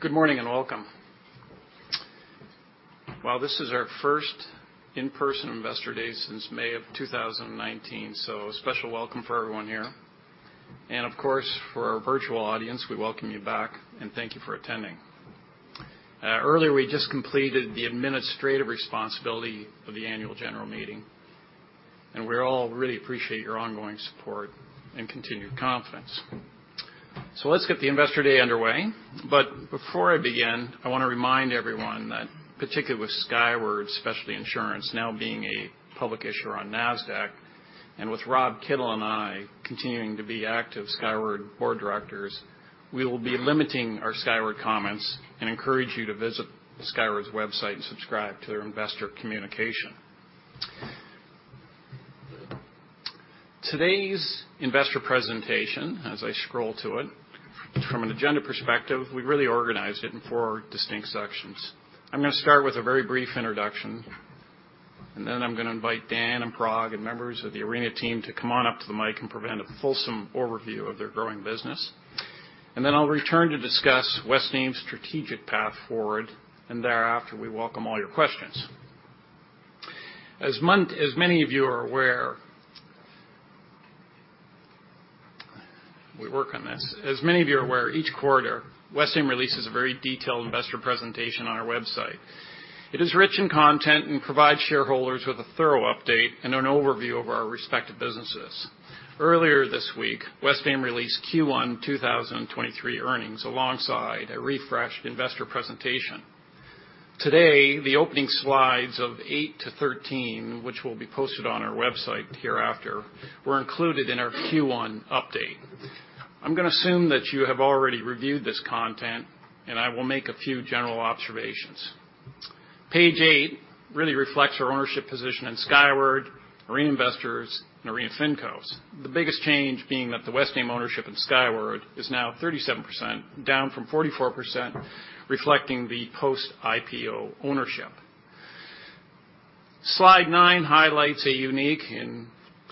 Good morning and welcome. This is our first in-person investor day since May of 2019, a special welcome for everyone here. Of course, for our virtual audience, we welcome you back, and thank you for attending. Earlier, we just completed the administrative responsibility of the annual general meeting. We all really appreciate your ongoing support and continued confidence. Let's get the investor day underway. Before I begin, I want to remind everyone that particularly with Skyward Specialty Insurance now being a public issuer on Nasdaq, and with Rob Kittel and I continuing to be active Skyward board directors, we will be limiting our Skyward comments and encourage you to visit Skyward's website and subscribe to their investor communication. Today's investor presentation, as I scroll to it, from an agenda perspective, we've really organized it in four distinct sections. I'm gonna start with a very brief introduction. I'm gonna invite Dan and Parag and members of the Arena team to come on up to the mic and prevent a fulsome overview of their growing business. I'll return to discuss Westaim's strategic path forward, and thereafter, we welcome all your questions. As many of you are aware. We work on this.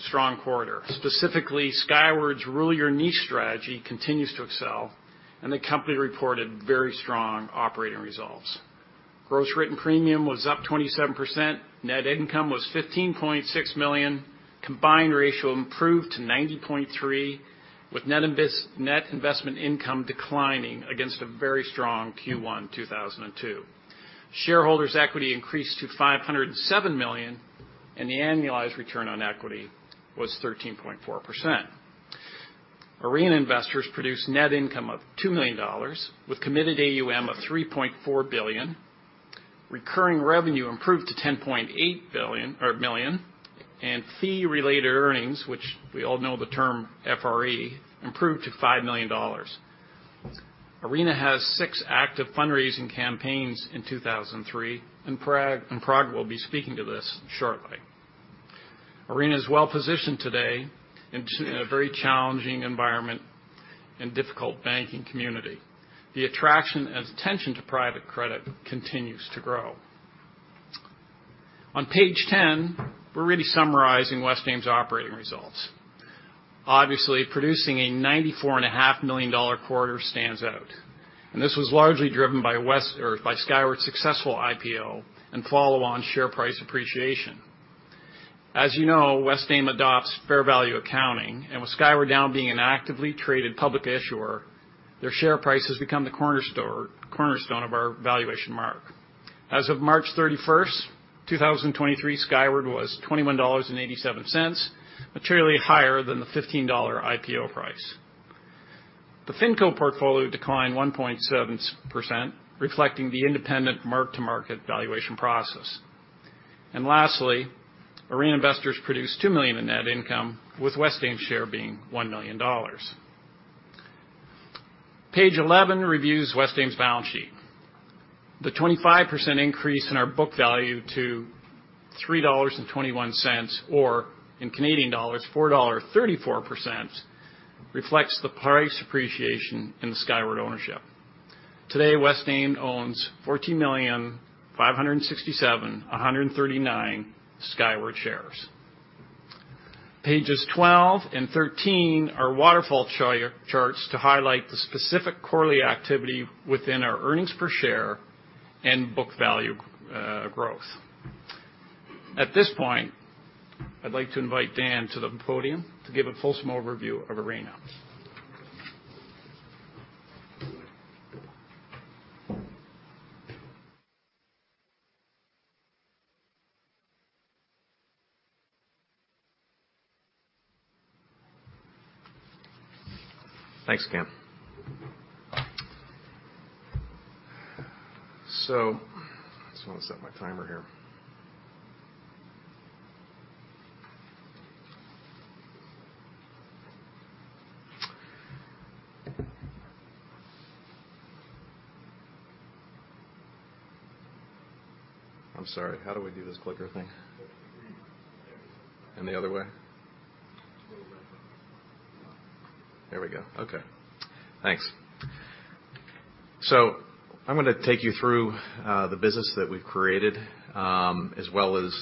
strong quarter. Specifically, Skyward's Rule your niche strategy continues to excel, and the company reported very strong operating results. Gross written premium was up 27%. Net income was $15.6 million. Combined ratio improved to 90.3%, with net investment income declining against a very strong Q1 2002. Shareholders' equity increased to $507 million, and the annualized return on equity was 13.4%. Arena Investors produced net income of $2 million with committed AUM of $3.4 billion. Recurring revenue improved to $10.8 million. Fee-related earnings, which we all know the term FRE, improved to $5 million. Arena has six active fundraising campaigns in 2003, Parag will be speaking to this shortly. Arena is well-positioned today in a very challenging environment and difficult banking community. The attraction and attention to private credit continues to grow. On page 10, we're really summarizing Westaim's operating results. Obviously, producing a ninety-four and a half million dollar quarter stands out, this was largely driven by Skyward's successful IPO and follow-on share price appreciation. As you know, Westaim adopts fair value accounting, with Skyward now being an actively traded public issuer, their share price has become the cornerstone of our valuation mark. As of March 31st, 2023, Skyward was $21.87, materially higher than the $15 IPO price. The FINCO portfolio declined 1.7%, reflecting the independent mark-to-market valuation process. Lastly, Arena Investors produced $2 million in net income, with Westaim's share being $1 million. Page 11 reviews Westaim's balance sheet. The 25% increase in our book value to $3.21, or in Canadian dollars, 4.00 dollar, 34%, reflects the price appreciation in the Skyward ownership. Today, Westaim owns 14,567,139 Skyward shares. Pages 12 and 13 are waterfall charts to highlight the specific quarterly activity within our earnings per share and book value growth. At this point, I'd like to invite Dan to the podium to give a fulsome overview of Arena. Thanks, Cam. I just wanna set my timer here. I'm sorry, how do we do this clicker thing? There you go. The other way? It's a little red button. There we go. Okay. Thanks. I'm gonna take you through the business that we've created, as well as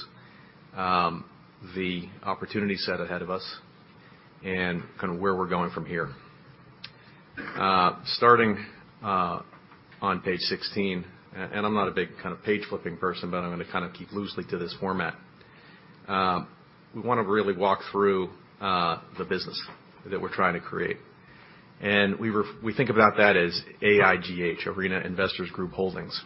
the opportunity set ahead of us and kind of where we're going from here. Starting on page 16, I'm not a big kind of page-flipping person, but I'm gonna kind of keep loosely to this format. We wanna really walk through the business that we're trying to create. We think about that as AIGH, Arena Investors Group Holdings,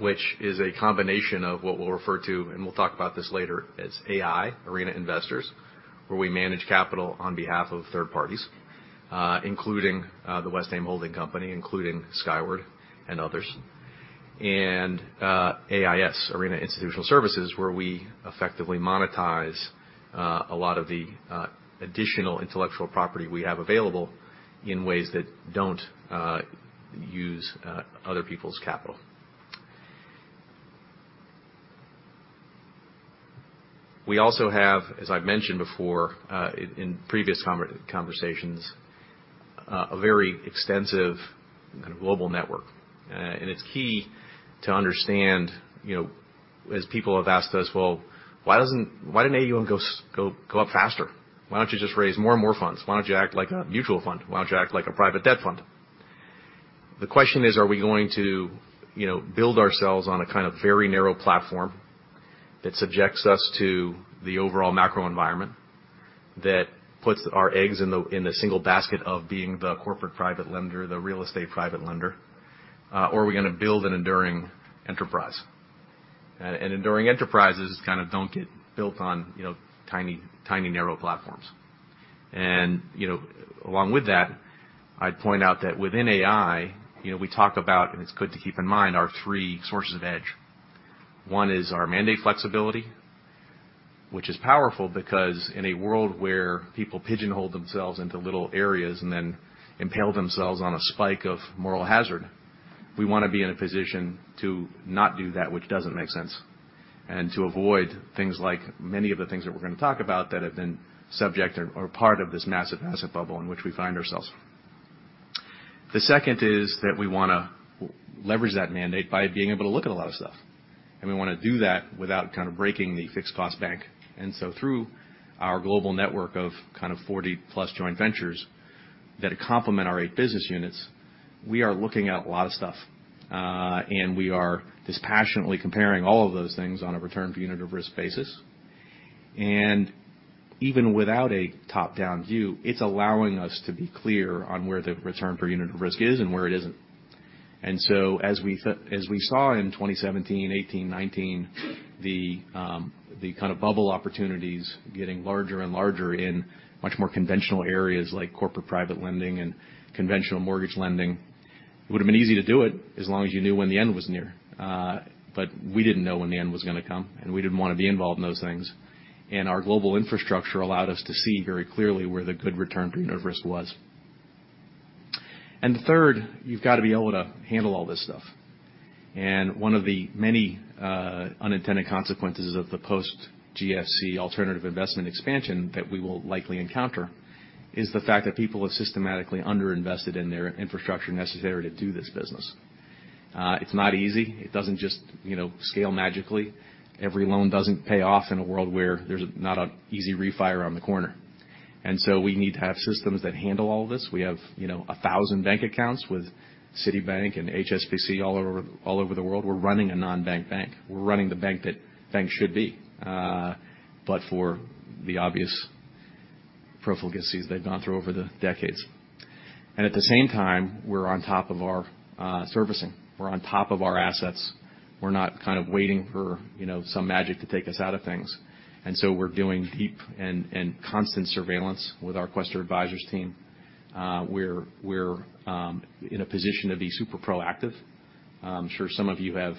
which is a combination of what we'll refer to, and we'll talk about this later, as AI, Arena Investors, where we manage capital on behalf of third parties, including the Westaim Holding Company, including Skyward and others. AIS, Arena Institutional Services, where we effectively monetize a lot of the additional intellectual property we have available in ways that don't use other people's capital. We also have, as I've mentioned before, in previous conversations, a very extensive and global network. It's key to understand, you know, as people have asked us, "Well, why doesn't why didn't AUM go up faster? Why don't you just raise more and more funds? Why don't you act like a mutual fund? Why don't you act like a private debt fund?" The question is, are we going to, you know, build ourselves on a kind of very narrow platform that subjects us to the overall macro environment, that puts our eggs in the, in the single basket of being the corporate private lender, the real estate private lender? Or are we gonna build an enduring enterprise? Enduring enterprises kind of don't get built on, you know, tiny, narrow platforms. You know, along with that, I'd point out that within AI, you know, we talk about, and it's good to keep in mind, our three sources of edge. One is our mandate flexibility, which is powerful because in a world where people pigeonhole themselves into little areas and then impale themselves on a spike of moral hazard, we wanna be in a position to not do that which doesn't make sense, and to avoid things like many of the things that we're gonna talk about that have been subject or part of this massive asset bubble in which we find ourselves. The second is that we wanna leverage that mandate by being able to look at a lot of stuff, and we wanna do that without kind of breaking the fixed cost bank. Through our global network of kind of 40-plus joint ventures that complement our eight business units, we are looking at a lot of stuff. We are dispassionately comparing all of those things on a return for unit of risk basis. Even without a top-down view, it's allowing us to be clear on where the return per unit of risk is and where it isn't. As we saw in 2017, 2018, 2019, the kind of bubble opportunities getting larger and larger in much more conventional areas like corporate private lending and conventional mortgage lending, it would've been easy to do it as long as you knew when the end was near. We didn't know when the end was gonna come, and we didn't wanna be involved in those things. Our global infrastructure allowed us to see very clearly where the good return per unit of risk was. The third, you've gotta be able to handle all this stuff. One of the many unintended consequences of the post-GFC alternative investment expansion that we will likely encounter is the fact that people have systematically underinvested in their infrastructure necessary to do this business. It's not easy. It doesn't just, you know, scale magically. Every loan doesn't pay off in a world where there's not an easy refire on the corner. We need to have systems that handle all this. We have, you know, 1,000 bank accounts with Citibank and HSBC all over, all over the world. We're running a non-bank bank. We're running the bank that banks should be, but for the obvious profligacies they've gone through over the decades. At the same time, we're on top of our servicing. We're on top of our assets. We're not kind of waiting for, you know, some magic to take us out of things. We're doing deep and constant surveillance with our Quaestor Advisors team. We're in a position to be super proactive. I'm sure some of you have,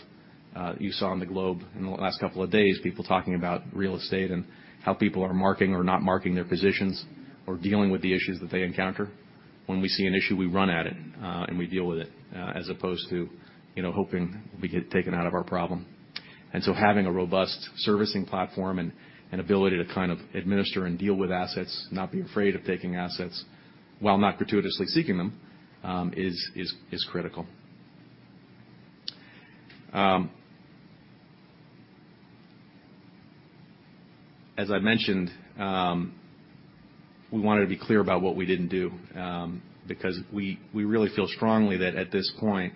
you saw on The Globe in the last couple of days, people talking about real estate and how people are marking or not marking their positions or dealing with the issues that they encounter. When we see an issue, we run at it, and we deal with it, as opposed to, you know, hoping we get taken out of our problem. Having a robust servicing platform and ability to kind of administer and deal with assets, not be afraid of taking assets while not gratuitously seeking them, is critical. As I mentioned, we wanted to be clear about what we didn't do, because we really feel strongly that at this point,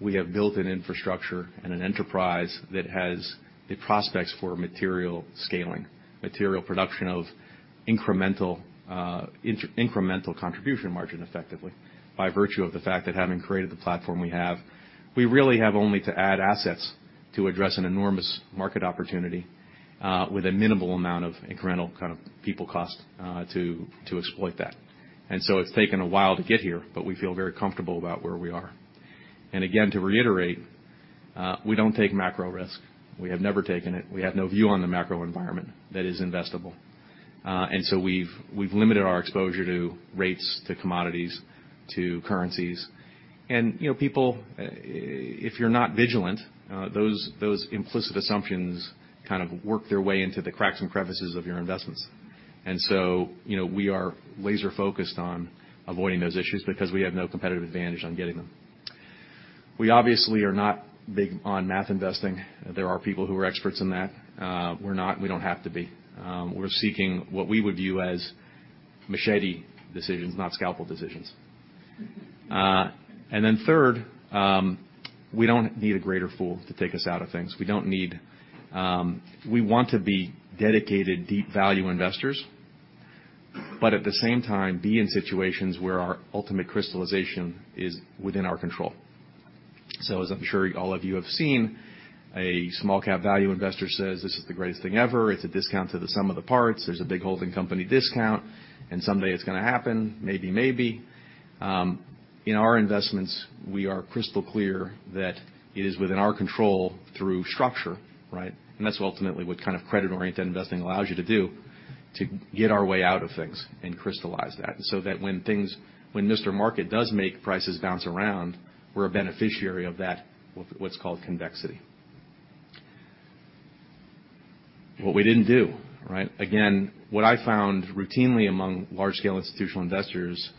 we have built an infrastructure and an enterprise that has the prospects for material scaling, material production of incremental contribution margin effectively, by virtue of the fact that having created the platform we have, we really have only to add assets to address an enormous market opportunity, with a minimal amount of incremental kind of people cost, to exploit that. It's taken a while to get here, but we feel very comfortable about where we are. Again, to reiterate, we don't take macro risk. We have never taken it. We have no view on the macro environment that is investable. We've, we've limited our exposure to rates, to commodities, to currencies. You know, people, if you're not vigilant, those implicit assumptions kind of work their way into the cracks and crevices of your investments. You know, we are laser-focused on avoiding those issues because we have no competitive advantage on getting them. We obviously are not big on math investing. There are people who are experts in that. We're not, and we don't have to be. We're seeking what we would view as machete decisions, not scalpel decisions. Third, we don't need a greater fool to take us out of things. We don't need. We want to be dedicated deep value investors, but at the same time, be in situations where our ultimate crystallization is within our control. As I'm sure all of you have seen, a small-cap value investor says, "This is the greatest thing ever. It's a discount to the sum of the parts. There's a big holding company discount, and someday it's gonna happen." Maybe, maybe. In our investments, we are crystal clear that it is within our control through structure, right? That's ultimately what kind of credit-oriented investing allows you to do, to get our way out of things and crystallize that, so that when Mr. Market does make prices bounce around, we're a beneficiary of that, what's called convexity. What we didn't do, right? Again, what I found routinely among large-scale institutional investors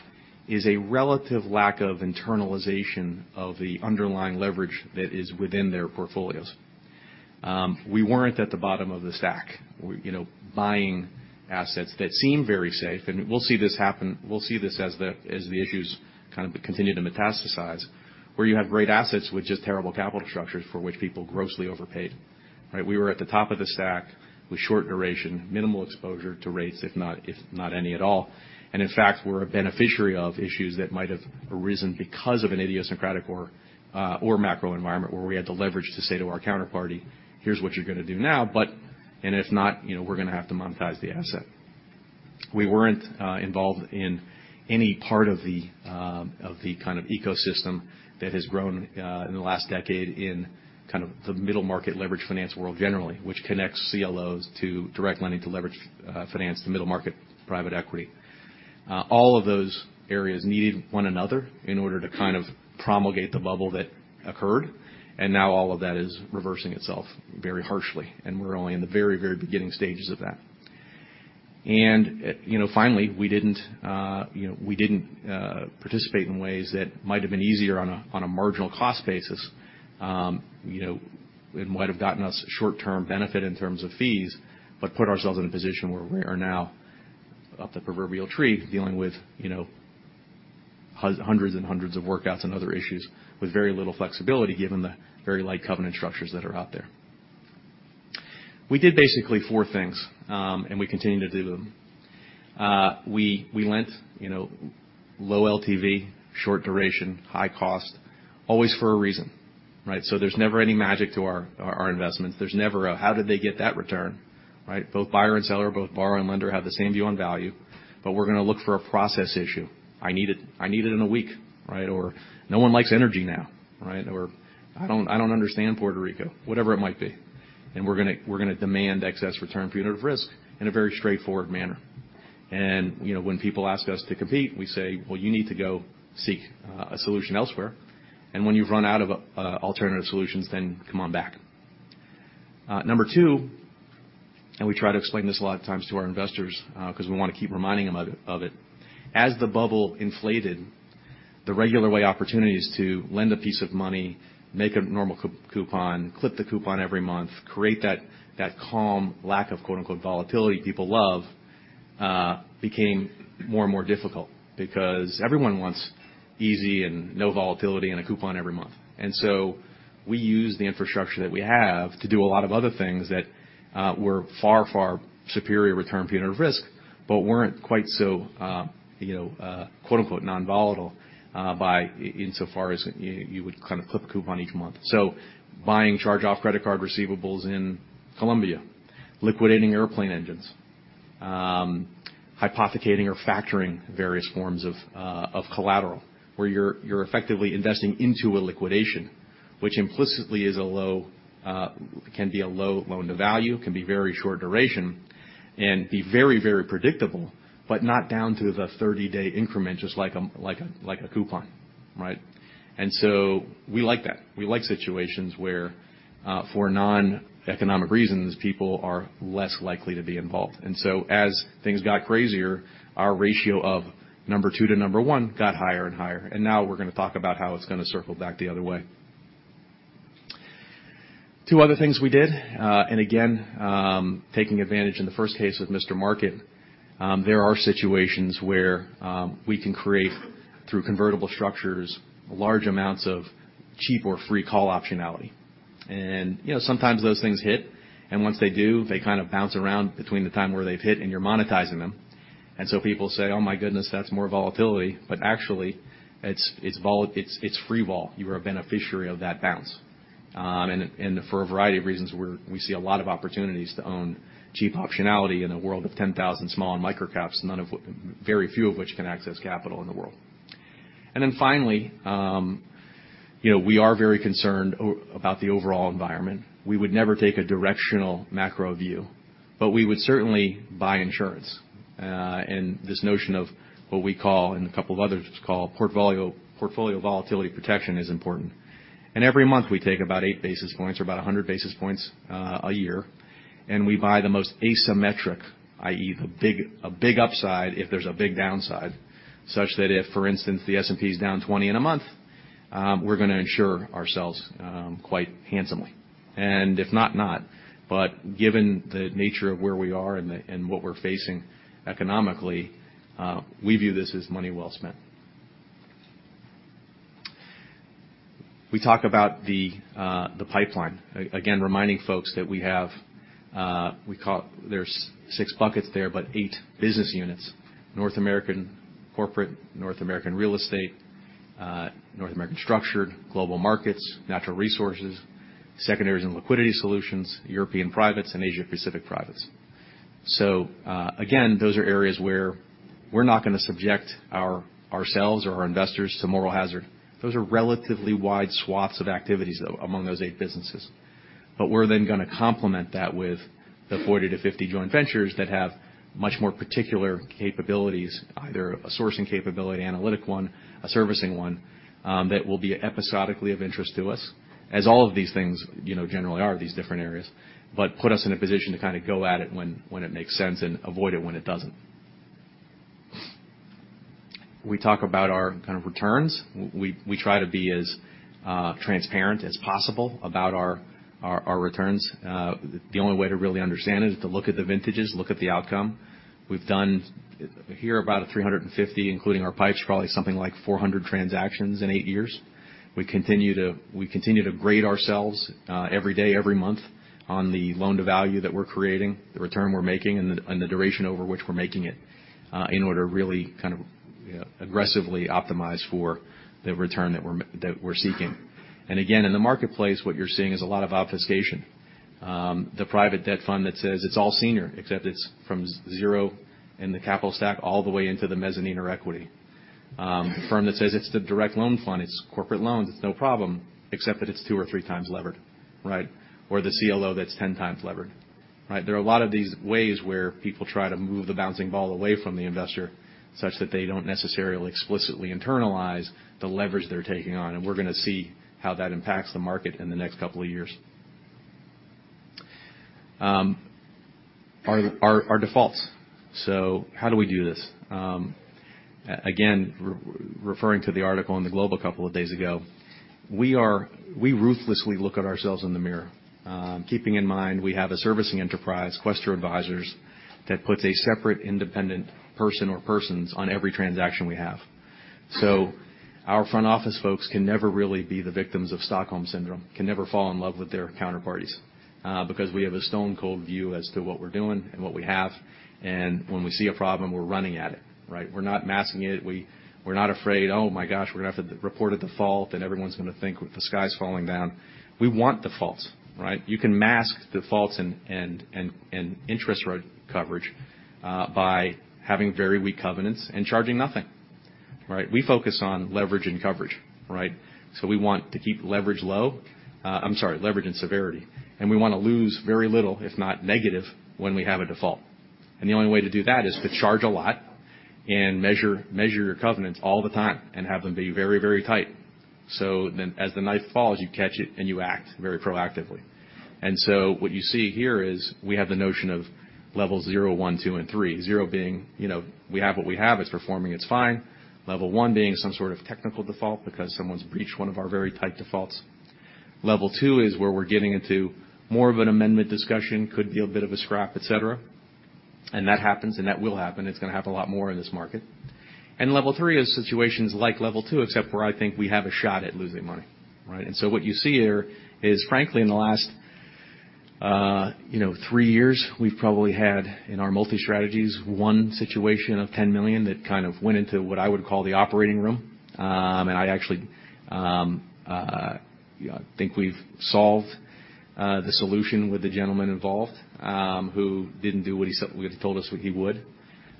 is a relative lack of internalization of the underlying leverage that is within their portfolios. We weren't at the bottom of the stack, you know, buying assets that seem very safe. We'll see this happen. We'll see this as the issues kind of continue to metastasize, where you have great assets with just terrible capital structures for which people grossly overpaid, right? We were at the top of the stack with short duration, minimal exposure to rates, if not, if not any at all. In fact, we're a beneficiary of issues that might have arisen because of an idiosyncratic or macro environment where we had the leverage to say to our counterparty, "Here's what you're gonna do now, but... If not, you know, we're gonna have to monetize the asset." We weren't involved in any part of the kind of ecosystem that has grown in the last decade in kind of the middle market leverage finance world generally, which connects CLOs to direct lending to leverage finance to middle market private equity. All of those areas needed one another in order to kind of promulgate the bubble that occurred. Now all of that is reversing itself very harshly, and we're only in the very, very beginning stages of that. Finally, you know, we didn't, you know, we didn't participate in ways that might have been easier on a marginal cost basis, you know, and might have gotten us short-term benefit in terms of fees, but put ourselves in a position where we are now up the proverbial tree dealing with, you know, hundreds and hundreds of workouts and other issues with very little flexibility given the very light covenant structures that are out there. We did basically four things. We continue to do them. We lent, you know, low LTV, short duration, high cost, always for a reason, right? There's never any magic to our investments. There's never a, "How did they get that return?" right? Both buyer and seller, both borrower and lender have the same view on value, but we're gonna look for a process issue. I need it in a week, right? No one likes energy now, right? I don't understand Puerto Rico, whatever it might be. We're gonna demand excess return for unit of risk in a very straightforward manner. You know, when people ask us to compete, we say, "Well, you need to go seek a solution elsewhere. And when you've run out of alternative solutions, then come on back." Number two, we try to explain this a lot of times to our investors, 'cause we wanna keep reminding them of it. As the bubble inflated, the regular way opportunities to lend a piece of money, make a normal coup-coupon, clip the coupon every month, create that calm, lack of quote-unquote volatility people love, became more and more difficult because everyone wants easy and no volatility and a coupon every month. We use the infrastructure that we have to do a lot of other things that were far superior return for unit of risk, but weren't quite so, you know, quote-unquote non-volatile, by insofar as you would kind of clip a coupon each month. Buying charge-off credit card receivables in Colombia, liquidating airplane engines, hypothecating or factoring various forms of collateral where you're effectively investing into a liquidation, which implicitly is a low, can be a low loan-to-value, can be very short duration and be very, very predictable, but not down to the 30-day increment, just like a coupon, right? We like that. We like situations where for non-economic reasons, people are less likely to be involved. As things got crazier, our ratio of number two to number one got higher and higher. Now we're gonna talk about how it's gonna circle back the other way. Two other things we did, and again, taking advantage in the first case with Mr. Market, there are situations where we can create through convertible structures large amounts of cheap or free call optionality. You know, sometimes those things hit, and once they do, they kind of bounce around between the time where they've hit and you're monetizing them. People say, "Oh my goodness, that's more volatility." Actually it's free vol. You're a beneficiary of that bounce. For a variety of reasons, we're, we see a lot of opportunities to own cheap optionality in a world of 10,000 small and micro caps, very few of which can access capital in the world. Finally, you know, we are very concerned about the overall environment. We would never take a directional macro view, but we would certainly buy insurance. This notion of what we call and a couple of others call portfolio volatility protection is important. Every month we take about 8 basis points or about 100 basis points a year, and we buy the most asymmetric, i.e., a big upside if there's a big downside, such that if, for instance, the S&P's down 20 in a month. We're gonna insure ourselves quite handsomely. If not. Given the nature of where we are and what we're facing economically, we view this as money well spent. We talk about the pipeline. Again, reminding folks that we have there's six buckets there, but eight business units, North American corporate, North American real estate, North American structured, global markets, natural resources, secondaries and liquidity solutions, European privates and Asia-Pacific privates. Again, those are areas where we're not gonna subject ourselves or our investors to moral hazard. Those are relatively wide swaths of activities though among those eight businesses. We're gonna complement that with the 40-50 joint ventures that have much more particular capabilities, either a sourcing capability, analytic one, a servicing one, that will be episodically of interest to us, as all of these things, you know, generally are, these different areas. Put us in a position to kinda go at it when it makes sense and avoid it when it doesn't. We talk about our kind of returns. We try to be as transparent as possible about our returns. The only way to really understand it is to look at the vintages, look at the outcome. We've done here about 350, including our pipes, probably something like 400 transactions in eight years. We continue to grade ourselves every day, every month on the loan-to-value that we're creating, the return we're making, and the duration over which we're making it, in order to really kind of, you know, aggressively optimize for the return that we're seeking. Again, in the marketplace, what you're seeing is a lot of obfuscation. The private debt fund that says it's all senior, except it's from zero in the capital stack all the way into the mezzanine or equity. The firm that says it's the direct loan fund, it's corporate loans, it's no problem, except that it's two or three times levered, right? The CLO that's 10 times levered, right? There are a lot of these ways where people try to move the bouncing ball away from the investor such that they don't necessarily explicitly internalize the leverage they're taking on, and we're gonna see how that impacts the market in the next couple of years. Our defaults. How do we do this? Again, referring to the article on the Globe a couple of days ago, we ruthlessly look at ourselves in the mirror, keeping in mind we have a servicing enterprise, Quaestor Advisors, that puts a separate independent person or persons on every transaction we have. Our front office folks can never really be the victims of Stockholm Syndrome, can never fall in love with their counterparties, because we have a stone-cold view as to what we're doing and what we have, and when we see a problem, we're running at it, right? We're not masking it. We're not afraid, "Oh my gosh, we're gonna have to report a default, and everyone's gonna think the sky's falling down." We want defaults, right? You can mask defaults and interest rate coverage by having very weak covenants and charging nothing, right? We focus on leverage and coverage, right? We want to keep leverage low. I'm sorry, leverage and severity. We wanna lose very little, if not negative, when we have a default. The only way to do that is to charge a lot and measure your covenants all the time and have them be very, very tight. As the knife falls, you catch it and you act very proactively. What you see here is we have the notion of levels zero, one, two, and three. Zero being, you know, we have what we have, it's performing, it's fine. Level 1 being some sort of technical default because someone's breached one of our very tight defaults. Level two is where we're getting into more of an amendment discussion, could be a bit of a scrap, et cetera. That happens and that will happen. It's gonna happen a lot more in this market. Level three is situations like level two, except where I think we have a shot at losing money, right? What you see here is, frankly, in the last, you know, three years, we've probably had, in our multi strategies, one situation of $10 million that kind of went into what I would call the operating room. I actually, you know, think we've solved the solution with the gentleman involved, who didn't do what he told us what he would.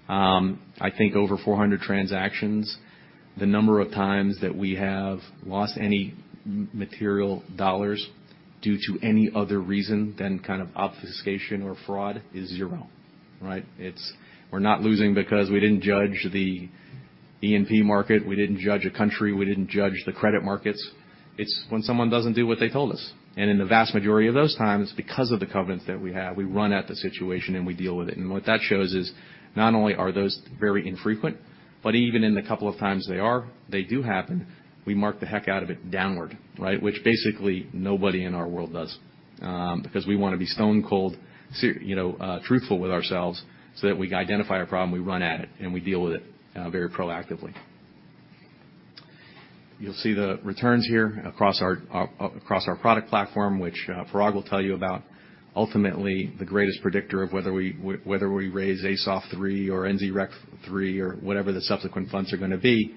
I think over 400 transactions, the number of times that we have lost any material dollars due to any other reason than kind of obfuscation or fraud is zero, right? We're not losing because we didn't judge the E&P market, we didn't judge a country, we didn't judge the credit markets. It's when someone doesn't do what they told us. In the vast majority of those times, because of the covenants that we have, we run at the situation and we deal with it. What that shows is not only are those very infrequent, but even in the couple of times they are, they do happen, we mark the heck out of it downward, right? Which basically nobody in our world does, because we wanna be stone cold, you know, truthful with ourselves so that we identify a problem, we run at it, and we deal with it very proactively. You'll see the returns here across our product platform, which Parag will tell you about. Ultimately, the greatest predictor of whether we raise ASOP III or NZ REC 3 or whatever the subsequent funds are gonna be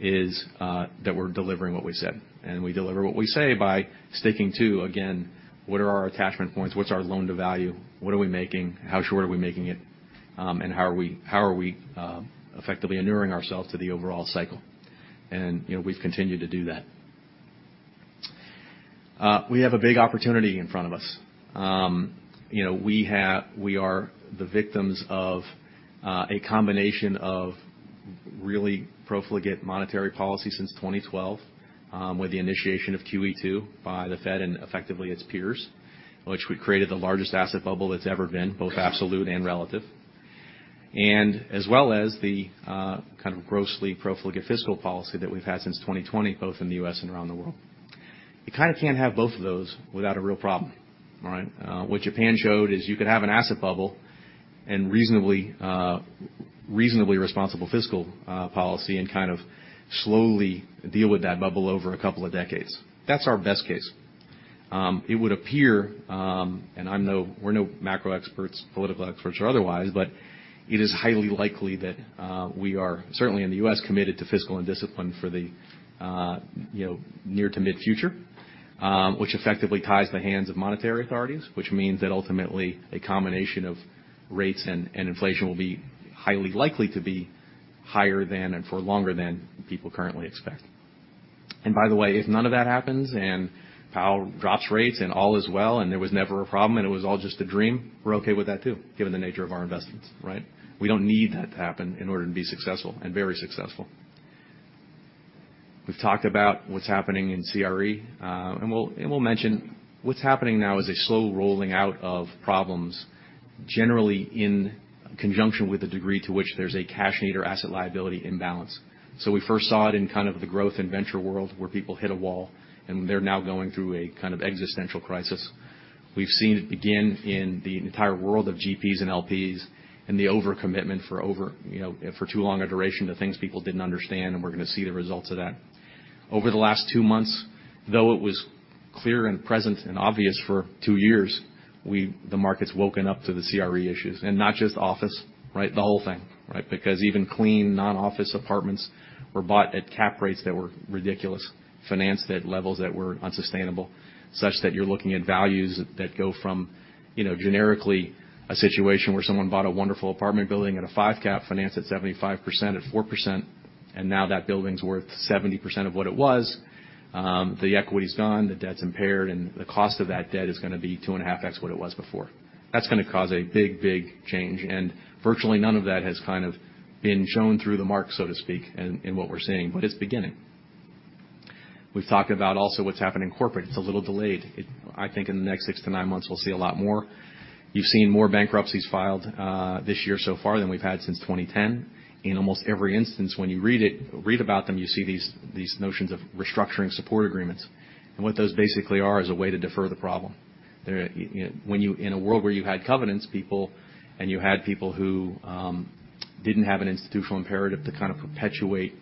is that we're delivering what we said. We deliver what we say by sticking to, again, what are our attachment points? What's our loan-to-value? What are we making? How short are we making it? And how are we effectively inuring ourselves to the overall cycle? You know, we've continued to do that. We have a big opportunity in front of us. You know, we are the victims of a combination of really profligate monetary policy since 2012, with the initiation of QE2 by the Fed and effectively its peers, which we created the largest asset bubble that's ever been, both absolute and relative. As well as the kind of grossly profligate fiscal policy that we've had since 2020, both in the U.S. and around the world. You kind of can't have both of those without a real problem, right? What Japan showed is you could have an asset bubble and reasonably responsible fiscal policy and kind of slowly deal with that bubble over a couple of decades. That's our best case. It would appear, we're no macro experts, political experts or otherwise, but it is highly likely that we are certainly in the U.S., committed to fiscal and discipline for the near to mid-future, which effectively ties the hands of monetary authorities, which means that ultimately a combination of rates and inflation will be highly likely to be higher than and for longer than people currently expect. By the way, if none of that happens and Powell drops rates and all is well, and there was never a problem, and it was all just a dream, we're okay with that too, given the nature of our investments, right? We don't need that to happen in order to be successful and very successful. We've talked about what's happening in CRE, and we'll mention what's happening now is a slow rolling out of problems, generally in conjunction with the degree to which there's a cash need or asset liability imbalance. We first saw it in kind of the growth and venture world where people hit a wall, and they're now going through a kind of existential crisis. We've seen it begin in the entire world of GPs and LPs and the overcommitment for over, you know, for too long a duration to things people didn't understand, and we're gonna see the results of that. Over the last two months, though it was clear and present and obvious for two years, the market's woken up to the CRE issues. Not just office, right? The whole thing, right? Because even clean non-office apartments were bought at cap rates that were ridiculous, financed at levels that were unsustainable, such that you're looking at values that go from, you know, generically a situation where someone bought a wonderful apartment building at a five cap financed at 75%, at 4%, and now that building's worth 70% of what it was. The equity's gone, the debt's impaired, and the cost of that debt is gonna be 2.5x what it was before. That's gonna cause a big, big change, and virtually none of that has kind of been shown through the mark, so to speak, in what we're seeing, but it's beginning. We've talked about also what's happened in corporate. It's a little delayed. I think in the next six to nine months, we'll see a lot more. You've seen more bankruptcies filed this year so far than we've had since 2010. In almost every instance, when you read about them, you see these notions of restructuring support agreements. What those basically are is a way to defer the problem. They're, you know, in a world where you had covenants people and you had people who, didn't have an institutional imperative to kind of perpetuate,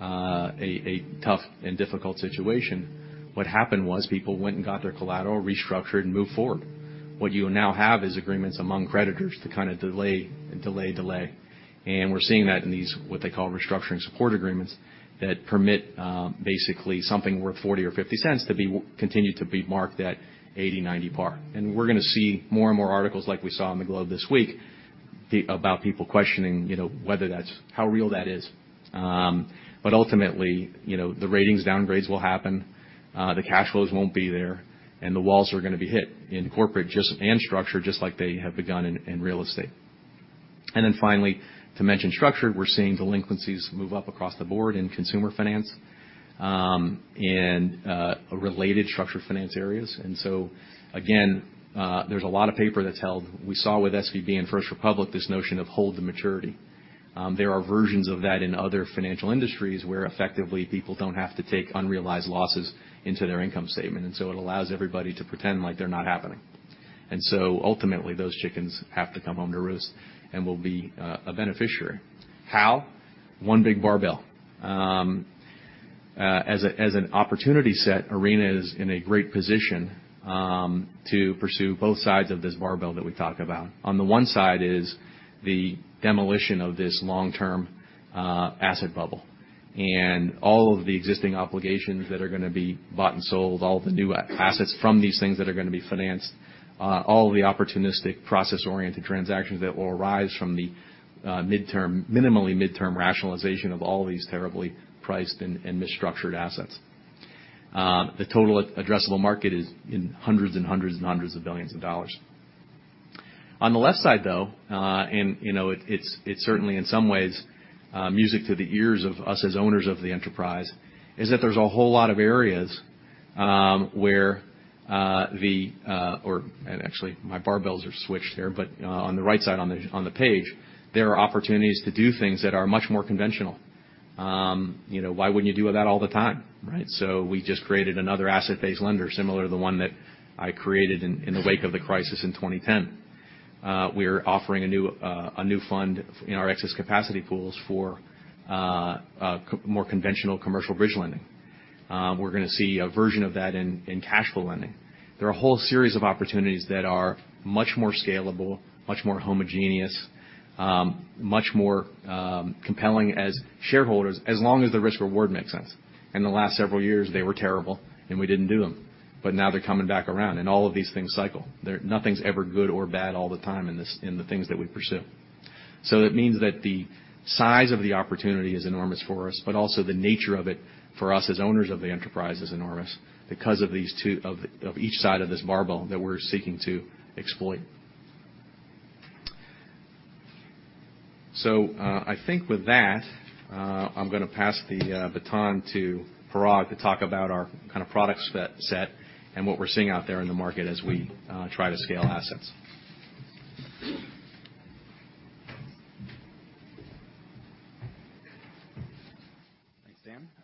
a tough and difficult situation, what happened was people went and got their collateral restructured and moved forward. What you now have is agreements among creditors to kinda delay, delay. We're seeing that in these, what they call restructuring support agreements that permit, basically something worth $0.40 or $0.50 to be continue to be marked at 80, 90 par. We're gonna see more and more articles like we saw on The Globe this week about people questioning, you know, whether that's how real that is. Ultimately, you know, the ratings downgrades will happen, the cash flows won't be there, and the walls are going to be hit in corporate and structure, just like they have begun in real estate. Finally, to mention structure, we're seeing delinquencies move up across the board in consumer finance, in related structured finance areas. Again, there's a lot of paper that's held. We saw with SVB and First Republic this notion of held-to-maturity. There are versions of that in other financial industries where effectively people don't have to take unrealized losses into their income statement. Ultimately, those chickens have to come home to roost and we'll be a beneficiary. How? One big barbell. as an opportunity set, Arena is in a great position to pursue both sides of this barbell that we talk about. On the one side is the demolition of this long-term asset bubble and all of the existing obligations that are gonna be bought and sold, all the new assets from these things that are gonna be financed, all of the opportunistic process-oriented transactions that will arise from the midterm, minimally midterm rationalization of all these terribly priced and misstructured assets. The total addressable market is in $ hundreds of billions. On the left side, though, and you know, it's, it's certainly in some ways music to the ears of us as owners of the enterprise, is that there's a whole lot of areas where the. Actually, my barbells are switched here, but, on the right side on the page, there are opportunities to do things that are much more conventional. You know, why wouldn't you do that all the time, right? We just created another asset-based lender similar to the one that I created in the wake of the crisis in 2010. We are offering a new fund in our excess capacity pools for more conventional commercial bridge lending. We're gonna see a version of that in cash flow lending. There are a whole series of opportunities that are much more scalable, much more homogeneous, much more, compelling as shareholders, as long as the risk-reward makes sense. In the last several years, they were terrible, and we didn't do them. Now they're coming back around, and all of these things cycle. Nothing's ever good or bad all the time in this, in the things that we pursue. It means that the size of the opportunity is enormous for us, but also the nature of it for us as owners of the enterprise is enormous because of these two, of each side of this barbell that we're seeking to exploit. I think with that, I'm gonna pass the baton to Parag to talk about our kind of product set and what we're seeing out there in the market as we try to scale assets.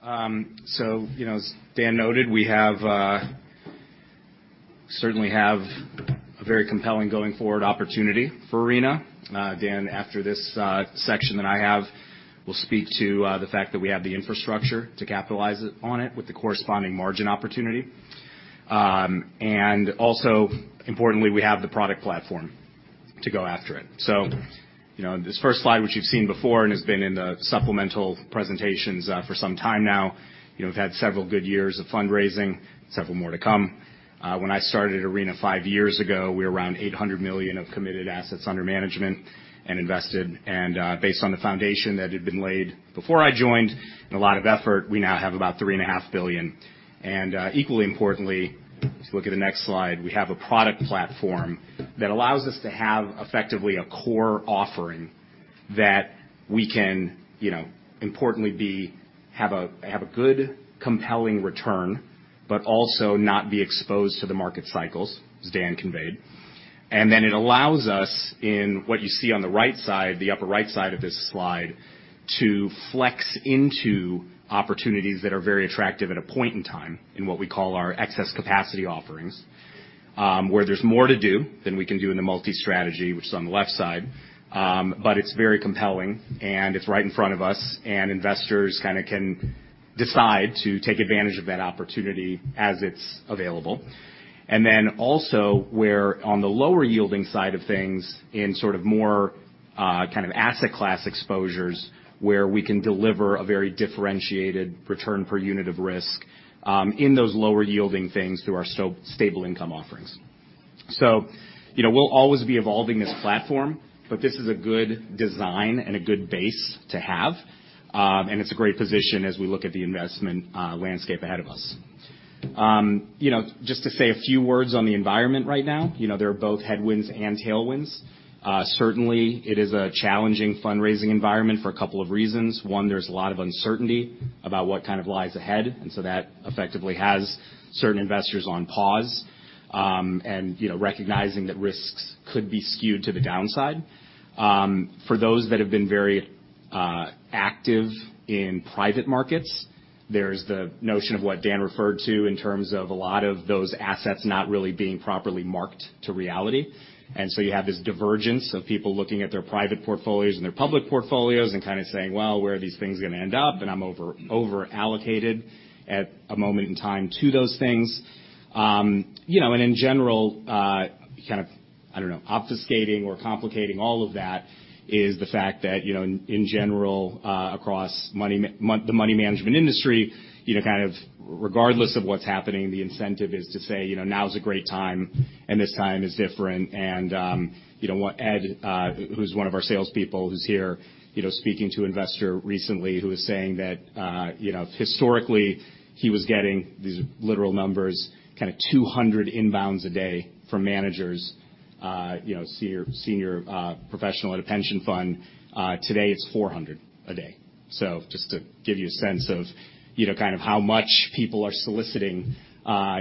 Dan. You know, as Dan noted, we certainly have a very compelling going forward opportunity for Arena. Dan, after this section that I have, will speak to the fact that we have the infrastructure to capitalize on it with the corresponding margin opportunity. Also importantly, we have the product platform to go after it. You know, this first slide, which you've seen before and has been in the supplemental presentations for some time now, you know, we've had several good years of fundraising, several more to come. When I started Arena five years ago, we were around $800 million of committed assets under management and invested. Based on the foundation that had been laid before I joined, and a lot of effort, we now have about $3.5 billion. Equally importantly, if you look at the next slide, we have a product platform that allows us to have effectively a core offering that we can, you know, importantly have a good compelling return, but also not be exposed to the market cycles, as Dan conveyed. Then it allows us in what you see on the right side, the upper right side of this slide, to flex into opportunities that are very attractive at a point in time in what we call our excess capacity offerings, where there's more to do than we can do in a multi-strategy, which is on the left side. It's very compelling, and it's right in front of us, and investors kinda can decide to take advantage of that opportunity as it's available. Also where on the lower yielding side of things in sort of more, kind of asset class exposures where we can deliver a very differentiated return per unit of risk, in those lower yielding things through our stable income offerings. You know, we'll always be evolving this platform, but this is a good design and a good base to have. It's a great position as we look at the investment, landscape ahead of us. You know, just to say a few words on the environment right now. There are both headwinds and tailwinds. Certainly it is a challenging fundraising environment for a couple of reasons. One, there's a lot of uncertainty about what kind of lies ahead, and so that effectively has certain investors on pause. You know, recognizing that risks could be skewed to the downside. For those that have been very active in private markets, there's the notion of what Dan referred to in terms of a lot of those assets not really being properly marked to reality. You have this divergence of people looking at their private portfolios and their public portfolios and kinda saying, "Well, where are these things gonna end up? I'm over-allocated at a moment in time to those things." In general, kind of, I don't know, obfuscating or complicating all of that is the fact that, you know, in general, across the money management industry, you know, kind of regardless of what's happening, the incentive is to say, you know, "Now's a great time, and this time is different." You know what, Ed, who's one of our salespeople who's here, you know, speaking to investor recently who is saying that, you know, historically, he was getting these literal numbers, kind of 200 inbounds a day from managers, you know, senior professional at a pension fund. Today, it's 400 a day. Just to give you a sense of, you know, kind of how much people are soliciting,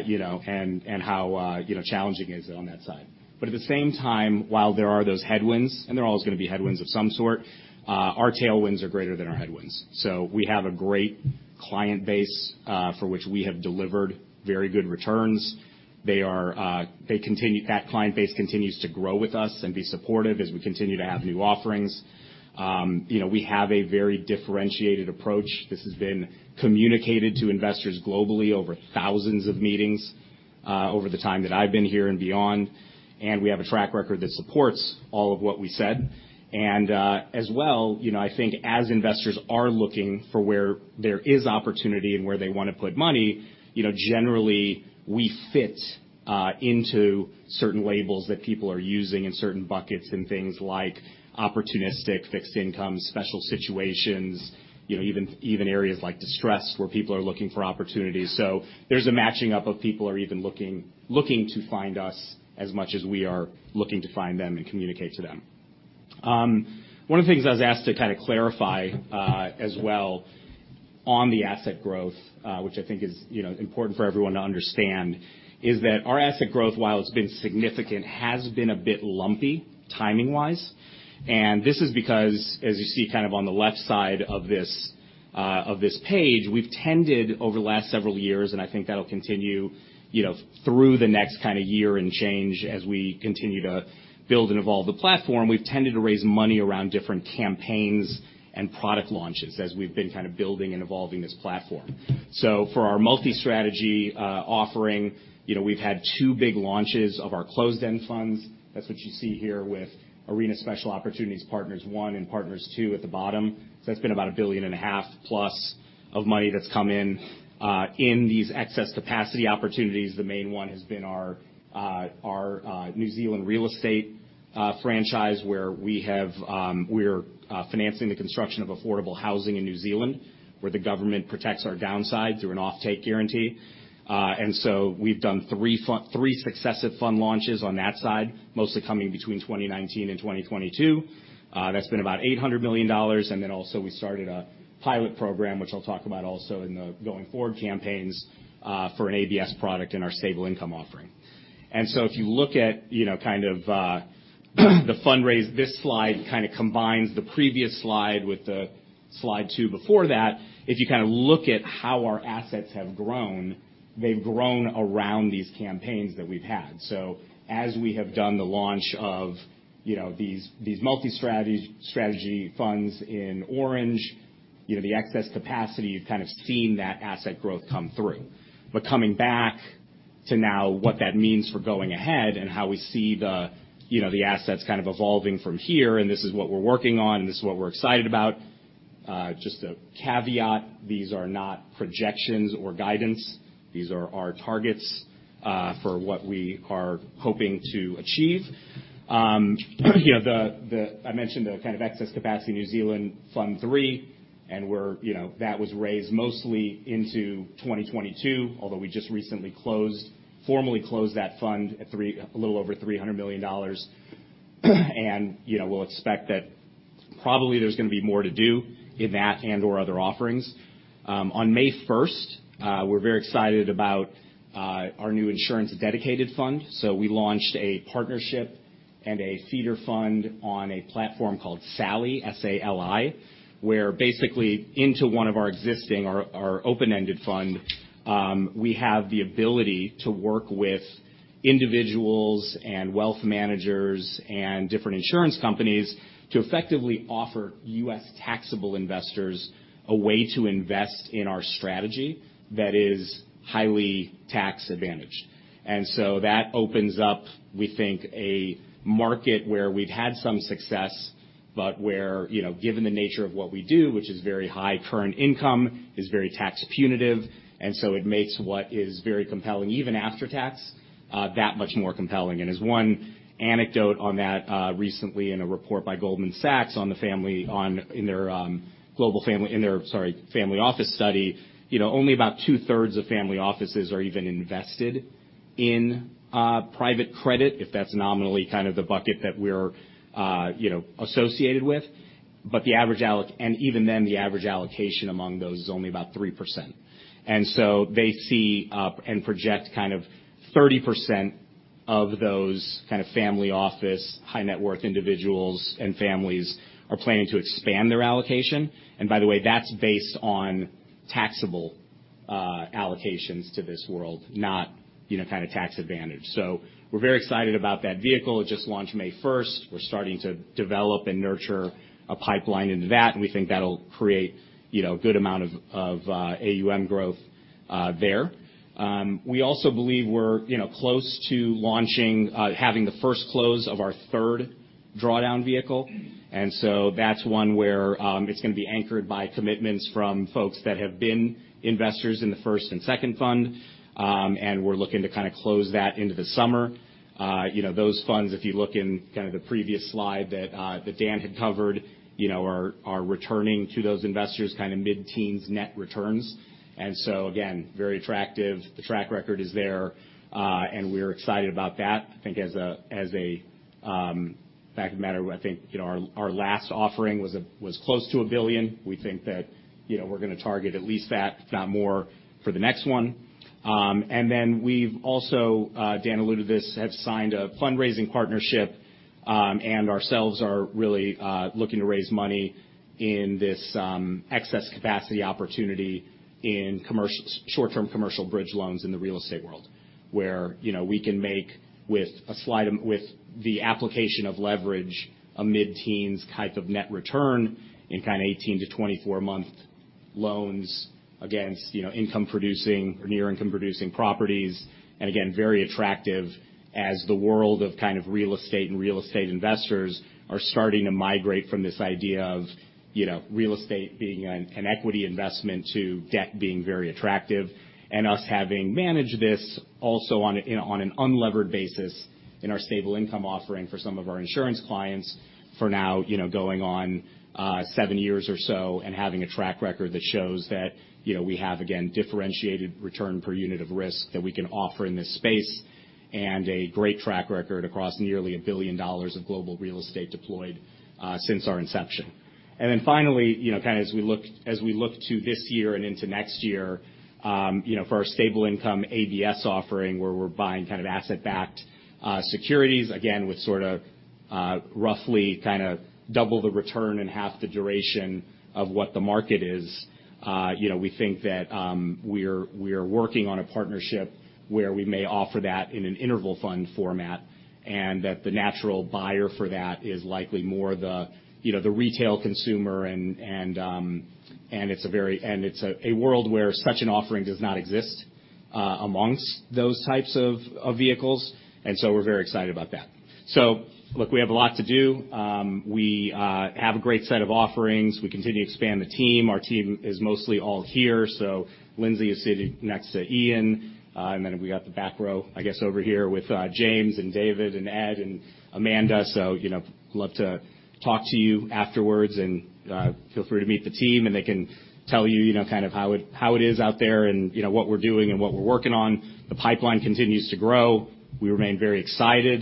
you know, and how, you know, challenging is it on that side. At the same time, while there are those headwinds, and there are always gonna be headwinds of some sort, our tailwinds are greater than our headwinds. We have a great client base, for which we have delivered very good returns. That client base continues to grow with us and be supportive as we continue to have new offerings. You know, we have a very differentiated approach. This has been communicated to investors globally over thousands of meetings, over the time that I've been here and beyond. We have a track record that supports all of what we said. As well, you know, I think as investors are looking for where there is opportunity and where they wanna put money, you know, generally, we fit into certain labels that people are using in certain buckets and things like opportunistic fixed income, special situations, you know, even areas like distress where people are looking for opportunities. There's a matching up of people are even looking to find us as much as we are looking to find them and communicate to them. One of the things I was asked to kinda clarify as well on the asset growth, which I think is, you know, important for everyone to understand, is that our asset growth, while it's been significant, has been a bit lumpy timing-wise. This is because, as you see kind of on the left side of this page, we've tended over the last several years, and I think that'll continue, you know, through the next kinda year and change as we continue to build and evolve the platform. We've tended to raise money around different campaigns and product launches as we've been kind of building and evolving this platform. For our multi-strategy offering, you know, we've had two big launches of our closed-end funds. That's what you see here with Arena Special Opportunities Partners I and Partners II at the bottom. That's been about $1.5 billion plus of money that's come in. In these excess capacity opportunities, the main one has been our New Zealand real estate franchise, where we're financing the construction of affordable housing in New Zealand, where the government protects our downside through an offtake guarantee. We've done three successive fund launches on that side, mostly coming between 2019 and 2022. That's been about $800 million. Also we started a pilot program, which I'll talk about also in the going forward campaigns, for an ABS product in our stable income offering. If you look at, you know, the fundraise, this slide combines the previous slide with the slide 2 before that. If you look at how our assets have grown, they've grown around these campaigns that we've had. As we have done the launch of, you know, these multi-strategy funds in Arena, you know, the excess capacity, you've kind of seen that asset growth come through. Coming back to now what that means for going ahead and how we see the, you know, the assets kind of evolving from here, and this is what we're working on, and this is what we're excited about. Just a caveat, these are not projections or guidance. These are our targets for what we are hoping to achieve. You know, I mentioned the kind of excess capacity New Zealand Fund III, and we're, you know, that was raised mostly into 2022, although we just recently closed, formally closed that fund at a little over $300 million. You know, we'll expect that probably there's gonna be more to do in that and/or other offerings. On May first, we're very excited about our new insurance-dedicated fund. We launched a partnership and a feeder fund on a platform called SALI, S-A-L-I, where basically into one of our existing or our open-ended fund, we have the ability to work with individuals and wealth managers and different insurance companies to effectively offer U.S. taxable investors a way to invest in our strategy that is highly tax-advantaged. That opens up, we think, a market where we've had some success, but where, you know, given the nature of what we do, which is very high current income, is very tax punitive, and so it makes what is very compelling, even after tax, that much more compelling. As one anecdote on that, recently in a report by Goldman Sachs on the family in their global family, in their, sorry, family office study, you know, only about two-thirds of family offices are even invested in private credit, if that's nominally kind of the bucket that we're, you know, associated with. The average allocation among those is only about 3%. They see and project kind of 30% of those kind of family office, high net worth individuals and families are planning to expand their allocation. By the way, that's based on taxable allocations to this world, not, you know, kind of tax advantage. We're very excited about that vehicle. It just launched May first. We're starting to develop and nurture a pipeline into that, we think that'll create, you know, a good amount of AUM growth there. We also believe we're, you know, close to launching, having the first close of our third drawdown vehicle. That's one where it's gonna be anchored by commitments from folks that have been investors in the first and second fund. We're looking to kind of close that into the summer. You know, those funds, if you look in kind of the previous slide that Dan had covered, you know, are returning to those investors kind of mid-teens net returns. Again, very attractive. The track record is there, we're excited about that. I think as a, as a fact of the matter, I think, you know, our last offering was close to $1 billion. We think that, you know, we're gonna target at least that, if not more, for the next one. We've also, Dan alluded to this, have signed a fundraising partnership, and ourselves are really looking to raise money in this excess capacity opportunity in short-term commercial bridge loans in the real estate world, where, you know, we can make with a slight with the application of leverage, a mid-teens type of net return in kind of 18-24 month loans against, you know, income-producing or near income-producing properties. Again, very attractive as the world of kind of real estate and real estate investors are starting to migrate from this idea of, you know, real estate being an equity investment to debt being very attractive. Us having managed this also on a, you know, on an unlevered basis in our stable income offering for some of our insurance clients for now, you know, going on 7 years or so and having a track record that shows that, you know, we have, again, differentiated return per unit of risk that we can offer in this space, and a great track record across nearly $1 billion of global real estate deployed since our inception. Finally, you know, kind of as we look, as we look to this year and into next year, you know, for our stable income ABS offering where we're buying kind of asset-backed securities, again, with sort of roughly kind of double the return and half the duration of what the market is, you know, we think that we're working on a partnership where we may offer that in an interval fund format, and that the natural buyer for that is likely more the, you know, the retail consumer and it's a world where such an offering does not exist amongst those types of vehicles. We're very excited about that. Look, we have a lot to do. We have a great set of offerings. We continue to expand the team. Our team is mostly all here. Lindsay is sitting next to Ian, and then we got the back row, I guess, over here with James and David and Ed and Amanda. You know, love to talk to you afterwards and, feel free to meet the team, and they can tell you know, kind of how it, how it is out there and, you know, what we're doing and what we're working on. The pipeline continues to grow. We remain very excited.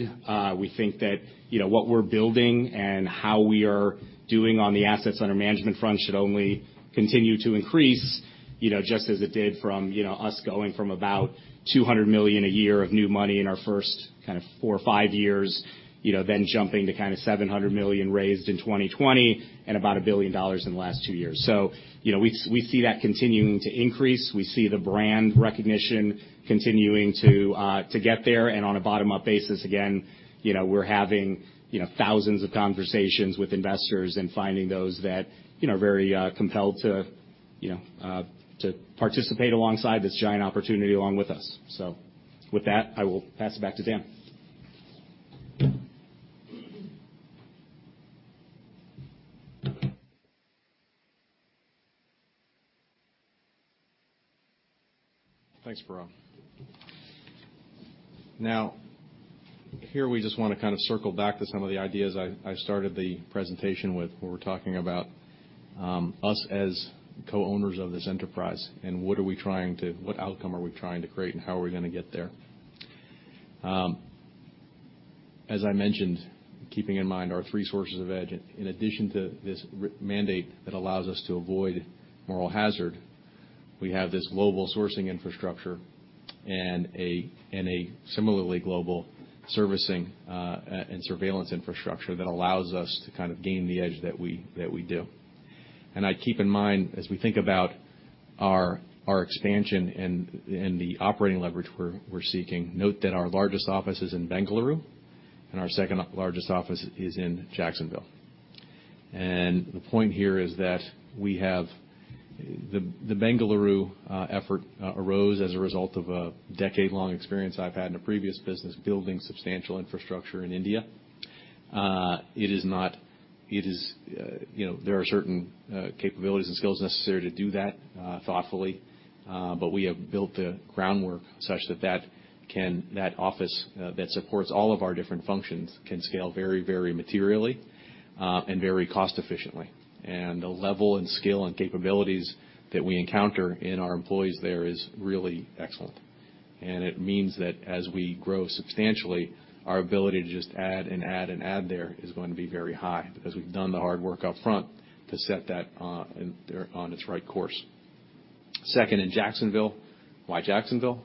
We think that, you know, what we're building and how we are doing on the assets under management front should only continue to increase, you know, just as it did from, you know, us going from about $200 million a year of new money in our first kind of four or five years, you know, then jumping to kind of $700 million raised in 2020 and about $1 billion in the last two years. We, you know, we see that continuing to increase. We see the brand recognition continuing to get there. On a bottom-up basis, again, you know, we're having, you know, thousands of conversations with investors and finding those that, you know, are very compelled to participate alongside this giant opportunity along with us. With that, I will pass it back to Dan. Thanks, Parag. Here we just want to kind of circle back to some of the ideas I started the presentation with when we're talking about us as co-owners of this enterprise and what outcome are we trying to create and how are we gonna get there. As I mentioned, keeping in mind our three sources of edge, in addition to this mandate that allows us to avoid moral hazard, we have this global sourcing infrastructure and a similarly global servicing and surveillance infrastructure that allows us to kind of gain the edge that we do. I'd keep in mind as we think about our expansion and the operating leverage we're seeking, note that our largest office is in Bengaluru, and our 2nd largest office is in Jacksonville. The point here is that the Bengaluru effort arose as a result of a decade-long experience I've had in a previous business building substantial infrastructure in India. It is not, it is, you know, there are certain capabilities and skills necessary to do that thoughtfully. We have built the groundwork such that that can, that office, that supports all of our different functions can scale very materially and very cost efficiently. The level and scale and capabilities that we encounter in our employees there is really excellent. It means that as we grow substantially, our ability to just add there is going to be very high because we've done the hard work up front to set that in there on its right course. Second, in Jacksonville. Why Jacksonville?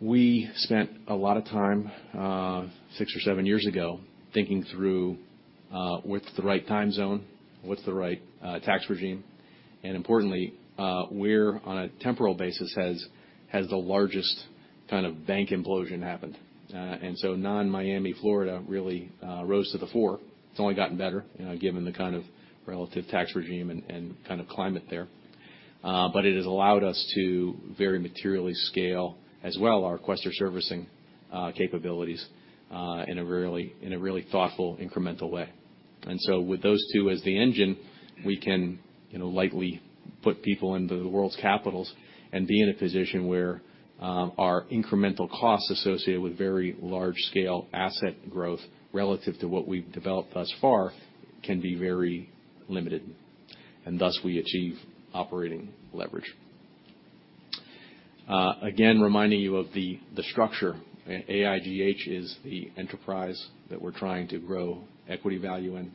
We spent a lot of time, six or seven years ago thinking through, what's the right time zone, what's the right, tax regime, and importantly, where on a temporal basis has the largest kind of bank implosion happened. Non-Miami, Florida really, rose to the fore. It's only gotten better, given the kind of relative tax regime and kind of climate there. It has allowed us to very materially scale as well our Quaestor servicing, capabilities, in a really thoughtful, incremental way. With those two as the engine, we can, you know, lightly put people into the world's capitals and be in a position where our incremental costs associated with very large-scale asset growth relative to what we've developed thus far can be very limited, and thus we achieve operating leverage. Again, reminding you of the structure. AIGH is the enterprise that we're trying to grow equity value in.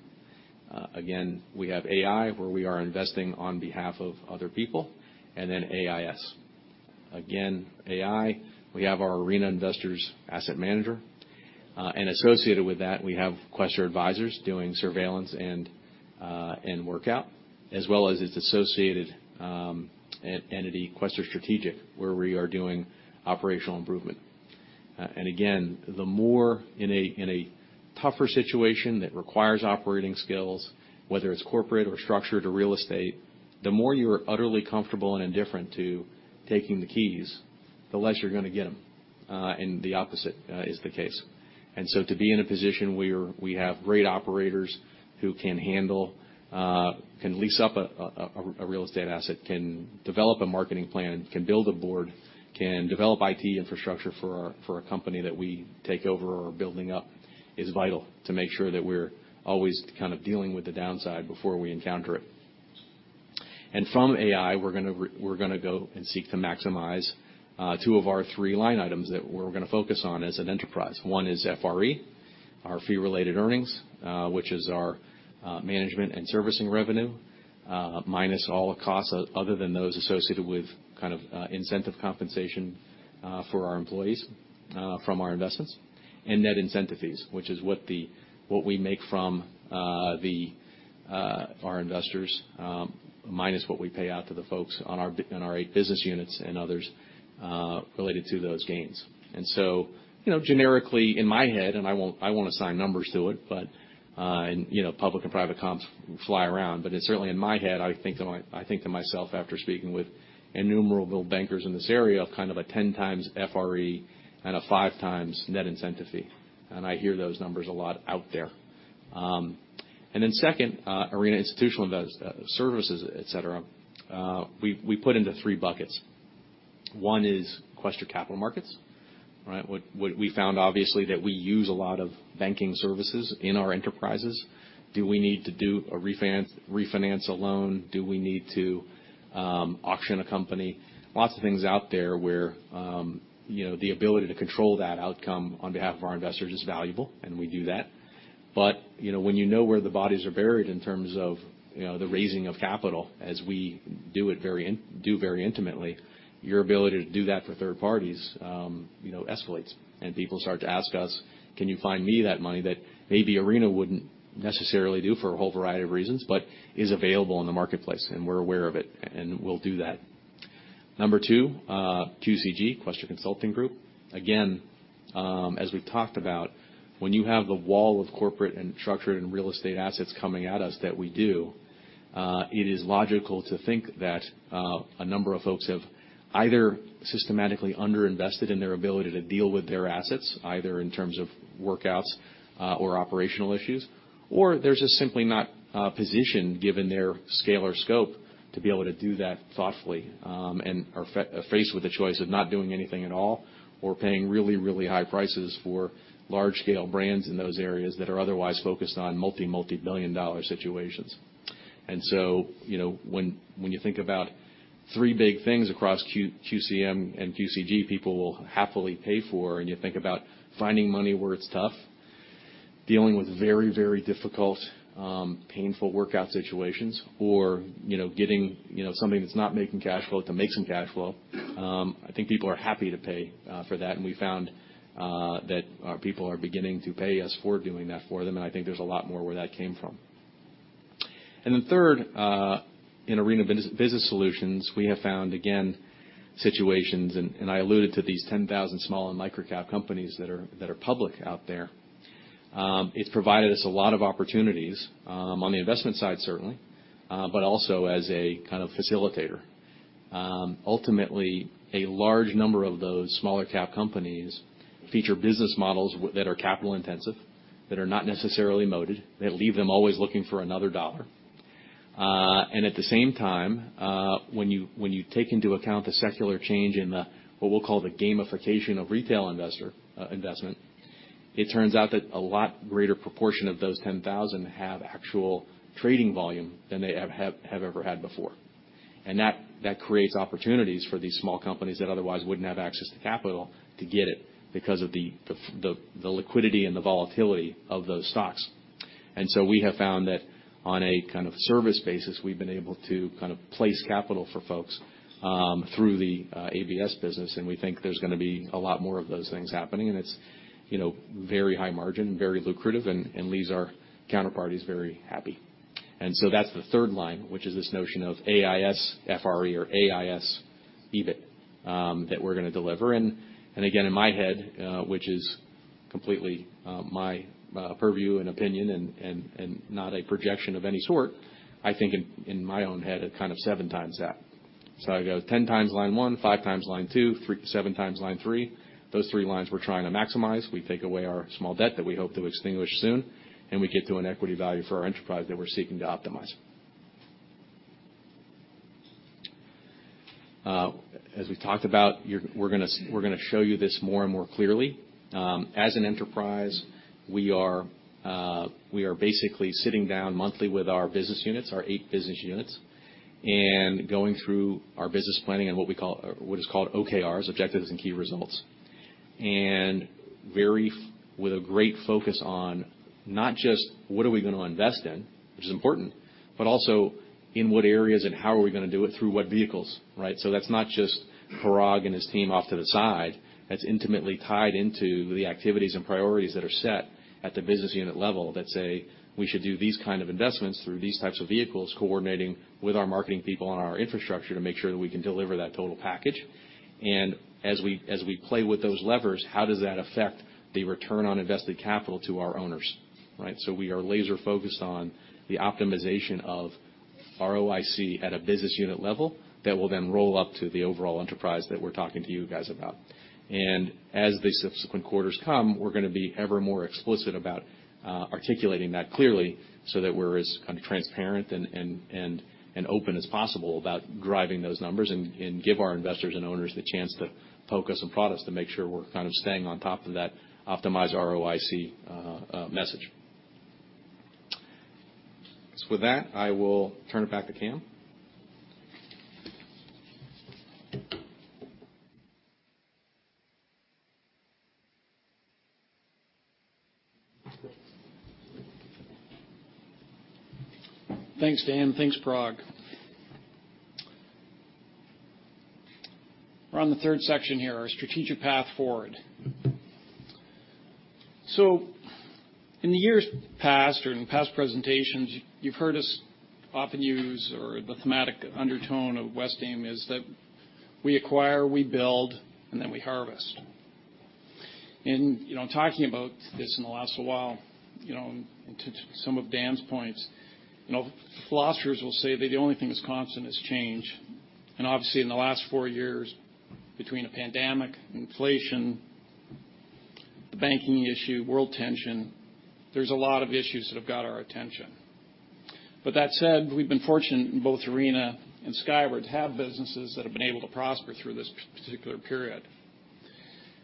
Again, we have AI, where we are investing on behalf of other people, and then AIS. Again, AI, we have our Arena Investors asset manager. And associated with that, we have Quaestor Advisors doing surveillance and workout, as well as its associated entity, Quaestor Strategic Advisors, where we are doing operational improvement. Again, the more in a tougher situation that requires operating skills, whether it's corporate or structured or real estate, the more you are utterly comfortable and indifferent to taking the keys, the less you're gonna get them. The opposite is the case. To be in a position where we have great operators who can handle, can lease up a real estate asset, can develop a marketing plan, can build a board, can develop IT infrastructure for a company that we take over or are building up, is vital to make sure that we're always kind of dealing with the downside before we encounter it. From AI, we're gonna go and seek to maximize two of our three line items that we're gonna focus on as an enterprise. One is FRE, our fee-related earnings, which is our management and servicing revenue, minus all costs other than those associated with kind of incentive compensation for our employees from our investments. Net incentive fees, which is what we make from the our investors, minus what we pay out to the folks on our eight business units and others related to those gains. You know, generically, in my head, I won't assign numbers to it, but, and, you know, public and private comps fly around. Certainly in my head, I think to myself after speaking with innumerable bankers in this area of kind of a 10x FRE and a 5x net incentive fee. I hear those numbers a lot out there. Second, Arena Institutional Services, we put into three buckets. One is Quaestor Capital Markets, right? We found obviously that we use a lot of banking services in our enterprises. Do we need to do a refinance a loan? Do we need to auction a company? Lots of things out there where, you know, the ability to control that outcome on behalf of our investors is valuable, and we do that. You know, when you know where the bodies are buried in terms of, you know, the raising of capital, as we do it very intimately, your ability to do that for third parties, you know, escalates. People start to ask us, "Can you find me that money that maybe Arena wouldn't necessarily do for a whole variety of reasons, but is available in the marketplace?" We're aware of it, and we'll do that. Number two, QCG, Quaestor Consulting Group. Again, as we've talked about, when you have the wall of corporate and structured and real estate assets coming at us that we do, it is logical to think that a number of folks have either systematically underinvested in their ability to deal with their assets, either in terms of workouts, or operational issues, or they're just simply not positioned given their scale or scope to be able to do that thoughtfully, and are faced with the choice of not doing anything at all or paying really, really high prices for large-scale brands in those areas that are otherwise focused on multibillion-dollar situations. you know, when you think about three big things across QCM and QCG, people will happily pay for, and you think about finding money where it's tough, dealing with very, very difficult, painful workout situations or, you know, getting, you know, something that's not making cash flow to make some cash flow. I think people are happy to pay for that, and we found that our people are beginning to pay us for doing that for them, and I think there's a lot more where that came from. third, in Arena Business Solutions, we have found, again, situations, and I alluded to these 10,000 small and micro-cap companies that are public out there. It's provided us a lot of opportunities on the investment side, certainly, but also as a kind of facilitator. Ultimately, a large number of those smaller cap companies feature business models that are capital intensive, that are not necessarily moated, that leave them always looking for another dollar. At the same time, when you take into account the secular change in the, what we'll call the gamification of retail investor, investment, it turns out that a lot greater proportion of those 10,000 have actual trading volume than they have ever had before. That creates opportunities for these small companies that otherwise wouldn't have access to capital to get it because of the liquidity and the volatility of those stocks. We have found that on a kind of service basis, we've been able to kind of place capital for folks, through the ABS business, and we think there's gonna be a lot more of those things happening. It's, you know, very high margin, very lucrative and leaves our counterparties very happy. That's the third line, which is this notion of AIS FRE or AIS EBIT that we're gonna deliver. Again, in my head, which is completely my purview and opinion and not a projection of any sort, I think in my own head, a kind of seven times that. I go 10 times line one, five times line two, seven times line three. Those three lines we're trying to maximize. We take away our small debt that we hope to extinguish soon. We get to an equity value for our enterprise that we're seeking to optimize. As we talked about, we're gonna show you this more and more clearly. As an enterprise, we are basically sitting down monthly with our business units, our eight business units, and going through our business planning and what we call, or what is called OKRs, objectives and key results. Very with a great focus on not just what are we gonna invest in, which is important, but also in what areas and how are we gonna do it through what vehicles, right? That's not just Parag and his team off to the side. That's intimately tied into the activities and priorities that are set at the business unit level that say, "We should do these kind of investments through these types of vehicles, coordinating with our marketing people and our infrastructure to make sure that we can deliver that total package." As we play with those levers, how does that affect the return on invested capital to our owners, right? We are laser focused on the optimization of ROIC at a business unit level that will then roll up to the overall enterprise that we're talking to you guys about. As the subsequent quarters come, we're gonna be ever more explicit about articulating that clearly so that we're as kind of transparent and open as possible about driving those numbers and give our investors and owners the chance to focus and prod us to make sure we're kind of staying on top of that optimized ROIC message. With that, I will turn it back to Cam. Thanks, Dan. Thanks, Parag. We're on the third section here, our strategic path forward. In the years past or in past presentations, you've heard us often use or the thematic undertone of Westaim is that we acquire, we build, and then we harvest. You know, in talking about this in the last little while, you know, and to some of Dan's points, you know, philosophers will say that the only thing that's constant is change. Obviously, in the last four years, between a pandemic, inflation, the banking issue, world tension, there's a lot of issues that have got our attention. That said, we've been fortunate in both Arena and Skyward to have businesses that have been able to prosper through this particular period.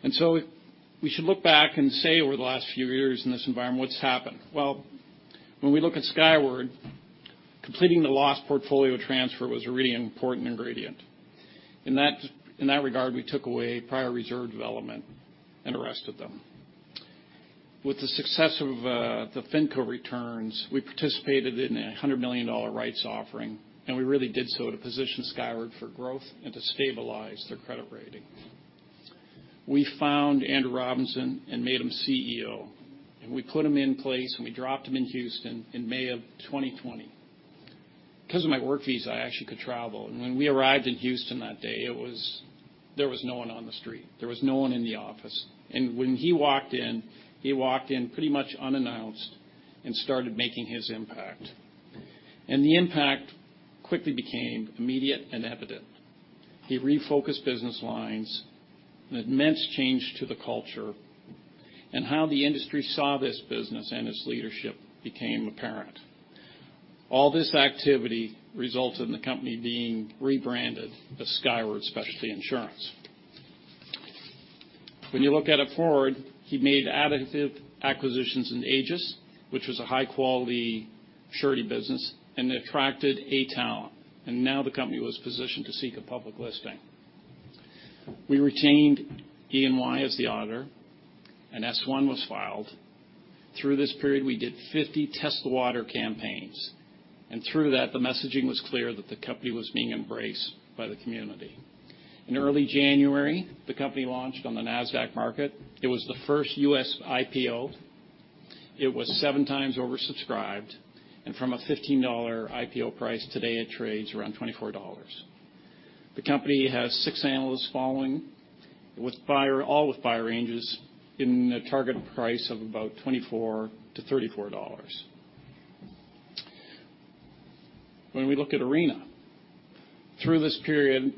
We should look back and say over the last few years in this environment, what's happened? When we look at Skyward, completing the loss portfolio transfer was a really important ingredient. In that, in that regard, we took away prior reserve development and arrested them. With the success of the FinCo returns, we participated in a $100 million rights offering, and we really did so to position Skyward for growth and to stabilize their credit rating. We found Andrew Robinson and made him CEO. We put him in place, and we dropped him in Houston in May of 2020. Because of my work visa, I actually could travel. When we arrived in Houston that day, it was there was no one on the street. There was no one in the office. When he walked in, he walked in pretty much unannounced and started making his impact. The impact quickly became immediate and evident. He refocused business lines, an immense change to the culture, and how the industry saw this business and its leadership became apparent. All this activity resulted in the company being rebranded as Skyward Specialty Insurance. When you look at it forward, he made additive acquisitions in Aegis, which was a high-quality surety business, and attracted A towel. Now the company was positioned to seek a public listing. We retained EY as the auditor. S1 was filed. Through this period, we did 50 test the water campaigns. Through that, the messaging was clear that the company was being embraced by the community. In early January, the company launched on the Nasdaq market. It was the first U.S. IPO. It was seven times oversubscribed. From a $15 IPO price, today it trades around $24. The company has six analysts following, all with buy ranges in a target price of about $24-$34. When we look at Arena, through this period,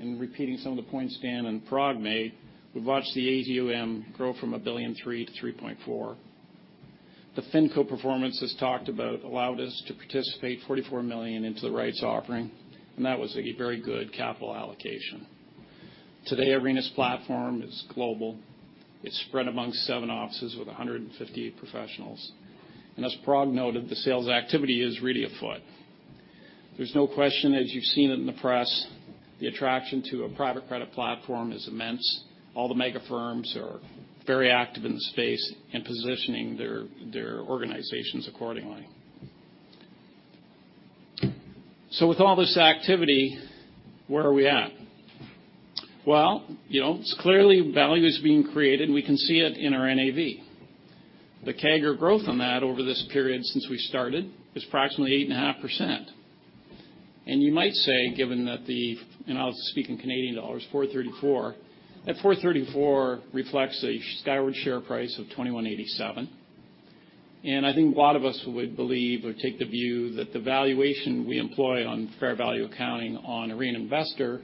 and repeating some of the points Dan and Parag Shah made, we've watched the AUM grow from $1.3 billion to $3.4 billion. The Finco performance as talked about allowed us to participate $44 million into the rights offering, and that was a very good capital allocation. Today, Arena's platform is global. It's spread among seven offices with 158 professionals. As Parag Shah noted, the sales activity is really afoot. There's no question, as you've seen it in the press, the attraction to a private credit platform is immense. All the mega firms are very active in the space and positioning their organizations accordingly. With all this activity, where are we at? Well, you know, clearly value is being created. We can see it in our NAV. The CAGR growth on that over this period since we started is approximately 8.5%. You might say, given that the, and I'll speak in Canadian dollars, 4.34, that 4.34 reflects a Skyward share price of $21.87. I think a lot of us would believe or take the view that the valuation we employ on fair value accounting on Arena Investors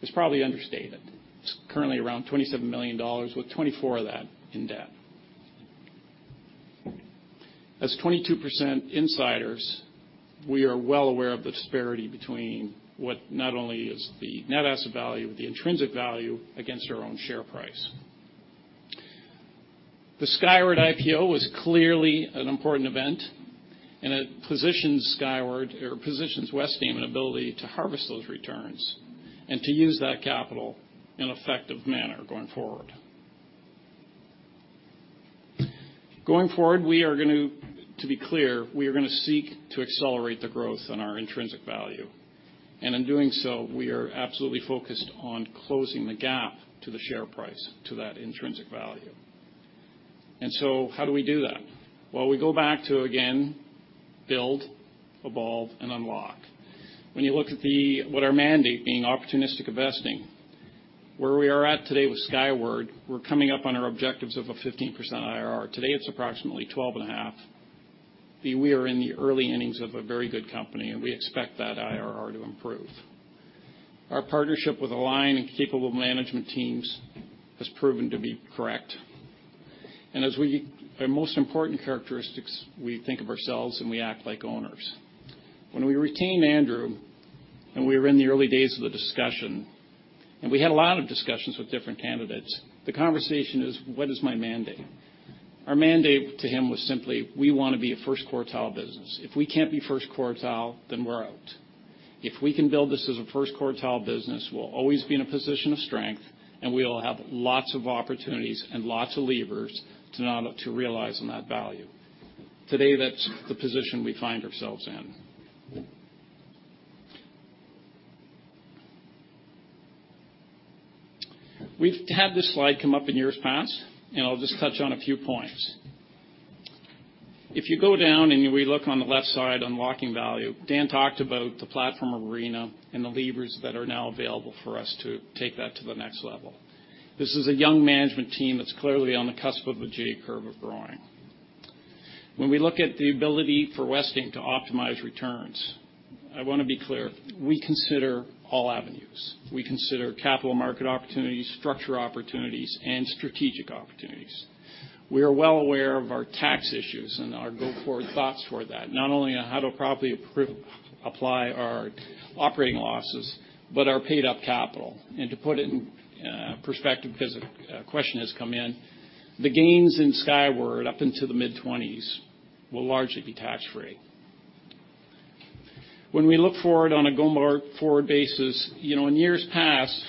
is probably understated. It's currently around $27 million with $24 million of that in debt. As 22% insiders, we are well aware of the disparity between what not only is the net asset value, but the intrinsic value against our own share price. The Skyward IPO was clearly an important event, and it positions Skyward or positions Westaim an ability to harvest those returns and to use that capital in an effective manner going forward. Going forward, we are going to be clear, we are going to seek to accelerate the growth on our intrinsic value. In doing so, we are absolutely focused on closing the gap to the share price to that intrinsic value. How do we do that? Well, we go back to, again, build, evolve, and unlock. When you look at what our mandate being opportunistic investing, where we are at today with Skyward, we're coming up on our objectives of a 15% IRR. Today, it's approximately 12 and a half. We are in the early innings of a very good company, and we expect that IRR to improve. Our partnership with Align and capable management teams has proven to be correct. As we our most important characteristics, we think of ourselves and we act like owners. When we retained Andrew, and we were in the early days of the discussion, and we had a lot of discussions with different candidates, the conversation is, what is my mandate? Our mandate to him was simply, we want to be a first quartile business. If we can't be first quartile, then we're out. If we can build this as a first quartile business, we'll always be in a position of strength, and we'll have lots of opportunities and lots of levers to realize on that value. Today, that's the position we find ourselves in. We've had this slide come up in years past, and I'll just touch on a few points. If you go down and we look on the left side, unlocking value, Dan talked about the platform of Arena and the levers that are now available for us to take that to the next level. This is a young management team that's clearly on the cusp of the J curve of growing. When we look at the ability for Westaim to optimize returns, I want to be clear, we consider all avenues. We consider capital market opportunities, structure opportunities, and strategic opportunities. We are well aware of our tax issues and our go-forward thoughts for that, not only on how to properly apply our operating losses, but our paid-up capital. To put it in perspective, because a question has come in, the gains in Skyward up into the mid-twenties will largely be tax-free. When we look forward on a go-more-forward basis, you know, in years past,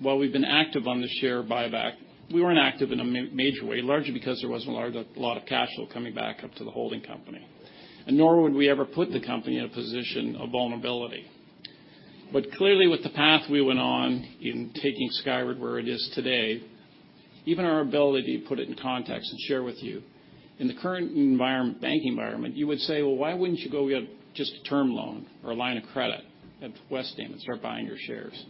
While we've been active on the share buyback, we weren't active in a major way, largely because there wasn't a lot of cash flow coming back up to the holding company. Nor would we ever put the company in a position of vulnerability. Clearly, with the path we went on in taking Skyward where it is today, even our ability to put it in context and share with you. In the current environment, bank environment, you would say, "Why wouldn't you go get just a term loan or a line of credit at Westaim and start buying your shares?"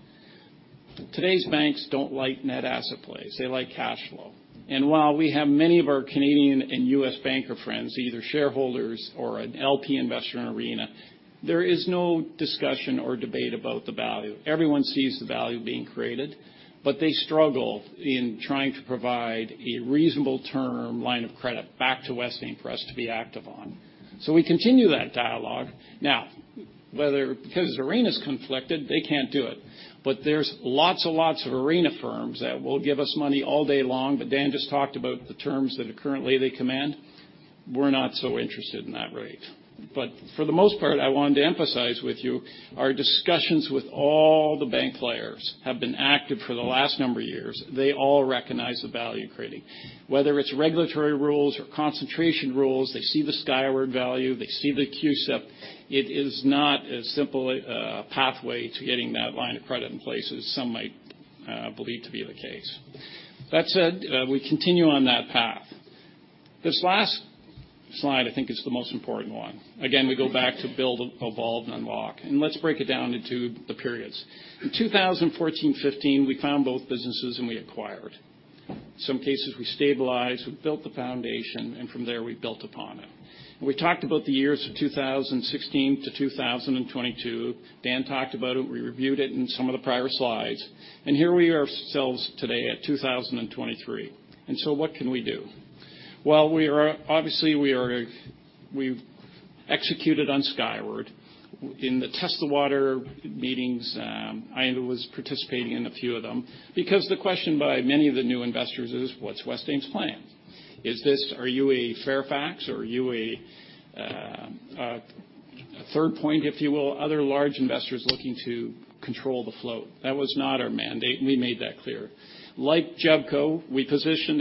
Today's banks don't like net asset plays. They like cash flow. While we have many of our Canadian and U.S. banker friends, either shareholders or an LP investor in Arena, there is no discussion or debate about the value. Everyone sees the value being created, but they struggle in trying to provide a reasonable term line of credit back to Westaim for us to be active on. We continue that dialogue. Whether because Arena's conflicted, they can't do it. There's lots and lots of Arena firms that will give us money all day long, but Dan just talked about the terms that are currently they command. We're not so interested in that rate. For the most part, I wanted to emphasize with you our discussions with all the bank players have been active for the last number of years. They all recognize the value creating. Whether it's regulatory rules or concentration rules, they see the Skyward value, they see the CUSIP. It is not a simple pathway to getting that line of credit in place as some might believe to be the case. That said, we continue on that path. This last slide I think is the most important one. Again, we go back to build, evolve, and unlock, and let's break it down into the periods. In 2014, 2015, we found both businesses and we acquired. Some cases we stabilized, we built the foundation, and from there, we built upon it. We talked about the years of 2016 to 2022. Dan talked about it. We reviewed it in some of the prior slides. Here we are ourselves today at 2023. What can we do? Well, obviously, we've executed on Skyward. In the test the water meetings, I was participating in a few of them because the question by many of the new investors is, "What's Westaim's plan? Are you a Fairfax or are you a Third Point, if you will? Other large investors looking to control the float." That was not our mandate, we made that clear. Like JEVCO, we positioned,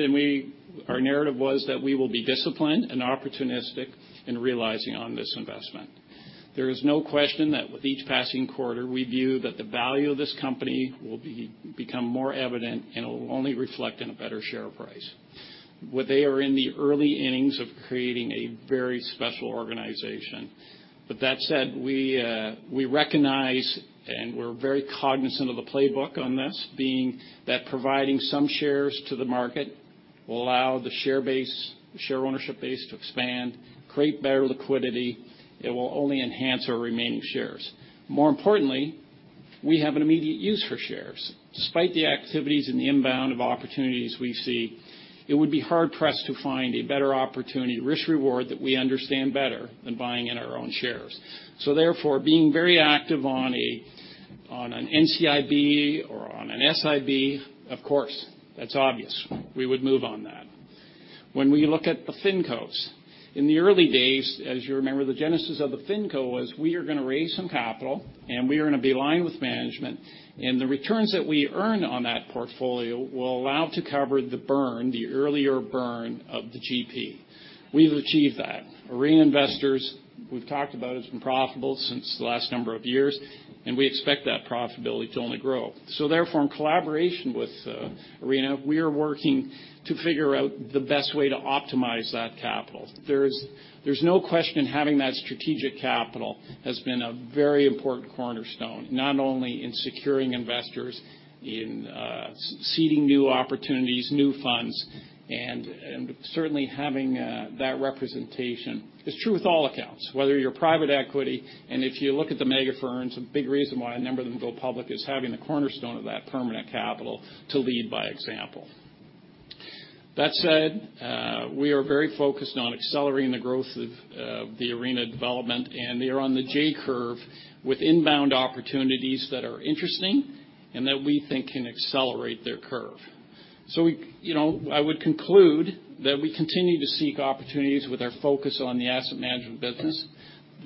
our narrative was that we will be disciplined and opportunistic in realizing on this investment. There is no question that with each passing quarter, we view that the value of this company will become more evident and it will only reflect in a better share price. They are in the early innings of creating a very special organization. That said, we recognize, and we're very cognizant of the playbook on this being that providing some shares to the market will allow the share base, share ownership base to expand, create better liquidity. It will only enhance our remaining shares. More importantly, we have an immediate use for shares. Despite the activities and the inbound of opportunities we see, it would be hard-pressed to find a better opportunity risk-reward that we understand better than buying in our own shares. Therefore, being very active on an NCIB or on an SIB, of course, that's obvious. We would move on that. When we look at the FINCOs, in the early days, as you remember, the genesis of the FINCO was we are gonna raise some capital, and we are gonna be aligned with management, and the returns that we earn on that portfolio will allow to cover the burn, the earlier burn of the GP. We've achieved that. Arena Investors, we've talked about, it's been profitable since the last number of years, and we expect that profitability to only grow. Therefore, in collaboration with Arena, we are working to figure out the best way to optimize that capital. There's no question having that strategic capital has been a very important cornerstone, not only in securing investors, in seeding new opportunities, new funds, and certainly having that representation. It's true with all accounts, whether you're private equity. If you look at the mega firms, a big reason why a number of them go public is having the cornerstone of that permanent capital to lead by example. That said, we are very focused on accelerating the growth of the Arena development. They are on the J curve with inbound opportunities that are interesting and that we think can accelerate their curve. We, you know, I would conclude that we continue to seek opportunities with our focus on the asset management business.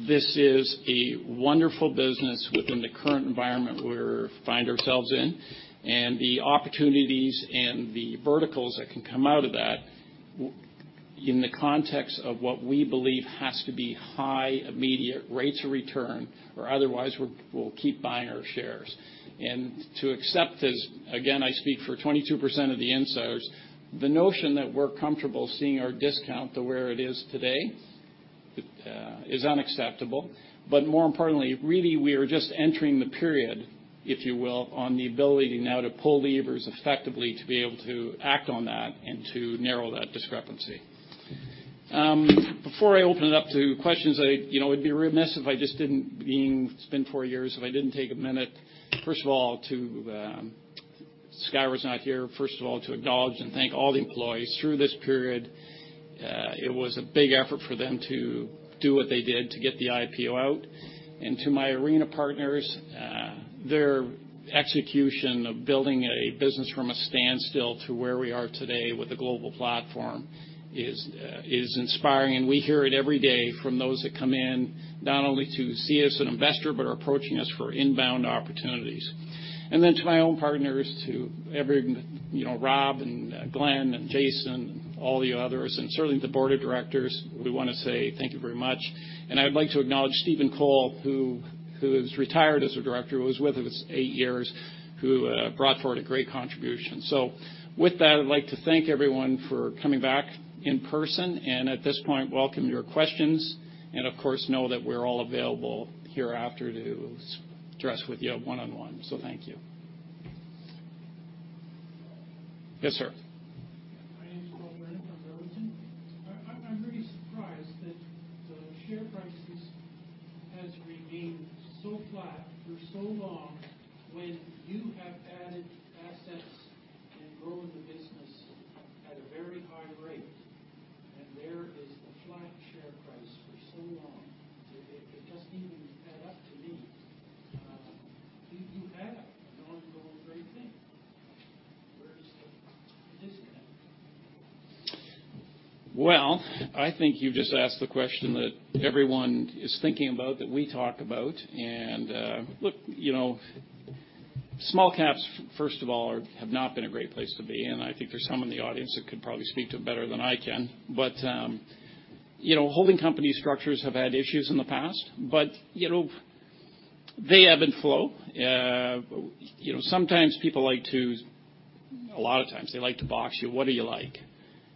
This is a wonderful business within the current environment we find ourselves in. The opportunities and the verticals that can come out of that in the context of what we believe has to be high immediate rates of return or otherwise, we'll keep buying our shares. To accept as, again, I speak for 22% of the insiders, the notion that we're comfortable seeing our discount to where it is today, is unacceptable. More importantly, really, we are just entering the period, if you will, on the ability now to pull levers effectively to be able to act on that and to narrow that discrepancy. Before I open it up to questions, I, you know, it'd be remiss if I just didn't, being it's been four years, if I didn't take a minute, first of all, to, Skyward's not here, first of all, to acknowledge and thank all the employees through this period. It was a big effort for them to do what they did to get the IPO out. To my Arena partners, their execution of building a business from a standstill to where we are today with a global platform is inspiring, and we hear it every day from those that come in, not only to see us an investor, but are approaching us for inbound opportunities. Then to my own partners, to every, you know, Rob, Glenn and Jason, all the others, and certainly the board of directors, we wanna say thank you very much. I'd like to acknowledge Stephen Cole, who has retired as a director, who was with us eight years, who brought forward a great contribution. With that, I'd like to thank everyone for coming back in person. At this point, welcome your questions. Of course, know that we're all available hereafter to address with you one-on-one, so thank you. Yes, sir. My name is Paul Brennan from Burlington. I'm very surprised that the share prices has remained so flat for so long when you have added assets and grown the business at a very high rate. There is a flat share price for so long. It just didn't even add up to me. You have an unbelievable great thing. Where is the disconnect? Well, I think you've just asked the question that everyone is thinking about, that we talk about. Look, you know, small caps, first of all, have not been a great place to be, and I think there's some in the audience that could probably speak to it better than I can. You know, holding company structures have had issues in the past, but, you know, they ebb and flow. You know, sometimes people like to... A lot of times they like to box you, what are you like?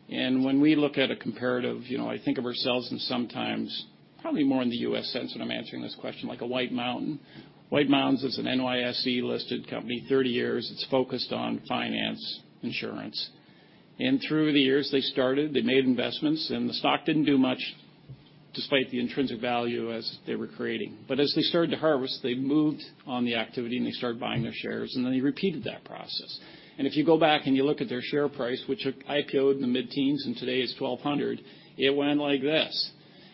When we look at a comparative, you know, I think of ourselves and sometimes probably more in the U.S. sense when I'm answering this question, like a White Mountains. White Mountains is an NYSE-listed company, 30 years. It's focused on finance insurance. Through the years they started, they made investments, and the stock didn't do much despite the intrinsic value as they were creating. As they started to harvest, they moved on the activity, and they started buying their shares, and then they repeated that process. If you go back and you look at their share price, which IPO'd in the mid-teens and today is 1,200, it went like this.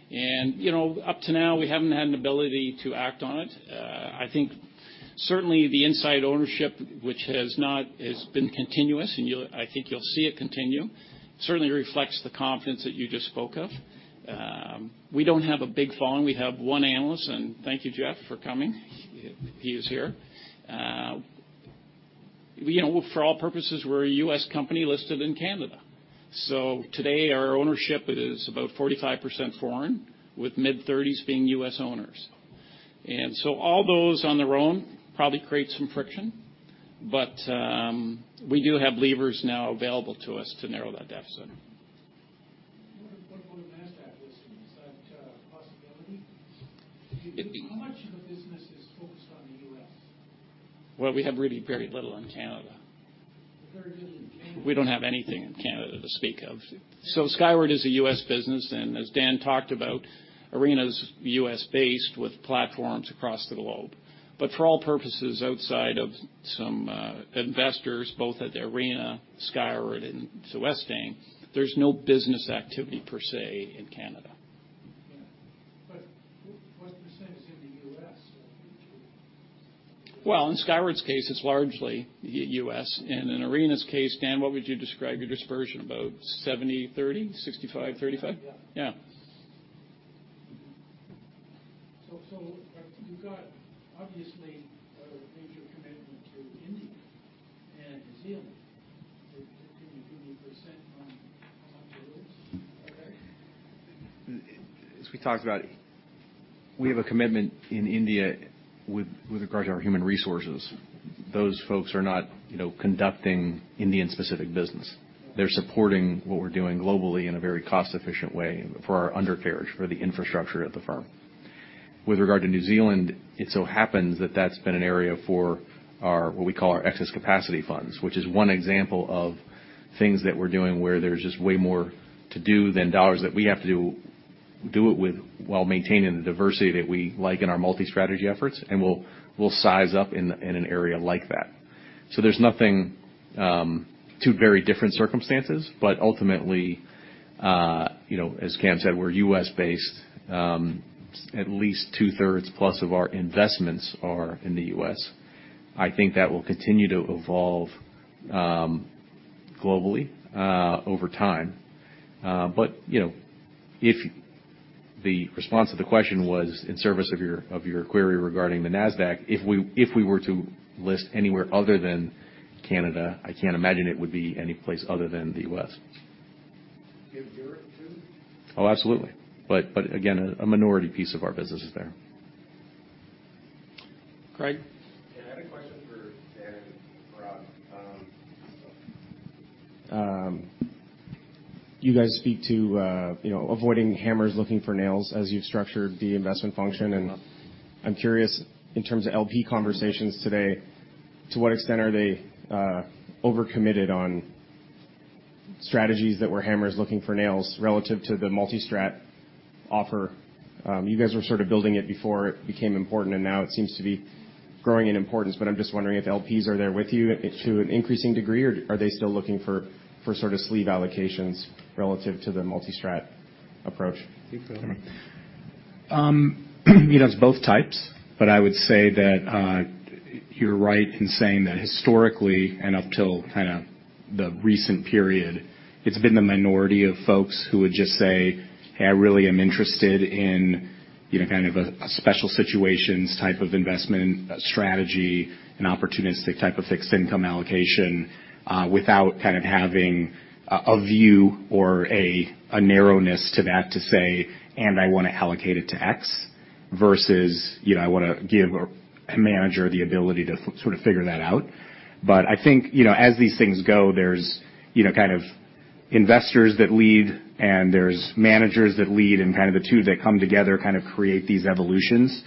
You know, up to now, we haven't had an ability to act on it. I think certainly the inside ownership, which has been continuous, and I think you'll see it continue, certainly reflects the confidence that you just spoke of. We don't have a big following. We have one analyst, and thank you, Jeff, for coming. He is here. you know, for all purposes, we're a U.S. company listed in Canada. Today our ownership is about 45% foreign, with mid-30s being U.S. owners. All those on their own probably create some friction, but, we do have levers now available to us to narrow that deficit. What about a Nasdaq listing? Is that a possibility? How much of the business is focused on the U.S.? Well, we have really very little in Canada. Very little in Canada? We don't have anything in Canada to speak of. Skyward is a U.S. business, and as Dan talked about, Arena's U.S.-based with platforms across the globe. For all purposes, outside of some investors, both at Arena, Skyward and Westaim, there's no business activity per se in Canada. What % is in the U.S. then? Well, in Skyward's case, it's largely U.S. In Arena's case, Dan, what would you describe your dispersion, about 70-30, 65-35? Yeah. Yeah. You've got obviously a major commitment to India and New Zealand. Can you give me a % on those? As we talked about, we have a commitment in India with regard to our human resources. Those folks are not, you know, conducting Indian-specific business. They're supporting what we're doing globally in a very cost-efficient way for our undercarriage, for the infrastructure of the firm. With regard to New Zealand, it so happens that that's been an area for our, what we call our excess capacity funds, which is one example of things that we're doing where there's just way more to do than dollars that we have to do it with while maintaining the diversity that we like in our multi-strategy efforts, and we'll size up in an area like that. There's nothing. Two very different circumstances, but ultimately, you know, as Cam said, we're U.S.-based. At least two-thirds plus of our investments are in the U.S. I think that will continue to evolve, globally, over time. You know, if the response to the question was in service of your, of your query regarding the Nasdaq, if we were to list anywhere other than Canada, I can't imagine it would be any place other than the U.S. You have Europe, too? Oh, absolutely. Again, a minority piece of our business is there. Craig? Yeah, I had a question for Dan and Rob. You guys speak to, you know, avoiding hammers looking for nails as you've structured the investment function. I'm curious, in terms of LP conversations today, to what extent are they overcommitted on strategies that were hammers looking for nails relative to the multi-strat offer? You guys were sort of building it before it became important, and now it seems to be growing in importance. I'm just wondering if LPs are there with you to an increasing degree or are they still looking for sort of sleeve allocations relative to the multi-strat approach? It's both types, but I would say that. You're right in saying that historically, and up till kinda the recent period, it's been the minority of folks who would just say, "Hey, I really am interested in, you know, kind of a special situations type of investment strategy and opportunistic type of fixed income allocation," without kind of having a view or a narrowness to that to say, "And I wanna allocate it to X," versus, you know, I wanna give a manager the ability to sort of figure that out. I think, you know, as these things go, there's, you know, kind of investors that lead, and there's managers that lead, and kinda the two that come together kind of create these evolutions,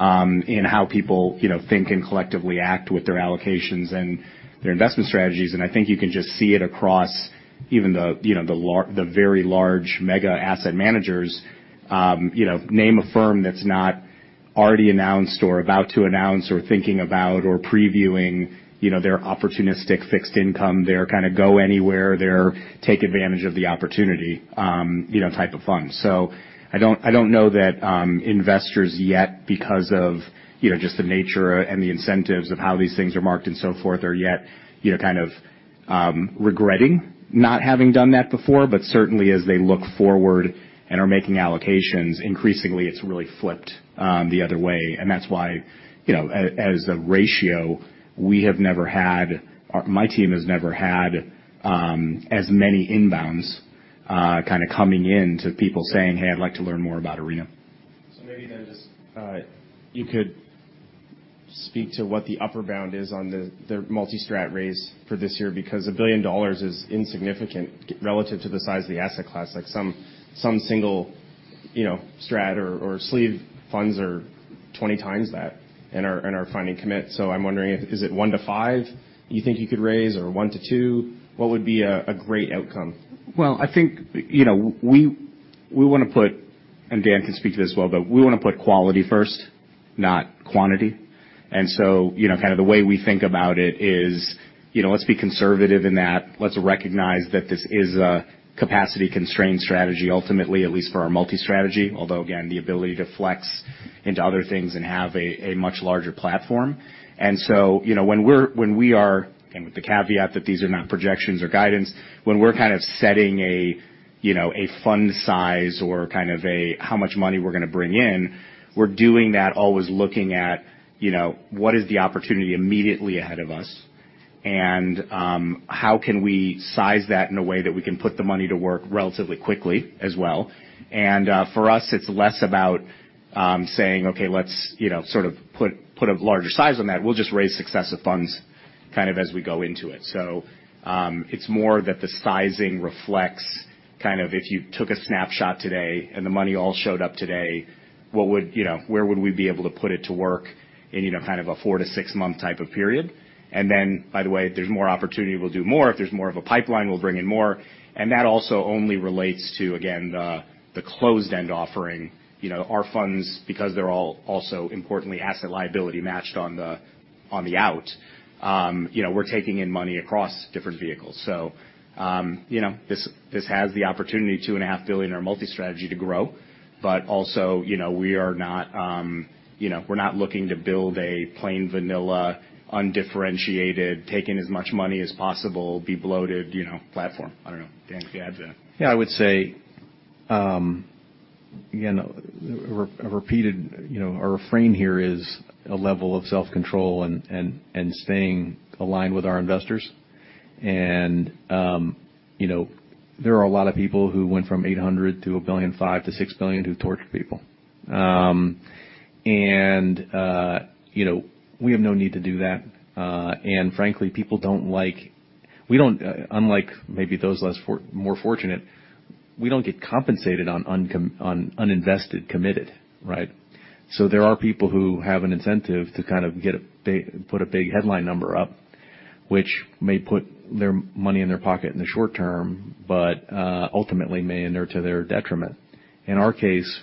in how people, you know, think and collectively act with their allocations and their investment strategies. I think you can just see it across even the, you know, the very large mega asset managers. You know, name a firm that's not already announced or about to announce or thinking about or previewing, you know, their opportunistic fixed income, their kinda go anywhere, their take advantage of the opportunity, you know, type of fund. I don't know that investors yet, because of, you know, just the nature and the incentives of how these things are marked and so forth, are yet, you know, kind of, regretting not having done that before. Certainly as they look forward and are making allocations, increasingly it's really flipped, the other way. That's why, you know, as the ratio we have never had or my team has never had, as many inbounds, kinda coming in to people saying, "Hey, I'd like to learn more about Arena. Maybe then just you could speak to what the upper bound is on the multi-strat raise for this year, because $1 billion is insignificant relative to the size of the asset class. Some single, you know, strat or sleeve funds are 20 times that and are finding commit. I'm wondering is it one-five you think you could raise or one-two? What would be a great outcome? Well, I think, you know, we wanna put, and Dan can speak to this well, but we wanna put quality first, not quantity. You know, kinda the way we think about it is, you know, let's be conservative in that, let's recognize that this is a capacity-constrained strategy ultimately, at least for our multi-strategy. Although, again, the ability to flex into other things and have a much larger platform. you know, when we are, and with the caveat that these are not projections or guidance, when we're kind of setting a, you know, a fund size or kind of a how much money we're gonna bring in, we're doing that always looking at, you know, what is the opportunity immediately ahead of us, and how can we size that in a way that we can put the money to work relatively quickly as well. For us, it's less about saying, "Okay, let's, you know, sort of put a larger size on that." We'll just raise successive funds kind of as we go into it. It's more that the sizing reflects kind of if you took a snapshot today and the money all showed up today, what would, you know, where would we be able to put it to work in, you know, kind of a four to six month type of period. Then, by the way, if there's more opportunity, we'll do more. If there's more of a pipeline, we'll bring in more. That also only relates to, again, the closed-end offering. You know, our funds, because they're all also importantly asset liability matched on the out, you know, we're taking in money across different vehicles. This has the opportunity, 2.5 billion in our multi-strategy to grow. Also, you know, we are not, you know, we're not looking to build a plain vanilla, undifferentiated, take in as much money as possible, be bloated, you know, platform. I don't know. Dan, if you add to that. Yeah, I would say, again, a repeated, you know, a refrain here is a level of self-control and staying aligned with our investors. You know, there are a lot of people who went from $800-$1.5 billion to $6 billion who torch people. You know, we have no need to do that. Frankly, people don't like, we don't, unlike maybe those more fortunate, we don't get compensated on uninvested committed, right? There are people who have an incentive to kind of put a big headline number up, which may put their money in their pocket in the short term, but ultimately may endure to their detriment. In our case,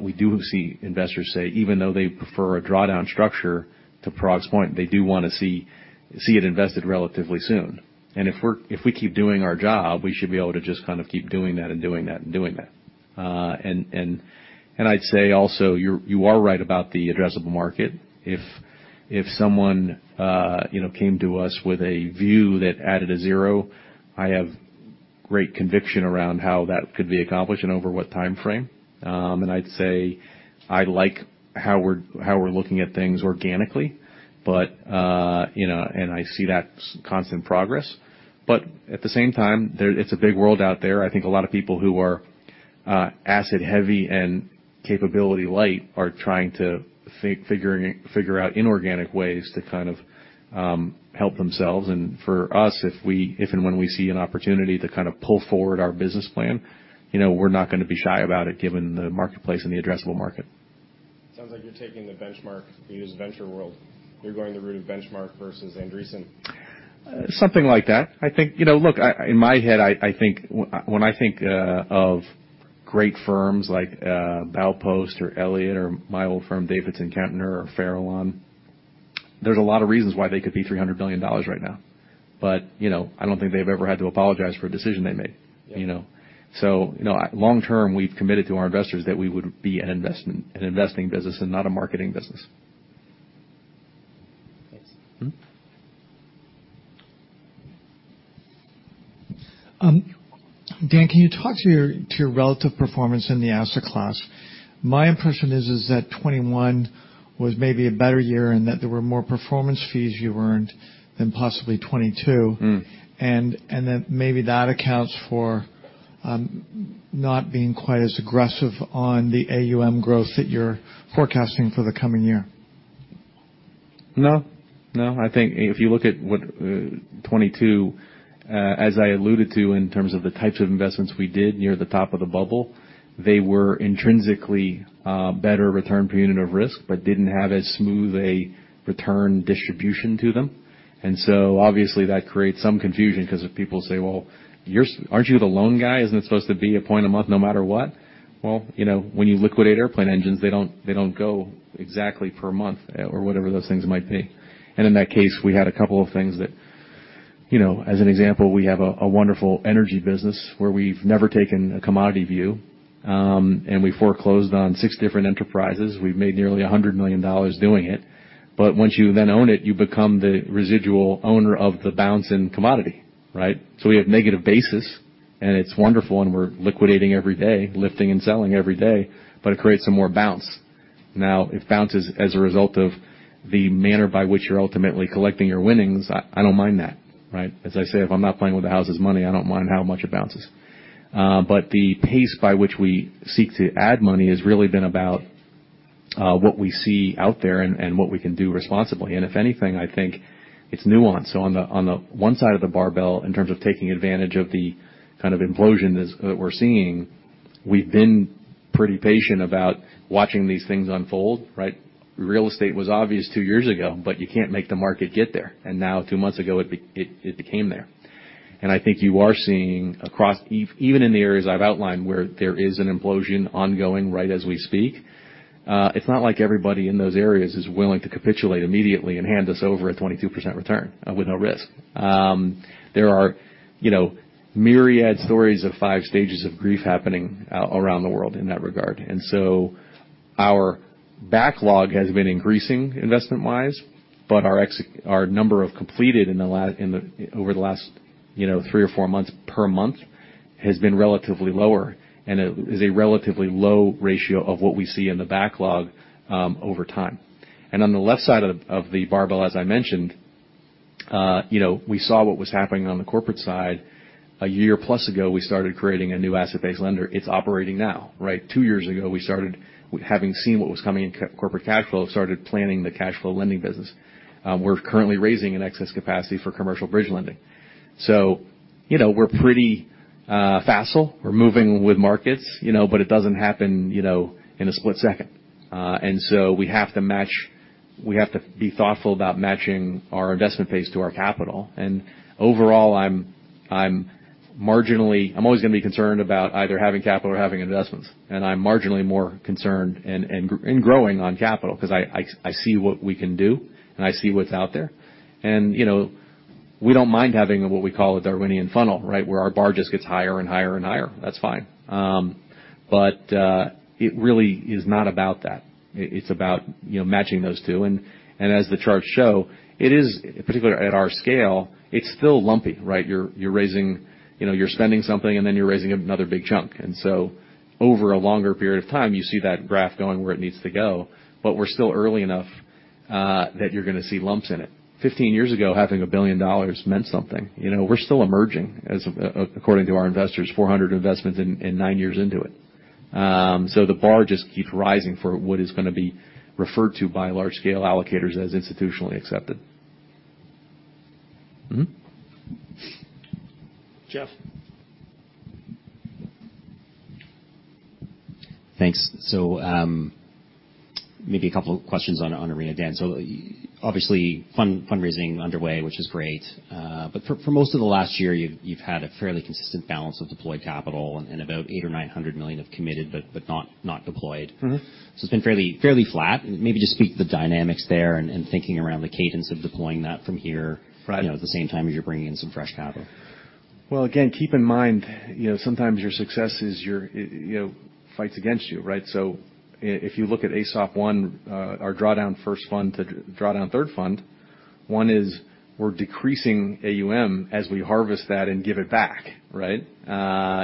we do see investors say, even though they prefer a drawdown structure, to Parag's point, they do wanna see it invested relatively soon. If we keep doing our job, we should be able to just kind of keep doing that and doing that and doing that. I'd say also, you are right about the addressable market. If someone, you know, came to us with a view that added a zero, I have great conviction around how that could be accomplished and over what timeframe. I'd say I like how we're looking at things organically, but, you know, and I see that constant progress. At the same time, it's a big world out there. I think a lot of people who are asset heavy and capability light are trying to figure out inorganic ways to kind of help themselves. For us, if and when we see an opportunity to kind of pull forward our business plan, you know, we're not gonna be shy about it given the marketplace and the addressable market. Sounds like you're taking the Benchmark used venture world. You're going the route of Benchmark versus Andreessen. Something like that. I think. You know, look, I, in my head, I think when I think of great firms like Baupost or Elliott or my old firm, Davidson Kempner or Farallon, there's a lot of reasons why they could be $300 billion right now. You know, I don't think they've ever had to apologize for a decision they made, you know? Yeah. You know, long-term, we've committed to our investors that we would be an investing business and not a marketing business. Thanks. Mm-hmm. Dan, can you talk to your, to your relative performance in the asset class? My impression is that 21 was maybe a better year and that there were more performance fees you earned than possibly 22. Mm-hmm. That maybe that accounts for not being quite as aggressive on the AUM growth that you're forecasting for the coming year. No. No. I think if you look at what 22, as I alluded to in terms of the types of investments we did near the top of the bubble, they were intrinsically better return per unit of risk, but didn't have as smooth a return distribution to them. Obviously that creates some confusion because if people say, "Well, you're aren't you the loan guy? Isn't it supposed to be a point a month no matter what?" Well, you know, when you liquidate airplane engines, they don't go exactly per month or whatever those things might be. In that case, we had a couple of things that, you know, as an example, we have a wonderful energy business where we've never taken a commodity view, and we foreclosed on six different enterprises. We've made nearly $100 million doing it. Once you then own it, you become the residual owner of the bounce in commodity, right? We have negative basis, and it's wonderful, and we're liquidating every day, lifting and selling every day, but it creates some more bounce. If bounce is as a result of the manner by which you're ultimately collecting your winnings, I don't mind that, right? As I say, if I'm not playing with the house's money, I don't mind how much it bounces. The pace by which we seek to add money has really been about what we see out there and what we can do responsibly. If anything, I think it's nuanced. On the, on the one side of the barbell, in terms of taking advantage of the kind of implosion that we're seeing, we've been pretty patient about watching these things unfold, right? Real estate was obvious two years ago, but you can't make the market get there. Now two months ago, it became there. I think you are seeing across even in the areas I've outlined where there is an implosion ongoing right as we speak, it's not like everybody in those areas is willing to capitulate immediately and hand us over a 22% return with no risk. There are, you know, myriad stories of five stages of grief happening around the world in that regard. Our backlog has been increasing investment-wise, but our number of completed over the last, you know, three or four months per month has been relatively lower and is a relatively low ratio of what we see in the backlog over time. On the left side of the barbell, as I mentioned, you know, we saw what was happening on the corporate side. one year plus ago, we started creating a new asset-based lender. It's operating now, right? Two years ago, we started, having seen what was coming in corporate cash flow, started planning the cash flow lending business. We're currently raising an excess capacity for commercial bridge lending. You know, we're pretty facile. We're moving with markets, you know, but it doesn't happen, you know, in a split second. We have to be thoughtful about matching our investment pace to our capital. Overall, I'm always gonna be concerned about either having capital or having investments, and I'm marginally more concerned and growing on capital because I see what we can do, and I see what's out there. You know, we don't mind having what we call a Darwinian funnel, right? Where our bar just gets higher and higher and higher. That's fine. It really is not about that. It's about, you know, matching those two. As the charts show, it is, particularly at our scale, it's still lumpy, right? You're raising... You know, you're spending something, and then you're raising another big chunk. Over a longer period of time, you see that graph going where it needs to go, but we're still early enough that you're going to see lumps in it. 15 years ago, having $1 billion meant something. You know, we're still emerging as, according to our investors, 400 investments in nine years into it. The bar just keeps rising for what is going to be referred to by large scale allocators as institutionally accepted. Jeff. Thanks. Maybe a couple of questions on Arena, Dan. Obviously fundraising underway, which is great. For most of the last year, you've had a fairly consistent balance of deployed capital and about $800 million or $900 million of committed, but not deployed. It's been fairly flat. Maybe just speak to the dynamics there and thinking around the cadence of deploying that from here. Right. You know, at the same time as you're bringing in some fresh capital. Again, keep in mind, you know, sometimes your success is your, you know, fights against you, right? If you look at ASOP I, our drawdown first fund to drawdown third fund, one is we're decreasing AUM as we harvest that and give it back, right?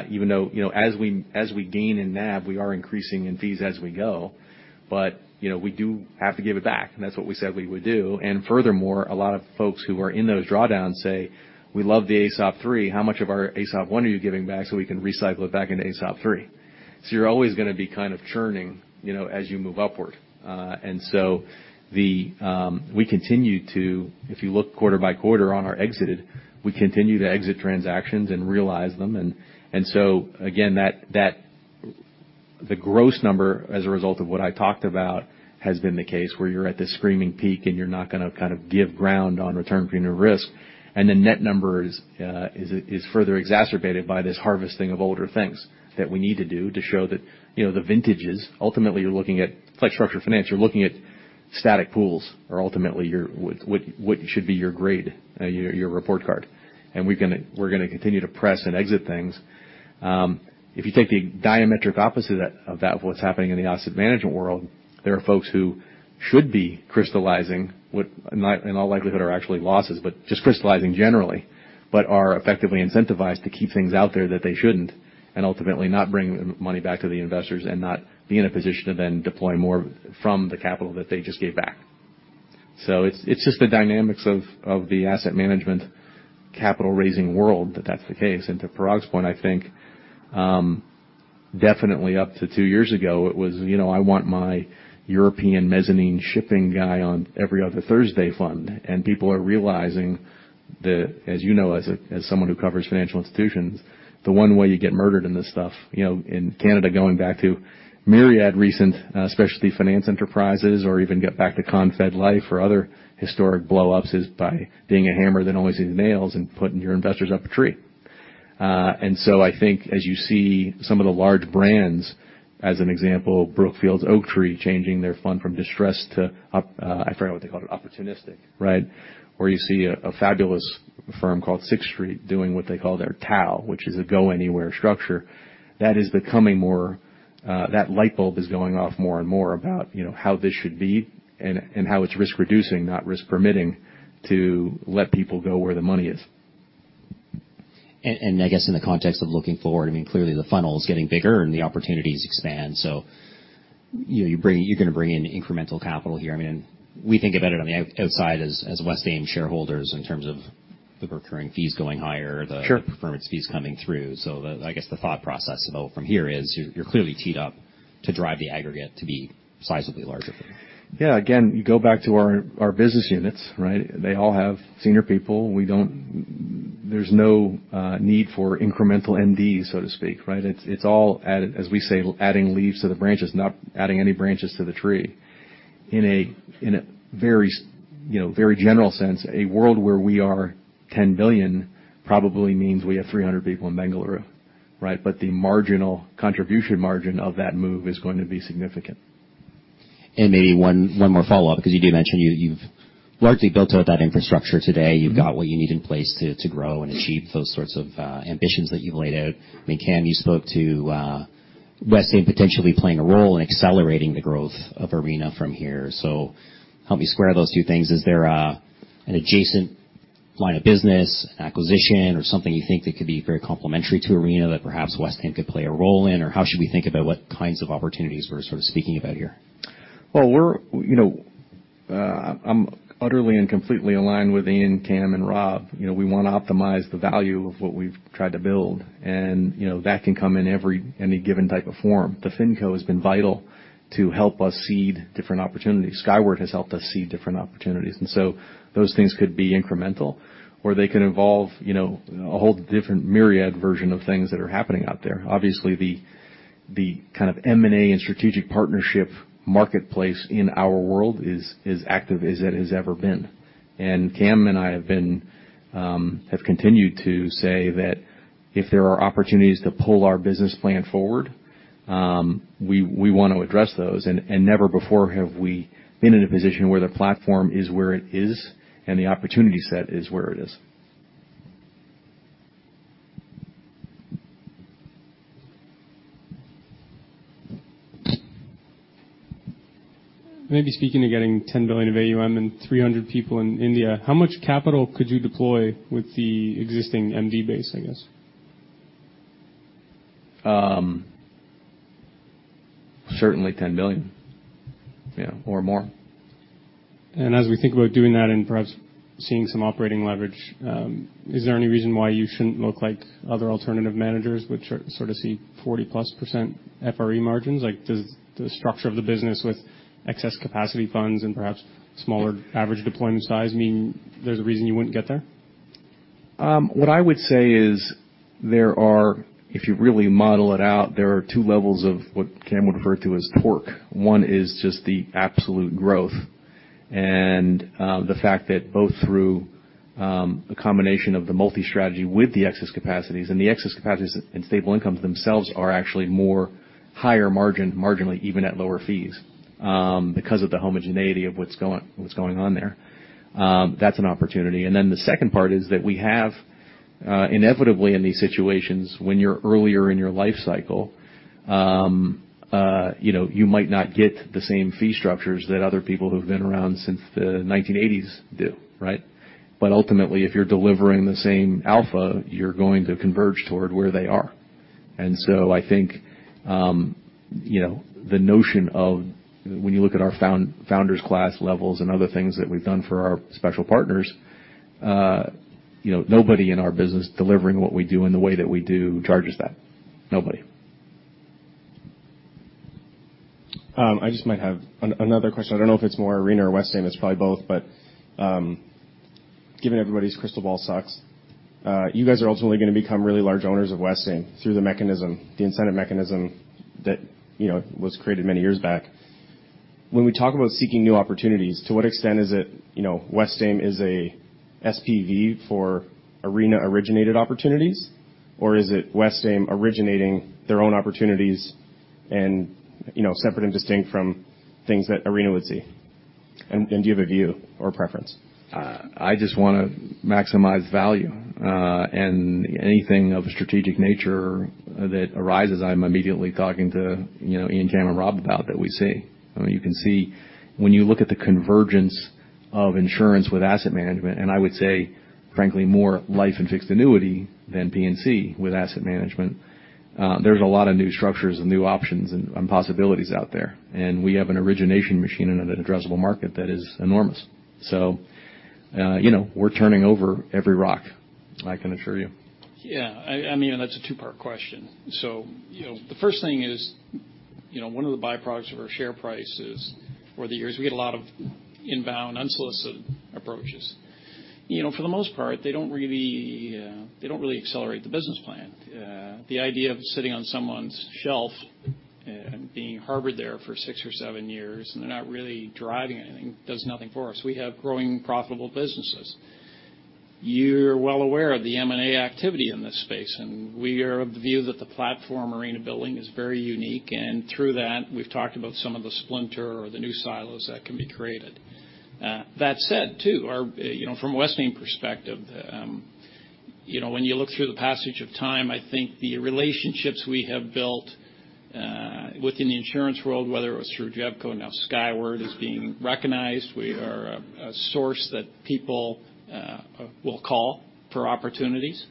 Even though, you know, as we gain in NAV, we are increasing in fees as we go. You know, we do have to give it back. That's what we said we would do. Furthermore, a lot of folks who are in those drawdowns say, "We love the ASOP III. How much of our ASOP I are you giving back so we can recycle it back into ASOP III? You're always gonna be kind of churning, you know, as you move upward. We continue to, if you look quarter by quarter on our exited, we continue to exit transactions and realize them. again, the gross number as a result of what I talked about has been the case where you're at this screaming peak and you're not gonna kind of give ground on return premium risk. The net number is further exacerbated by this harvesting of older things that we need to do to show that, you know, the vintages, ultimately, you're looking at like structured finance, you're looking at static pools are ultimately your what should be your grade, your report card. We're gonna continue to press and exit things. If you take the diametric opposite of that, of what's happening in the asset management world, there are folks who should be crystallizing what in all likelihood are actually losses, but just crystallizing generally, but are effectively incentivized to keep things out there that they shouldn't, and ultimately not bring the money back to the investors and not be in a position to then deploy more from the capital that they just gave back. It's, it's just the dynamics of the asset management capital raising world that that's the case. To Parag's point, I think, definitely up to two years ago, it was, you know, I want my European mezzanine shipping guy on every other Thursday fund. People are realizing that, as you know, as someone who covers financial institutions, the one way you get murdered in this stuff, you know, in Canada, going back to myriad recent specialty finance enterprises or even get back to Confederation Life or other historic blow-ups, is by being a hammer that only sees nails and putting your investors up a tree. I think as you see some of the large brands, as an example, Brookfield's Oaktree changing their fund from distressed to I forgot what they call it, opportunistic, right? You see a fabulous firm called Sixth Street doing what they call their TAO, which is a go-anywhere structure. That is becoming more, that light bulb is going off more and more about, you know, how this should be and how it's risk-reducing, not risk-permitting to let people go where the money is. I guess in the context of looking forward, clearly the funnel is getting bigger and the opportunities expand. You're gonna bring in incremental capital here. We think about it on the outside as Westaim shareholders in terms of the recurring fees going higher. Sure. The performance fees coming through. I guess, the thought process about from here is you're clearly teed up to drive the aggregate to be sizably larger. Yeah. Again, you go back to our business units, right? They all have senior people. There's no need for incremental MDs, so to speak, right? It's all added, as we say, adding leaves to the branches, not adding any branches to the tree. In a very, you know, very general sense, a world where we are 10 billion probably means we have 300 people in Bengaluru, right? The marginal contribution margin of that move is going to be significant. Maybe one more follow-up, because you do mention you've largely built out that infrastructure today. Mm-hmm. You've got what you need in place to grow and achieve those sorts of ambitions that you've laid out. I mean, Cam, you spoke to Westaim potentially playing a role in accelerating the growth of Arena from here. Help me square those two things. Is there an adjacent line of business, acquisition or something you think that could be very complementary to Arena that perhaps Westaim could play a role in? How should we think about what kinds of opportunities we're sort of speaking about here? Well, we're, you know, I'm utterly and completely aligned with Ian, Cam, and Rob. You know, we wanna optimize the value of what we've tried to build. That can come in any given type of form. The FinCo has been vital to help us seed different opportunities. Skyward has helped us seed different opportunities. Those things could be incremental, or they could involve, you know, a whole different myriad version of things that are happening out there. Obviously, the kind of M&A and strategic partnership marketplace in our world is active as it has ever been. Cam and I have been, have continued to say that if there are opportunities to pull our business plan forward, we want to address those. Never before have we been in a position where the platform is where it is and the opportunity set is where it is. Maybe speaking of getting 10 billion of AUM and 300 people in India, how much capital could you deploy with the existing MD base, I guess? Certainly 10 billion. Yeah, or more. As we think about doing that and perhaps seeing some operating leverage, is there any reason why you shouldn't look like other alternative managers which sort of see 40%+ FRE margins? Does the structure of the business with excess capacity funds and perhaps smaller average deployment size mean there's a reason you wouldn't get there? What I would say is there are, if you really model it out, there are two levels of what Cam would refer to as torque. One is just the absolute growth and the fact that both through a combination of the multi-strategy with the excess capacities, and the excess capacities and stable incomes themselves are actually more higher margin marginally even at lower fees, because of the homogeneity of what's going on there. That's an opportunity. Then the second part is that we have inevitably in these situations, when you're earlier in your life cycle, you know, you might not get the same fee structures that other people who've been around since the 1980s do, right? Ultimately, if you're delivering the same alpha, you're going to converge toward where they are. I think, you know, the notion of when you look at our founders class levels and other things that we've done for our special partners, you know, nobody in our business delivering what we do in the way that we do charges that. Nobody. I just might have another question. I don't know if it's more Arena or Westaim. It's probably both. Given everybody's crystal ball sucks, you guys are ultimately gonna become really large owners of Westaim through the mechanism, the incentive mechanism that, you know, was created many years back. When we talk about seeking new opportunities, to what extent is it, you know, Westaim is SPV for Arena originated opportunities? Or is it Westaim originating their own opportunities and, you know, separate and distinct from things that Arena would see? Do you have a view or preference? I just wanna maximize value. Anything of a strategic nature that arises, I'm immediately talking to, you know, Ian, Cam, and Rob about that we see. I mean, you can see when you look at the convergence of insurance with asset management, and I would say, frankly more life and fixed annuity than P&C with asset management, there's a lot of new structures and new options and possibilities out there. We have an origination machine in an addressable market that is enormous. You know, we're turning over every rock, I can assure you. Yeah. I mean, that's a two-part question. You know, the first thing is, you know, one of the byproducts of our share price is for the years, we get a lot of inbound, unsolicited approaches. You know, for the most part, they don't really, they don't really accelerate the business plan. The idea of sitting on someone's shelf and being harbored there for six or seven years, and they're not really driving anything, does nothing for us. We have growing profitable businesses. You're well aware of the M&A activity in this space. We are of the view that the platform Arena building is very unique. Through that, we've talked about some of the splinter or the new silos that can be created. That said too, our, you know, from a Westaim perspective, you know, when you look through the passage of time, I think the relationships we have built within the insurance world, whether it was through JEVCO, now Skyward Specialty, is being recognized. We are a source that people will call for opportunities.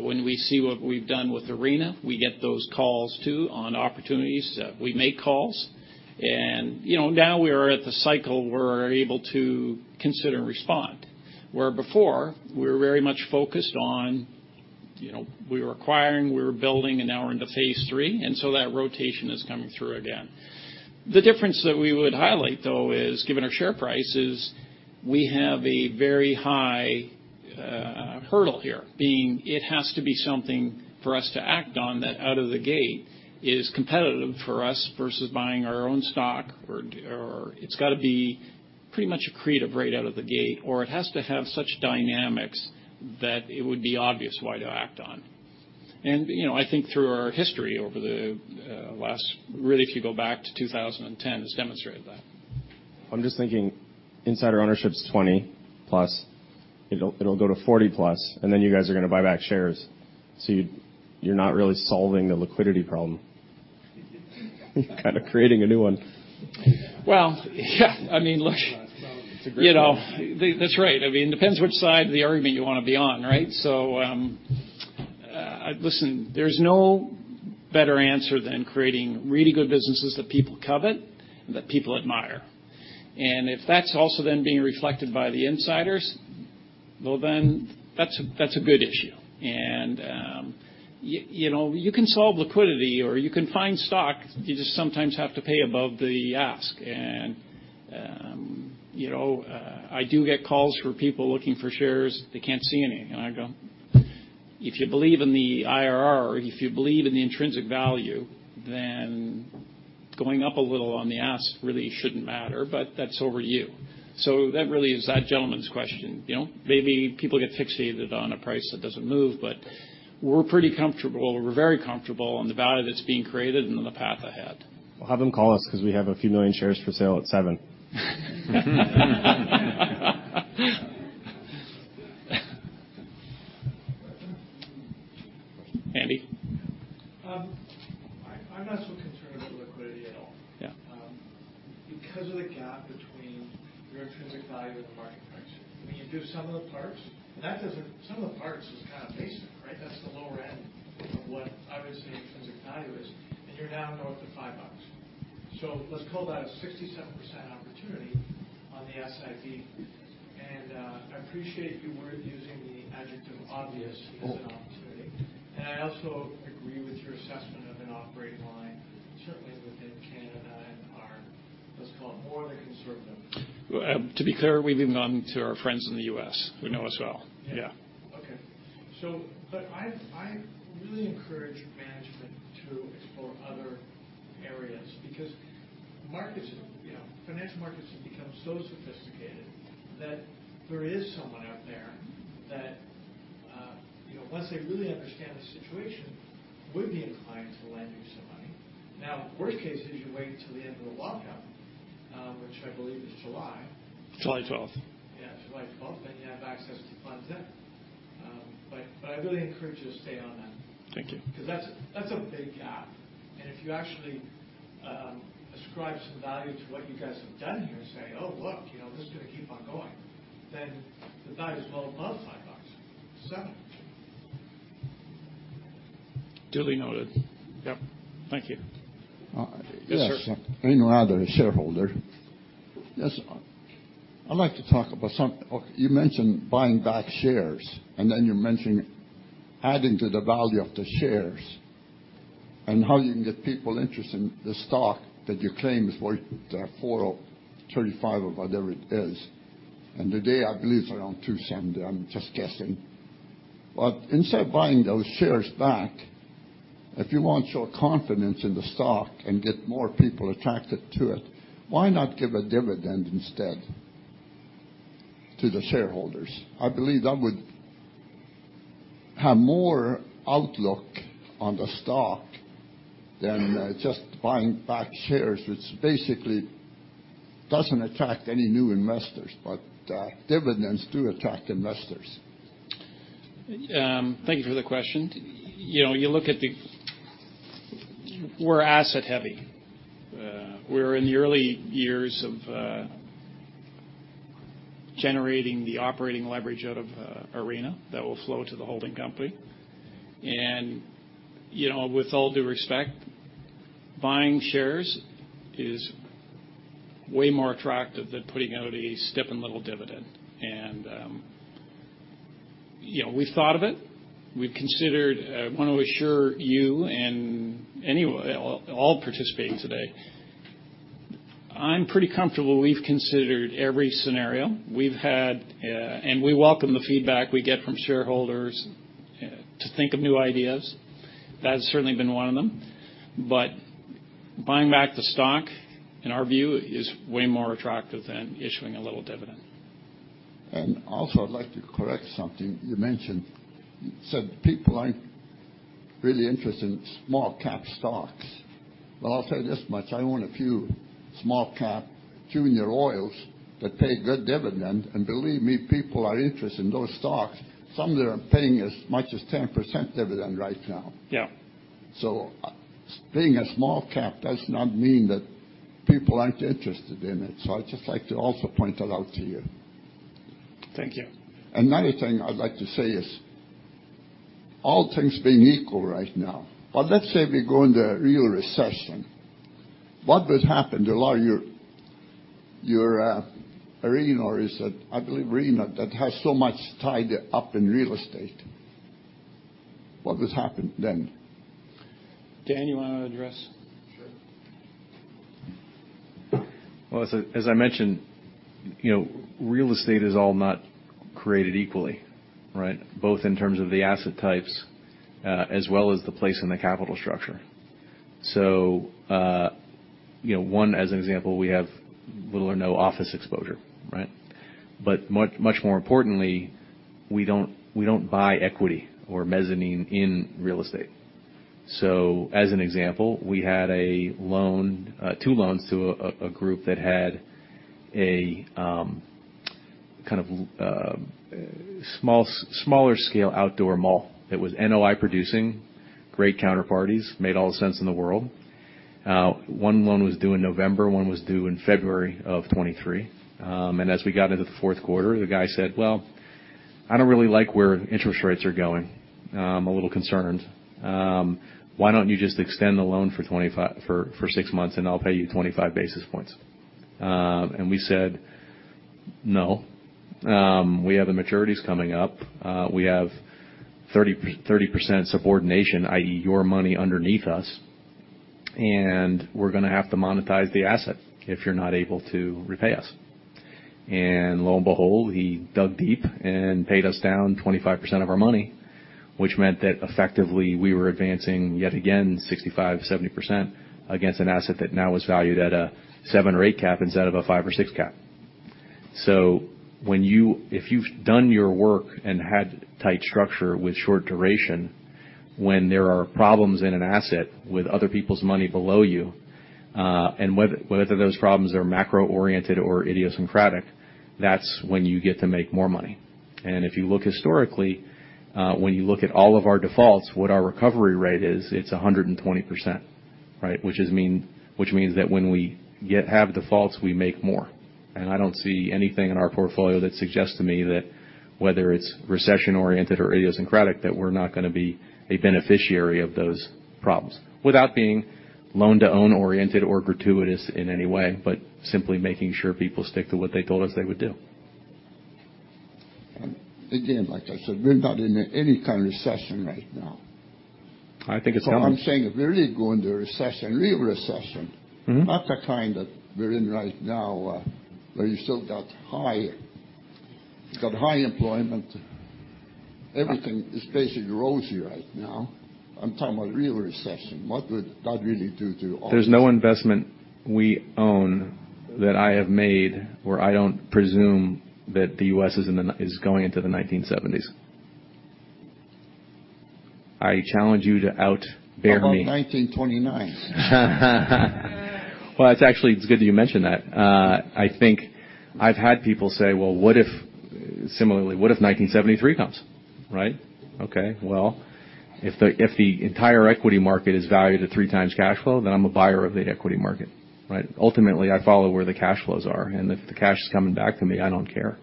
When we see what we've done with Arena, we get those calls too on opportunities. We make calls. You know, now we are at the cycle we're able to consider and respond. Where before, we were very much focused on, you know, we were acquiring, we were building, and now we're into phase three. That rotation is coming through again. The difference that we would highlight, though, is, given our share prices, we have a very high, hurdle here, being it has to be something for us to act on that out of the gate is competitive for us versus buying our own stock or it's gotta be pretty much accretive right out of the gate, or it has to have such dynamics that it would be obvious why to act on. You know, I think through our history over the, really, if you go back to 2010, it's demonstrated that. I'm just thinking, insider ownership's 20+. It'll go to 40+. You guys are gonna buy back shares. You're not really solving the liquidity problem. You're kinda creating a new one. Well, yeah. I mean. That's a great one. You know, that's right. I mean, depends which side of the argument you wanna be on, right? Listen, there's no better answer than creating really good businesses that people covet and that people admire. If that's also then being reflected by the insiders, well, then, that's a good issue. You know, you can solve liquidity or you can find stock. You just sometimes have to pay above the ask. You know, I do get calls for people looking for shares. They can't see any. I go, "If you believe in the IRR, if you believe in the intrinsic value, then going up a little on the ask really shouldn't matter, but that's over you." That really is that gentleman's question, you know? Maybe people get fixated on a price that doesn't move, but we're pretty comfortable. We're very comfortable on the value that's being created and on the path ahead. Well, have them call us 'cause we have a few million shares for sale at 7. Andy? I'm not so concerned about liquidity at all. Yeah. Because of the gap between your intrinsic value and the market price. I mean, you do some of the parts, and some of the parts is kind of basic, right? That's the lower end of what I would say intrinsic value is, and you're now north of 5 bucks. Let's call that a 67% opportunity on the SIV. I appreciate you were using the adjective obvious as an opportunity. Mm. I also agree with your assessment of an operating line, certainly within Canada and our, let's call it more of the conservative- To be clear, we've even gone to our friends in the U.S. who know us well. Yeah. Yeah. I really encourage management to explore other areas because markets, you know, financial markets have become so sophisticated that there is someone out there that, you know, once they really understand the situation, would be inclined to lend you some money. Worst case is you wait until the end of the lockout, which I believe is July. July 12th. Yeah, July 12th, then you have access to funds then. I really encourage you to stay on that. Thank you. Cause that's a big gap. If you actually ascribe some value to what you guys have done here and say, "Oh, look, you know, this is gonna keep on going," the value is well above $5. $7. Duly noted. Yep. Thank you. Yes. Yes, sir. I know I'm a shareholder. Yes, I'd like to talk about some. Okay, you mentioned buying back shares, and then you're mentioning adding to the value of the shares and how you can get people interested in the stock that you claim is worth, $35 or whatever it is. Today, I believe it's around $270. I'm just guessing. Instead of buying those shares back- If you want to show confidence in the stock and get more people attracted to it, why not give a dividend instead to the shareholders? I believe that would have more outlook on the stock than just buying back shares, which basically doesn't attract any new investors. Dividends do attract investors. Thank you for the question. You know, you look at. We're asset heavy. We're in the early years of generating the operating leverage out of Arena that will flow to the holding company. You know, with all due respect, buying shares is way more attractive than putting out a stipend little dividend. You know, we've thought of it, we've considered. I want to assure you and anyone, all participating today, I'm pretty comfortable we've considered every scenario we've had. We welcome the feedback we get from shareholders to think of new ideas. That has certainly been one of them. Buying back the stock, in our view, is way more attractive than issuing a little dividend. Also I'd like to correct something you mentioned. You said people aren't really interested in small cap stocks. Well, I'll tell you this much. I own a few small cap junior oils that pay good dividend. Believe me, people are interested in those stocks. Some of them are paying as much as 10% dividend right now. Yeah. Being a small cap does not mean that people aren't interested in it. I'd just like to also point that out to you. Thank you. Another thing I'd like to say is, all things being equal right now, but let's say we go into a real recession. What would happen to a lot of your Arena or is it, I believe Arena that has so much tied up in real estate? What would happen then? Dan, you want to address? Sure. Well, as I, as I mentioned, you know, real estate is all not created equally, right. Both in terms of the asset types, as well as the place in the capital structure. You know, one, as an example, we have little or no office exposure, right? Much, much more importantly, we don't buy equity or mezzanine in real estate. As an example, we had a loan, two loans to a group that had a kind of smaller scale outdoor mall that was NOI producing. Great counterparties, made all sense in the world. One loan was due in November, one was due in February of 23. As we got into the fourth quarter, the guy said, "Well, I don't really like where interest rates are going. I'm a little concerned. Why don't you just extend the loan for 6 months, and I'll pay you 25 basis points?" We said, "No, we have the maturities coming up. We have 30% subordination, i.e. your money underneath us, and we're gonna have to monetize the asset if you're not able to repay us." Lo and behold, he dug deep and paid us down 25% of our money, which meant that effectively we were advancing yet again, 65%-70% against an asset that now was valued at a seven or eight cap instead of a five or six cap. If you've done your work and had tight structure with short duration, when there are problems in an asset with other people's money below you, and whether those problems are macro-oriented or idiosyncratic, that's when you get to make more money. If you look historically, when you look at all of our defaults, what our recovery rate is, it's 120%, right? Which means that when we have defaults, we make more. I don't see anything in our portfolio that suggests to me that whether it's recession-oriented or idiosyncratic, that we're not gonna be a beneficiary of those problems. Without being loan-to-own oriented or gratuitous in any way, but simply making sure people stick to what they told us they would do. Like I said, we're not in any kind of recession right now. I think it's coming. No, I'm saying if we really go into a recession, real recession- Mm-hmm. not the kind that we're in right now, where you still got high employment. Everything is basically rosy right now. I'm talking about real recession. What would that really do to all this? There's no investment we own that I have made where I don't presume that the U.S. is going into the 1970s. I challenge you to outbear me. How about 1929? Well, it's actually, it's good that you mention that. I think I've had people say, "Well, what if, similarly, what if 1973 comes?" Right? Okay. Well, if the entire equity market is valued at three times cash flow, then I'm a buyer of the equity market, right? Ultimately, I follow where the cash flows are. If the cash is coming back to me, I don't care.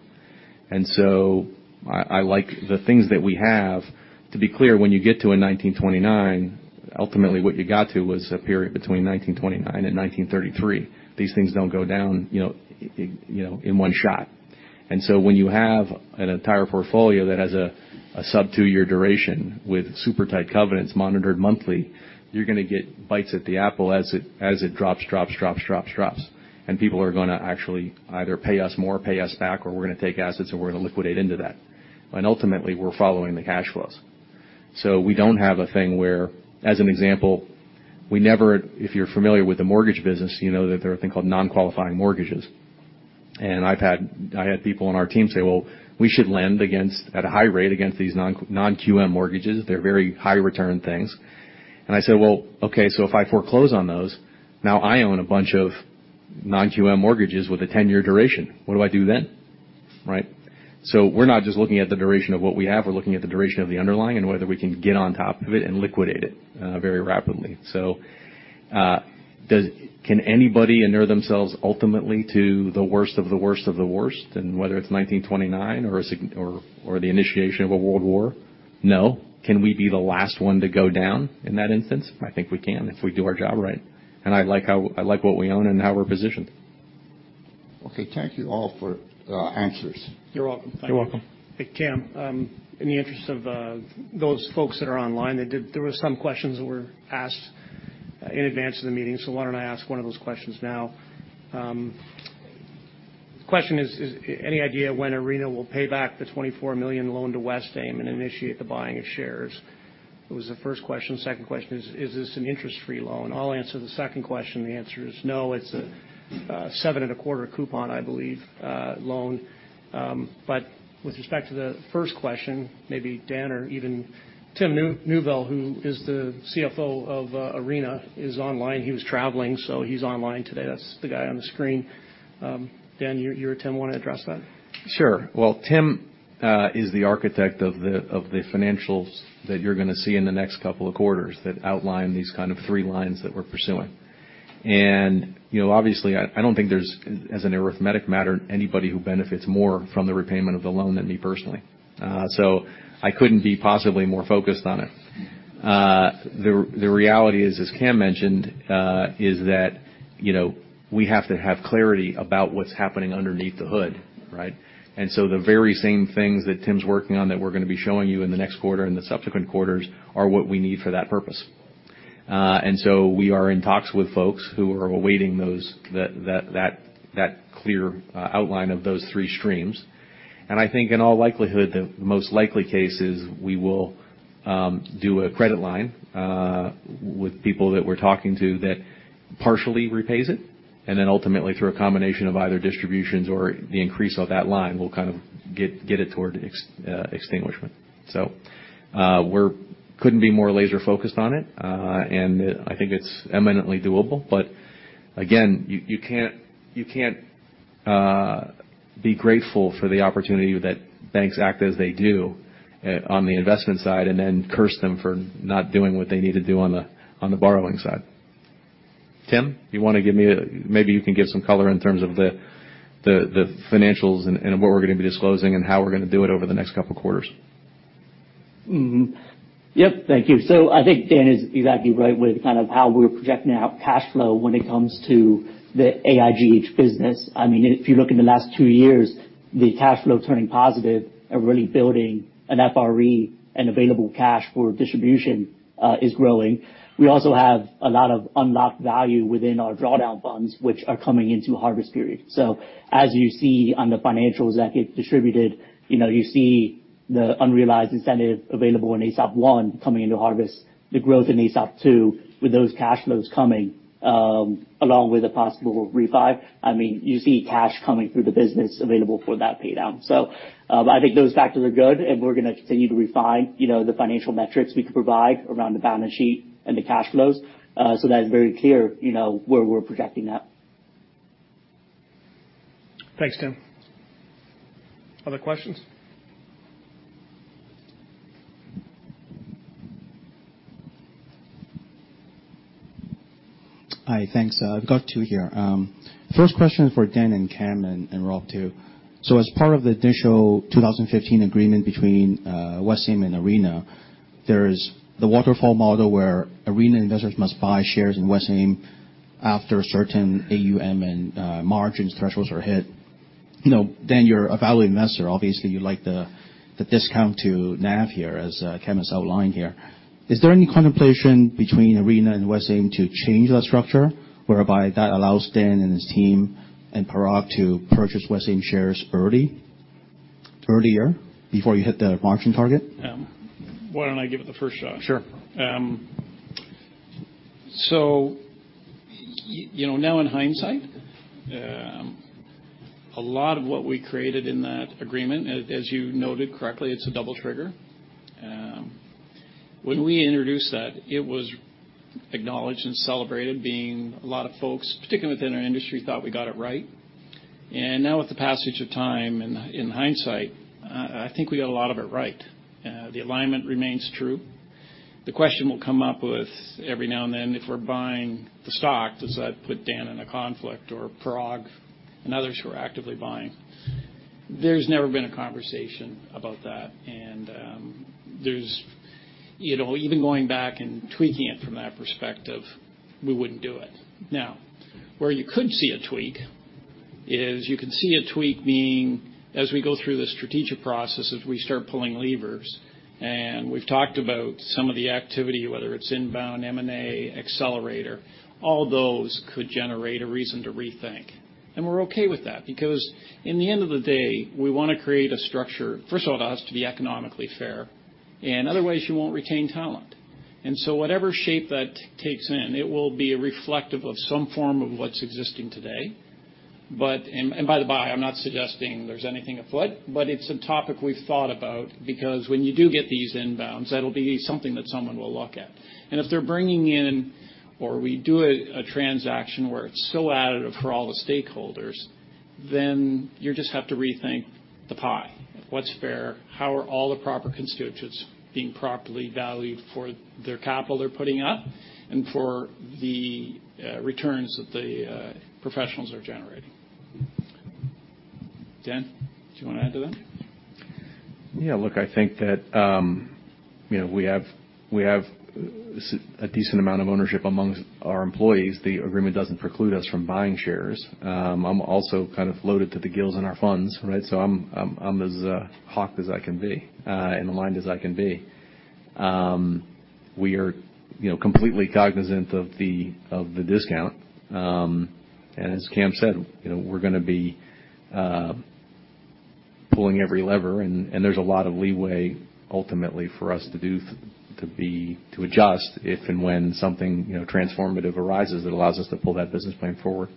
I like the things that we have. To be clear, when you get to a 1929, ultimately what you got to was a period between 1929 and 1933. These things don't go down, you know, in one shot. When you have an entire portfolio that has a sub-two-year duration with super tight covenants monitored monthly, you're gonna get bites at the apple as it drops. People are gonna actually either pay us more, pay us back, or we're gonna take assets and we're gonna liquidate into that. Ultimately, we're following the cash flows. We don't have a thing where, as an example, if you're familiar with the mortgage business, you know that there are a thing called non-qualifying mortgages. I had people on our team say, "Well, we should lend against, at a high rate against these non-QM mortgages. They're very high return things." I said, "Well, okay, so if I foreclose on those, now I own a bunch of non-QM mortgages with a 10-year duration. What do I do then?" Right? We're not just looking at the duration of what we have, we're looking at the duration of the underlying and whether we can get on top of it and liquidate it very rapidly. Can anybody inure themselves ultimately to the worst of the worst of the worst, and whether it's 1929 or the initiation of a World War? No. Can we be the last one to go down in that instance? I think we can, if we do our job right. I like what we own and how we're positioned. Okay. Thank you all for answers. You're welcome. You're welcome. Hey, Cam. In the interest of those folks that are online, there were some questions that were asked in advance of the meeting, why don't I ask one of those questions now. Question is, any idea when Arena will pay back the $24 million loan to Westaim and initiate the buying of shares? It was the first question. Second question is this an interest-free loan? I'll answer the second question. The answer is no. It's a 7.25% coupon, I believe, loan. With respect to the first question, maybe Dan or even Tim Newville, who is the CFO of Arena, is online. He was traveling, he's online today. That's the guy on the screen. Dan, you or Tim wanna address that? Sure. Well, Tim is the architect of the financials that you're gonna see in the next couple of quarters that outline these kind of three lines that we're pursuing. You know, obviously, I don't think there's, as an arithmetic matter, anybody who benefits more from the repayment of the loan than me personally. I couldn't be possibly more focused on it. The reality is, as Cam mentioned, is that, you know, we have to have clarity about what's happening underneath the hood, right? The very same things that Tim's working on that we're gonna be showing you in the next quarter and the subsequent quarters are what we need for that purpose. We are in talks with folks who are awaiting those, that clear outline of those three streams. I think in all likelihood, the most likely case is we will do a credit line with people that we're talking to that partially repays it, and then ultimately, through a combination of either distributions or the increase of that line, we'll kind of get it toward extinguishment. We couldn't be more laser-focused on it, and I think it's eminently doable. Again, you can't, you can't be grateful for the opportunity that banks act as they do on the investment side and then curse them for not doing what they need to do on the borrowing side. Tim, you wanna give me. Maybe you can give some color in terms of the financials and what we're gonna be disclosing and how we're gonna do it over the next couple of quarters. Yep. Thank you. I think Dan is exactly right with kind of how we're projecting our cash flow when it comes to the AIGH business. I mean, if you look in the last two years, the cash flow turning positive and really building an FRE and available cash for distribution, is growing. We also have a lot of unlocked value within our drawdown funds, which are coming into a harvest period. As you see on the financials that get distributed, you know, you see the unrealized incentive available in ASOP I coming into harvest, the growth in ASOP II with those cash flows coming, along with a possible refi. I mean, you see cash coming through the business available for that pay down. I think those factors are good, and we're gonna continue to refine, you know, the financial metrics we can provide around the balance sheet and the cash flows, so that it's very clear, you know, where we're projecting that. Thanks, Tim. Other questions? Hi. Thanks. I've got two here. First question is for Dan and Cam and Rob, too. As part of the initial 2015 agreement between Westaim and Arena, there is the waterfall model where Arena Investors must buy shares in Westaim after a certain AUM and margins thresholds are hit. You know, Dan, you're a value investor, obviously, you like the discount to NAV here, as Cam has outlined here. Is there any contemplation between Arena and Westaim to change that structure whereby that allows Dan and his team and Parag to purchase Westaim shares early, earlier before you hit the margin target? Why don't I give it the first shot? Sure. You know, now in hindsight, a lot of what we created in that agreement, as you noted correctly, it's a double trigger. When we introduced that, it was acknowledged and celebrated being a lot of folks, particularly within our industry, thought we got it right. Now with the passage of time and in hindsight, I think we got a lot of it right. The alignment remains true. The question will come up with every now and then, if we're buying the stock, does that put Dan in a conflict or Parag and others who are actively buying? There's never been a conversation about that. There's... You know, even going back and tweaking it from that perspective, we wouldn't do it. Where you could see a tweak is you can see a tweak being as we go through the strategic processes, we start pulling levers. We've talked about some of the activity, whether it's inbound, M&A, accelerator, all those could generate a reason to rethink. We're okay with that because in the end of the day, we want to create a structure. First of all, it has to be economically fair. Otherwise, you won't retain talent. Whatever shape that takes in, it will be reflective of some form of what's existing today. By the by, I'm not suggesting there's anything afoot, but it's a topic we've thought about because when you do get these inbounds, that'll be something that someone will look at. If they're bringing in or we do a transaction where it's so additive for all the stakeholders, then you just have to rethink the pie. What's fair? How are all the proper constituents being properly valued for their capital they're putting up and for the returns that the professionals are generating? Dan, do you wanna add to that? Look, I think that, you know, we have a decent amount of ownership amongst our employees. The agreement doesn't preclude us from buying shares. I'm also kind of loaded to the gills in our funds, right? I'm as hawked as I can be and aligned as I can be. We are, you know, completely cognizant of the discount. As Cam said, you know, we're gonna be pulling every lever and there's a lot of leeway ultimately for us to adjust if and when something, you know, transformative arises that allows us to pull that business plan forward.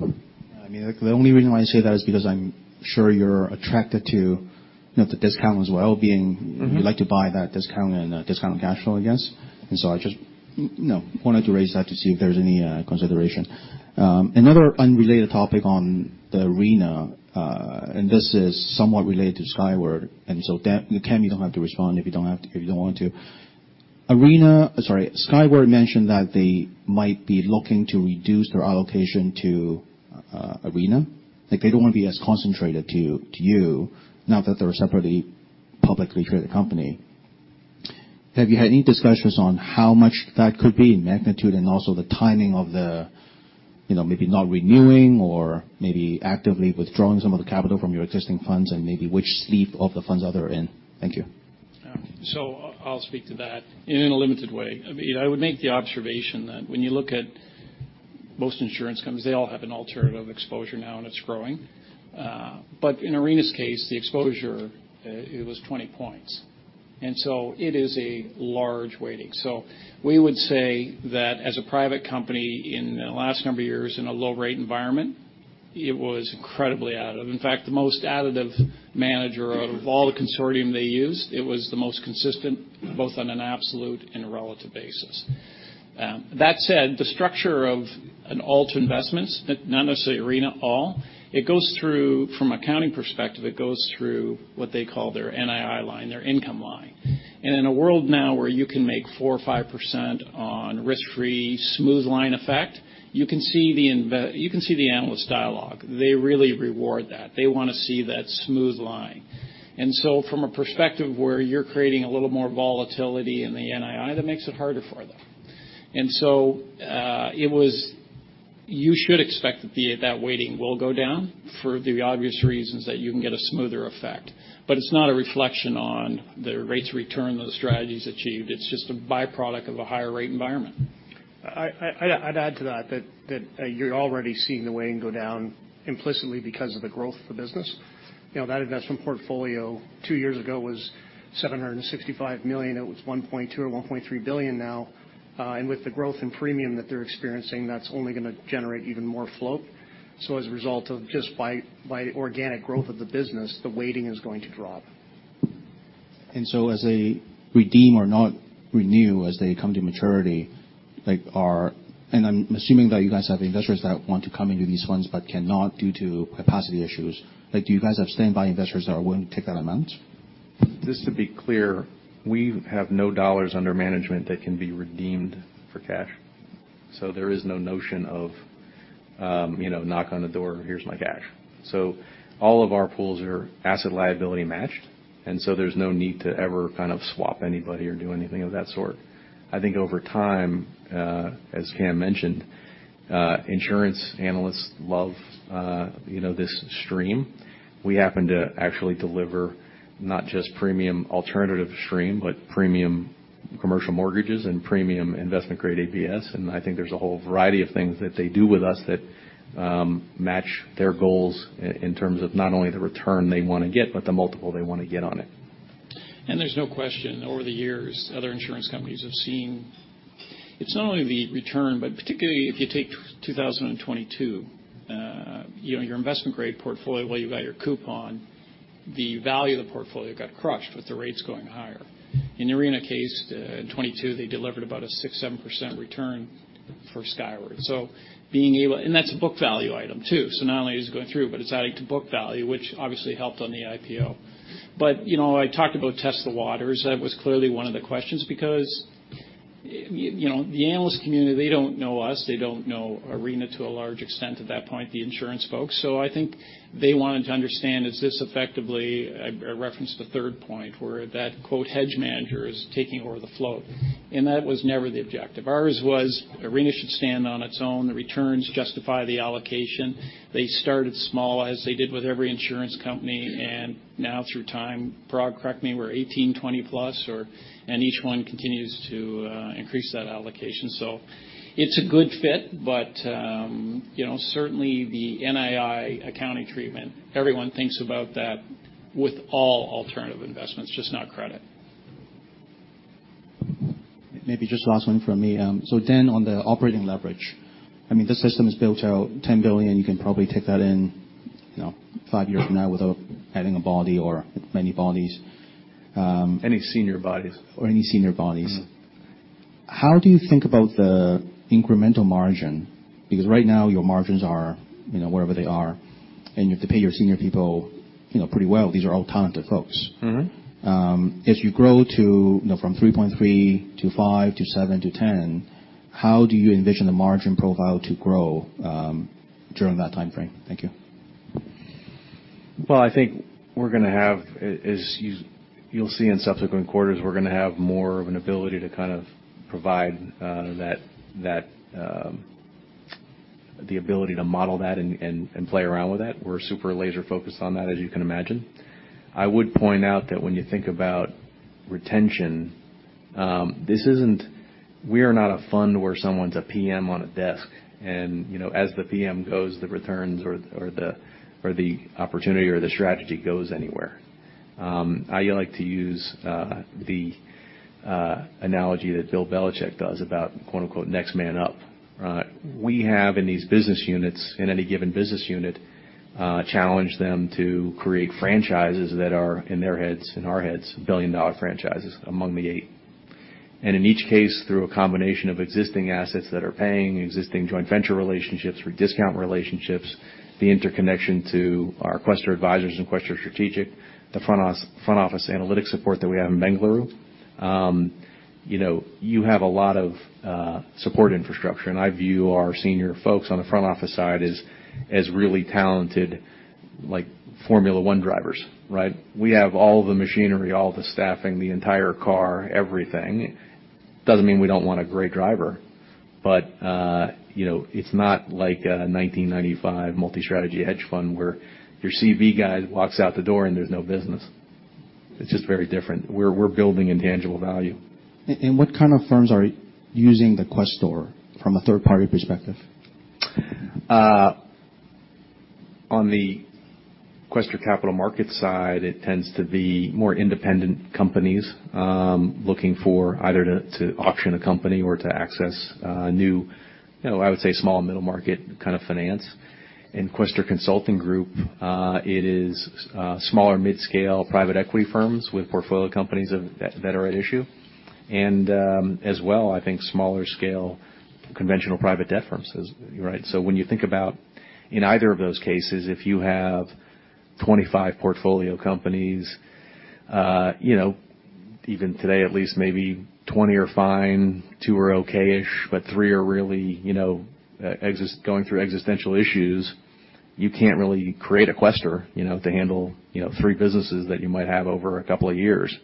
I mean, the only reason why I say that is because I'm sure you're attracted to, you know, the discount as well-being. Mm-hmm. You'd like to buy that discount and discount of cash flow, I guess. I just, you know, wanted to raise that to see if there's any consideration. Another unrelated topic on the Arena, and this is somewhat related to Skyward. Cam, you don't have to respond if you don't have to, if you don't want to. Sorry, Skyward mentioned that they might be looking to reduce their allocation to Arena. Like, they don't wanna be as concentrated to you now that they're a separately publicly traded company. Have you had any discussions on how much that could be in magnitude and also the timing of the, you know, maybe not renewing or maybe actively withdrawing some of the capital from your existing funds and maybe which sleeve of the funds are they in? Thank you. I'll speak to that in a limited way. I mean, I would make the observation that when you look at most insurance companies, they all have an alternative exposure now, and it's growing. In Arena's case, the exposure, it was 20 points. It is a large weighting. We would say that as a private company in the last number of years in a low-rate environment, it was incredibly additive. In fact, the most additive manager out of all the consortium they used, it was the most consistent both on an absolute and a relative basis. That said, the structure of an alt investments, not necessarily Arena Alt, it goes through from accounting perspective, it goes through what they call their NII line, their income line. In a world now where you can make 4% or 5% on risk-free smooth line effect, you can see the analyst dialogue. They really reward that. They wanna see that smooth line. From a perspective where you're creating a little more volatility in the NII, that makes it harder for them. You should expect that weighting will go down for the obvious reasons that you can get a smoother effect. It's not a reflection on the rates return those strategies achieved. It's just a byproduct of a higher rate environment. I'd add to that you're already seeing the weighting go down implicitly because of the growth of the business. You know, that investment portfolio two years ago was $765 million. It was $1.2 billion or $1.3 billion now. With the growth in premium that they're experiencing, that's only gonna generate even more float. As a result of just by organic growth of the business, the weighting is going to drop. As they redeem or not renew as they come to maturity, like and I'm assuming that you guys have investors that want to come into these funds but cannot due to capacity issues. Like, do you guys have standby investors that are willing to take that amount? Just to be clear, we have no dollars under management that can be redeemed for cash. There is no notion of, you know, knock on the door, here's my cash. All of our pools are asset liability matched, and so there's no need to ever kind of swap anybody or do anything of that sort. I think over time, as Cam mentioned, insurance analysts love, you know, this stream. We happen to actually deliver not just premium alternative stream, but premium commercial mortgages and premium investment grade ABS. I think there's a whole variety of things that they do with us that match their goals in terms of not only the return they wanna get, but the multiple they wanna get on it. There's no question, over the years, other insurance companies have seen. It's not only the return, but particularly if you take 2022, you know, your investment grade portfolio, while you've got your coupon, the value of the portfolio got crushed with the rates going higher. In Arena case, in 22, they delivered about a 6%, 7% return for Skyward. Being able. That's a book value item too. Not only is it going through, but it's adding to book value, which obviously helped on the IPO. You know, I talked about test the waters. That was clearly one of the questions because, you know, the analyst community, they don't know us. They don't know Arena to a large extent at that point, the insurance folks. I think they wanted to understand, is this effectively a reference to the Third Point where that, quote, "hedge manager" is taking over the float. That was never the objective. Ours was Arena should stand on its own. The returns justify the allocation. They started small as they did with every insurance company, and now through time, Parag, correct me, we're 18, 20-plus or... Each one continues to increase that allocation. It's a good fit, but, you know, certainly the NII accounting treatment, everyone thinks about that with all alternative investments, just not credit. Maybe just last one from me. Dan, on the operating leverage, I mean, the system is built to 10 billion. You can probably take that in, you know, 5 years from now without adding a body or many bodies. Any senior bodies. Any senior bodies. Mm-hmm. How do you think about the incremental margin? Right now your margins are, you know, wherever they are, and you have to pay your senior people, you know, pretty well. These are all talented folks. Mm-hmm. As you grow to, you know, from 3.3%-5%-7%-10%, how do you envision the margin profile to grow during that time frame? Thank you. Well, I think we're gonna have as you'll see in subsequent quarters, we're gonna have more of an ability to kind of provide that, the ability to model that and play around with that. We're super laser focused on that, as you can imagine. I would point out that when you think about retention, We are not a fund where someone's a PM on a desk and, you know, as the PM goes, the returns or the opportunity or the strategy goes anywhere. I like to use the analogy that Bill Belichick does about quote unquote "next man up," right? We have in these business units, in any given business unit, challenge them to create franchises that are in their heads, in our heads, billion-dollar franchises among the eight. In each case, through a combination of existing assets that are paying existing joint venture relationships or discount relationships, the interconnection to our Quaestor Advisors and Quaestor Strategic, the front office analytics support that we have in Bengaluru. You know, you have a lot of support infrastructure, and I view our senior folks on the front office side as really talented, like Formula One drivers, right? We have all the machinery, all the staffing, the entire car, everything. Doesn't mean we don't want a great driver. You know, it's not like a 1995 multi-strategy hedge fund where your CV guy walks out the door and there's no business. It's just very different. We're building in tangible value. What kind of firms are using the Quaestor from a third-party perspective? On the Quaestor Capital Markets side, it tends to be more independent companies, looking for either to auction a company or to access new, you know, I would say small middle market kind of finance. In Quaestor Consulting Group, it is smaller mid-scale private equity firms with portfolio companies that are at issue. As well, I think smaller scale conventional private debt firms is, right? When you think about in either of those cases, if you have 25 portfolio companies, you know, even today, at least maybe 20 are fine, two are okay-ish, but three are really, you know, going through existential issues, you can't really create a Quaestor, you know, to handle, you know, three businesses that you might have over a couple of years.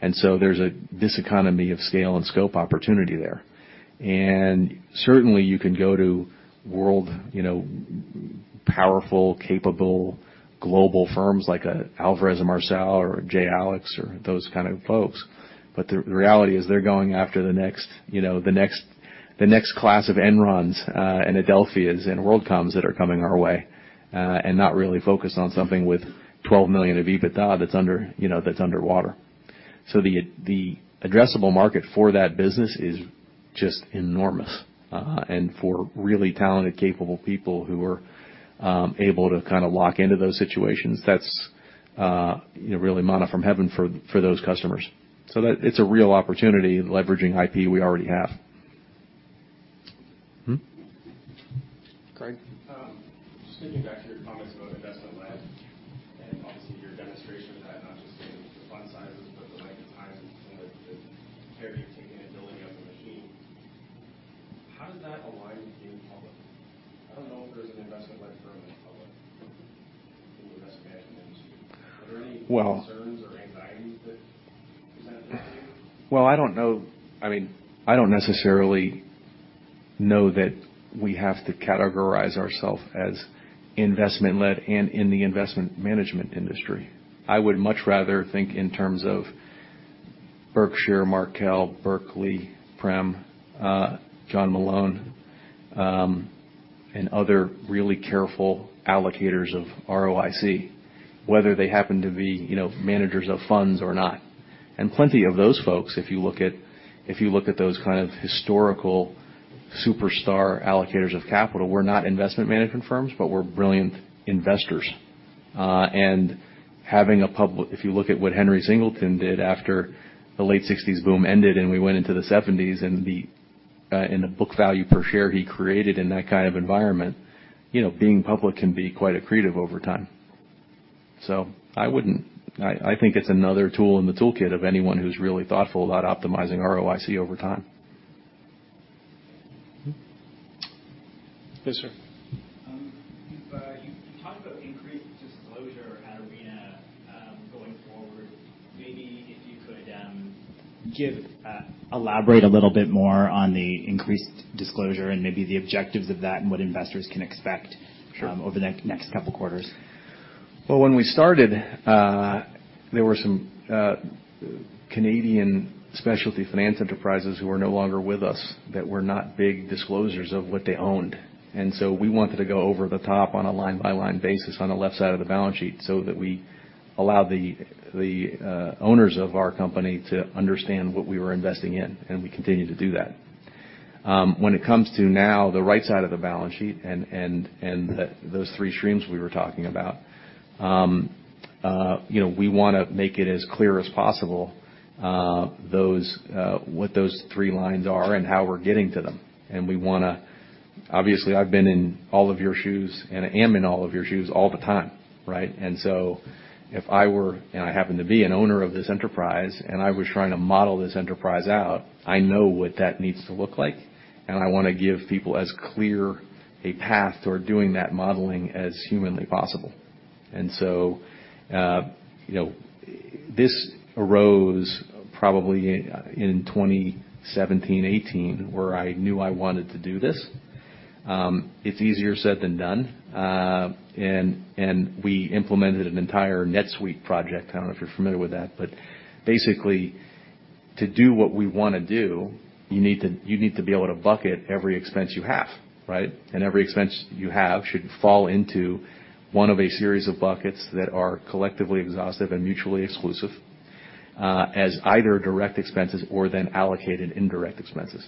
There's a diseconomy of scale and scope opportunity there. Certainly, you can go to world, you know, powerful, capable global firms like Alvarez & Marsal or J. Alex. or those kind of folks. The reality is they're going after the next, you know, the next, the next class of Enrons and Adelphias and WorldComs that are coming our way and not really focused on something with $12 million of EBITDA that's under, you know, that's underwater. The addressable market for that business is just enormous. And for really talented, capable people who are able to kinda lock into those situations, that's, you know, really manna from heaven for those customers. It's a real opportunity leveraging IP we already have. Craig? Just thinking back to your comments about investment-led and obviously your demonstration of that, not just in the fund sizes, but the magnet times and some of the care you're taking and building up the machine, how does that align with being public? I don't know if there's an investment-led firm in public in the investment management industry. Well- Are there any concerns or anxieties that present there to you? Well, I don't know. I mean, I don't necessarily know that we have to categorize ourself as investment-led and in the investment management industry. I would much rather think in terms of Berkshire, Markel, Berkeley, Prem, John Malone, and other really careful allocators of ROIC, whether they happen to be, you know, managers of funds or not. Plenty of those folks, if you look at those kind of historical superstar allocators of capital, were not investment management firms, but were brilliant investors. If you look at what Henry Singleton did after the late sixties boom ended and we went into the seventies and the book value per share he created in that kind of environment, you know, being public can be quite accretive over time. I think it's another tool in the toolkit of anyone who's really thoughtful about optimizing ROIC over time. Yes, sir. You've talked about increased disclosure at Arena going forward. Maybe if you could elaborate a little bit more on the increased disclosure and maybe the objectives of that and what investors can expect... Sure. over the next couple quarters. Well, when we started, there were some Canadian specialty finance enterprises who are no longer with us that were not big disclosures of what they owned. We wanted to go over the top on a line-by-line basis on the left side of the balance sheet so that we allow the owners of our company to understand what we were investing in, and we continue to do that. When it comes to now the right side of the balance sheet and those three streams we were talking about, you know, we want to make it as clear as possible, what those three lines are and how we're getting to them. We want to. Obviously, I've been in all of your shoes, and I am in all of your shoes all the time, right. If I were, and I happen to be an owner of this enterprise, and I was trying to model this enterprise out, I know what that needs to look like, and I wanna give people as clear a path toward doing that modeling as humanly possible. You know, this arose probably in 2017, 2018, where I knew I wanted to do this. It's easier said than done. And we implemented an entire NetSuite project. I don't know if you're familiar with that. Basically, to do what we wanna do, you need to be able to bucket every expense you have, right? Every expense you have should fall into one of a series of buckets that are collectively exhaustive and mutually exclusive, as either direct expenses or then allocated indirect expenses.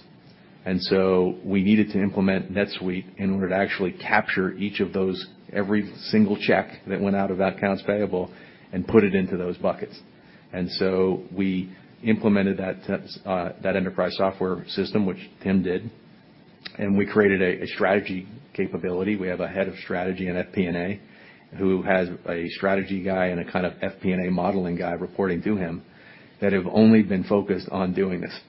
We needed to implement NetSuite in order to actually capture each of those, every single check that went out of that accounts payable and put it into those buckets. We implemented that enterprise software system, which Tim did, and we created a strategy capability. We have a head of strategy in FP&A who has a strategy guy and a kind of FP&A modeling guy reporting to him that have only been focused on doing this.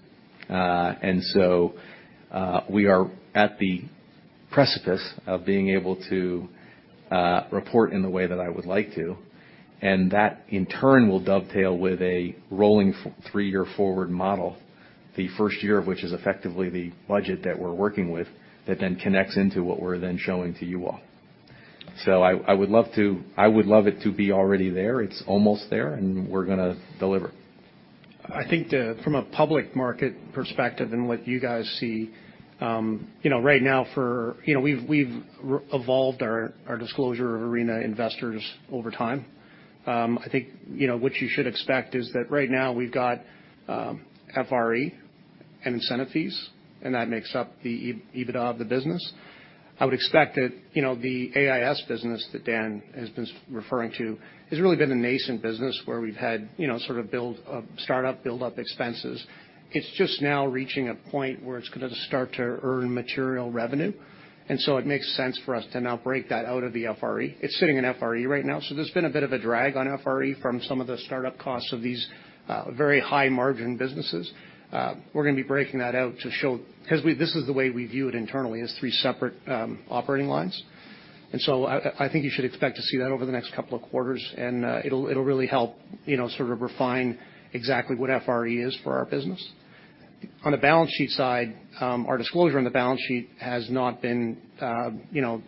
We are at the precipice of being able to report in the way that I would like to. That, in turn, will dovetail with a rolling three-year forward model, the first year of which is effectively the budget that we're working with that then connects into what we're then showing to you all. I would love it to be already there. It's almost there, and we're gonna deliver. I think from a public market perspective and what you guys see, you know, right now for. You know, we've evolved our disclosure of Arena Investors over time. I think, you know, what you should expect is that right now we've got FRE and incentive fees, and that makes up the EBITDA of the business. I would expect that, you know, the AIS business that Dan has been referring to, has really been a nascent business where we've had, you know, sort of build, startup, build-up expenses. It's just now reaching a point where it's gonna start to earn material revenue. It makes sense for us to now break that out of the FRE. It's sitting in FRE right now, so there's been a bit of a drag on FRE from some of the startup costs of these very high-margin businesses. We're gonna be breaking that out to show this is the way we view it internally, as three separate operating lines. I think you should expect to see that over the next couple of quarters, and it'll really help, you know, sort of refine exactly what FRE is for our business. On the balance sheet side, our disclosure on the balance sheet has not been, you know,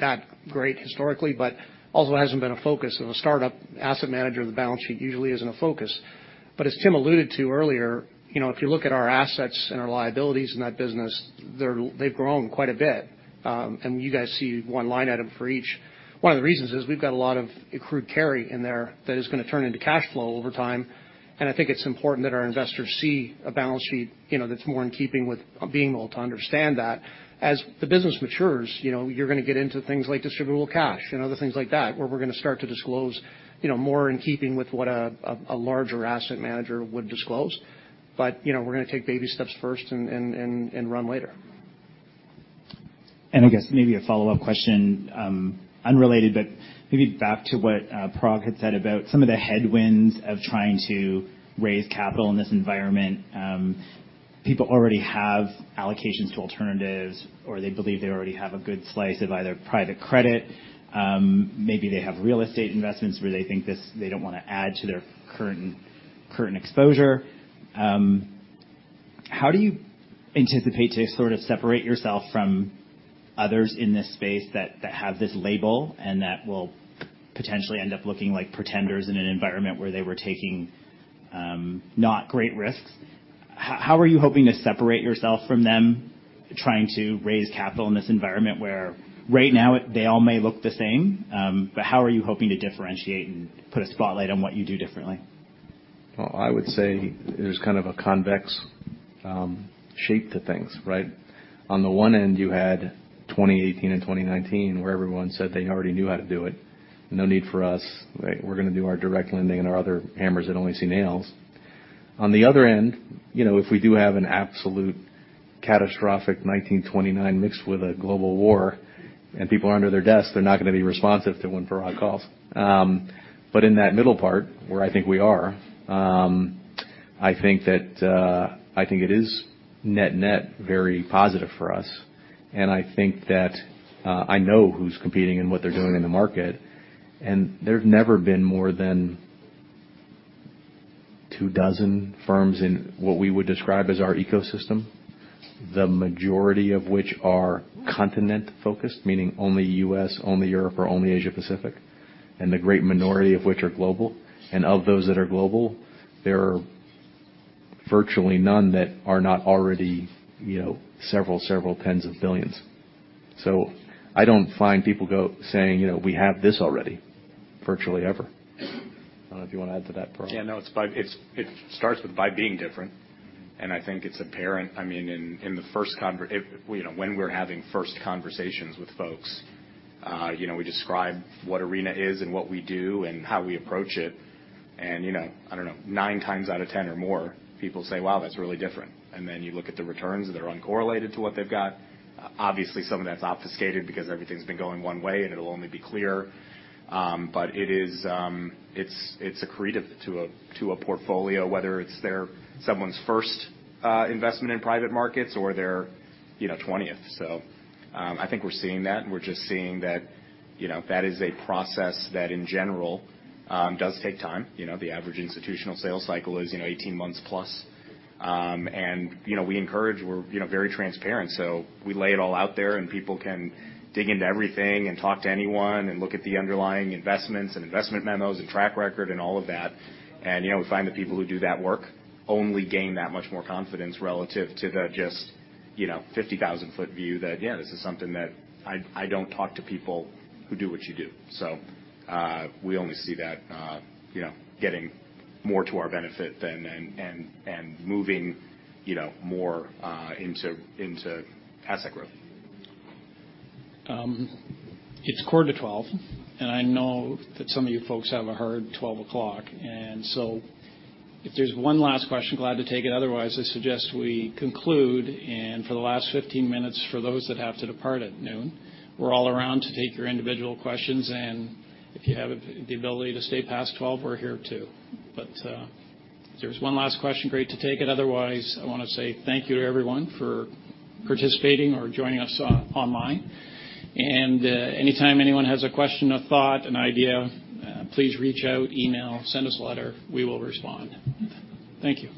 that great historically, but also hasn't been a focus. In a startup asset manager, the balance sheet usually isn't a focus. As Tim alluded to earlier, you know, if you look at our assets and our liabilities in that business, they've grown quite a bit. And you guys see one line item for each. One of the reasons is we've got a lot of accrued carry in there that is gonna turn into cash flow over time, and I think it's important that our investors see a balance sheet, you know, that's more in keeping with being able to understand that. As the business matures, you know, you're gonna get into things like distributable cash and other things like that, where we're gonna start to disclose, you know, more in keeping with what a larger asset manager would disclose. You know, we're gonna take baby steps first and run later. I guess maybe a follow-up question, unrelated, but maybe back to what Parag had said about some of the headwinds of trying to raise capital in this environment. People already have allocations to alternatives, or they believe they already have a good slice of either private credit, maybe they have real estate investments where they think this, they don't wanna add to their current exposure. How do you anticipate to sort of separate yourself from others in this space that have this label and that will potentially end up looking like pretenders in an environment where they were taking not great risks? How are you hoping to separate yourself from them trying to raise capital in this environment where right now they all may look the same, but how are you hoping to differentiate and put a spotlight on what you do differently? I would say there's kind of a convex shape to things, right? On the one end, you had 2018 and 2019, where everyone said they already knew how to do it. No need for us, right? We're gonna do our direct lending and our other hammers that only see nails. On the other end, you know, if we do have an absolute catastrophic 1929 mixed with a global war and people are under their desks, they're not gonna be responsive to when Parag calls. In that middle part, where I think we are, I think that I think it is net net very positive for us, and I think that I know who's competing and what they're doing in the market. There have never been more than 2 dozen firms in what we would describe as our ecosystem, the majority of which are continent-focused, meaning only U.S., only Europe, or only Asia-Pacific, and the great minority of which are global. Of those that are global, there are virtually none that are not already, you know, several tens of billions I don't find people saying, you know, we have this already virtually ever. I don't know if you wanna add to that, Parag? Yeah, no, it starts with by being different. I think it's apparent, in the first conversations with folks, we describe what Arena is and what we do and how we approach it. I don't know, 9 times out of 10 or more, people say, "Wow, that's really different." You look at the returns that are uncorrelated to what they've got. Obviously, some of that's obfuscated because everything's been going one way, and it'll only be clear. But it is. It's accretive to a portfolio, whether it's their someone's first investment in private markets or their twentieth. I think we're seeing that, and we're just seeing that, you know, that is a process that in general does take time. The average institutional sales cycle is, you know, 18 months plus. You know, we're, you know, very transparent. We lay it all out there, and people can dig into everything and talk to anyone and look at the underlying investments and investment memos and track record and all of that. You know, we find the people who do that work only gain that much more confidence relative to the just, you know, 50,000-foot view that this is something that I don't talk to people who do what you do. We only see that, you know, getting more to our benefit than, and moving, you know, more, into asset growth. It's 11:45 A.M., and I know that some of you folks have a hard 12:00 P.M. If there's one last question, glad to take it. Otherwise, I suggest we conclude, and for the last 15 minutes, for those that have to depart at 12:00 P.M., we're all around to take your individual questions, and if you have the ability to stay past 12:00 P.M., we're here too. If there's one last question, great to take it. Otherwise, I wanna say thank you to everyone for participating or joining us online. Anytime anyone has a question, a thought, an idea, please reach out, email, send us a letter, we will respond. Thank you.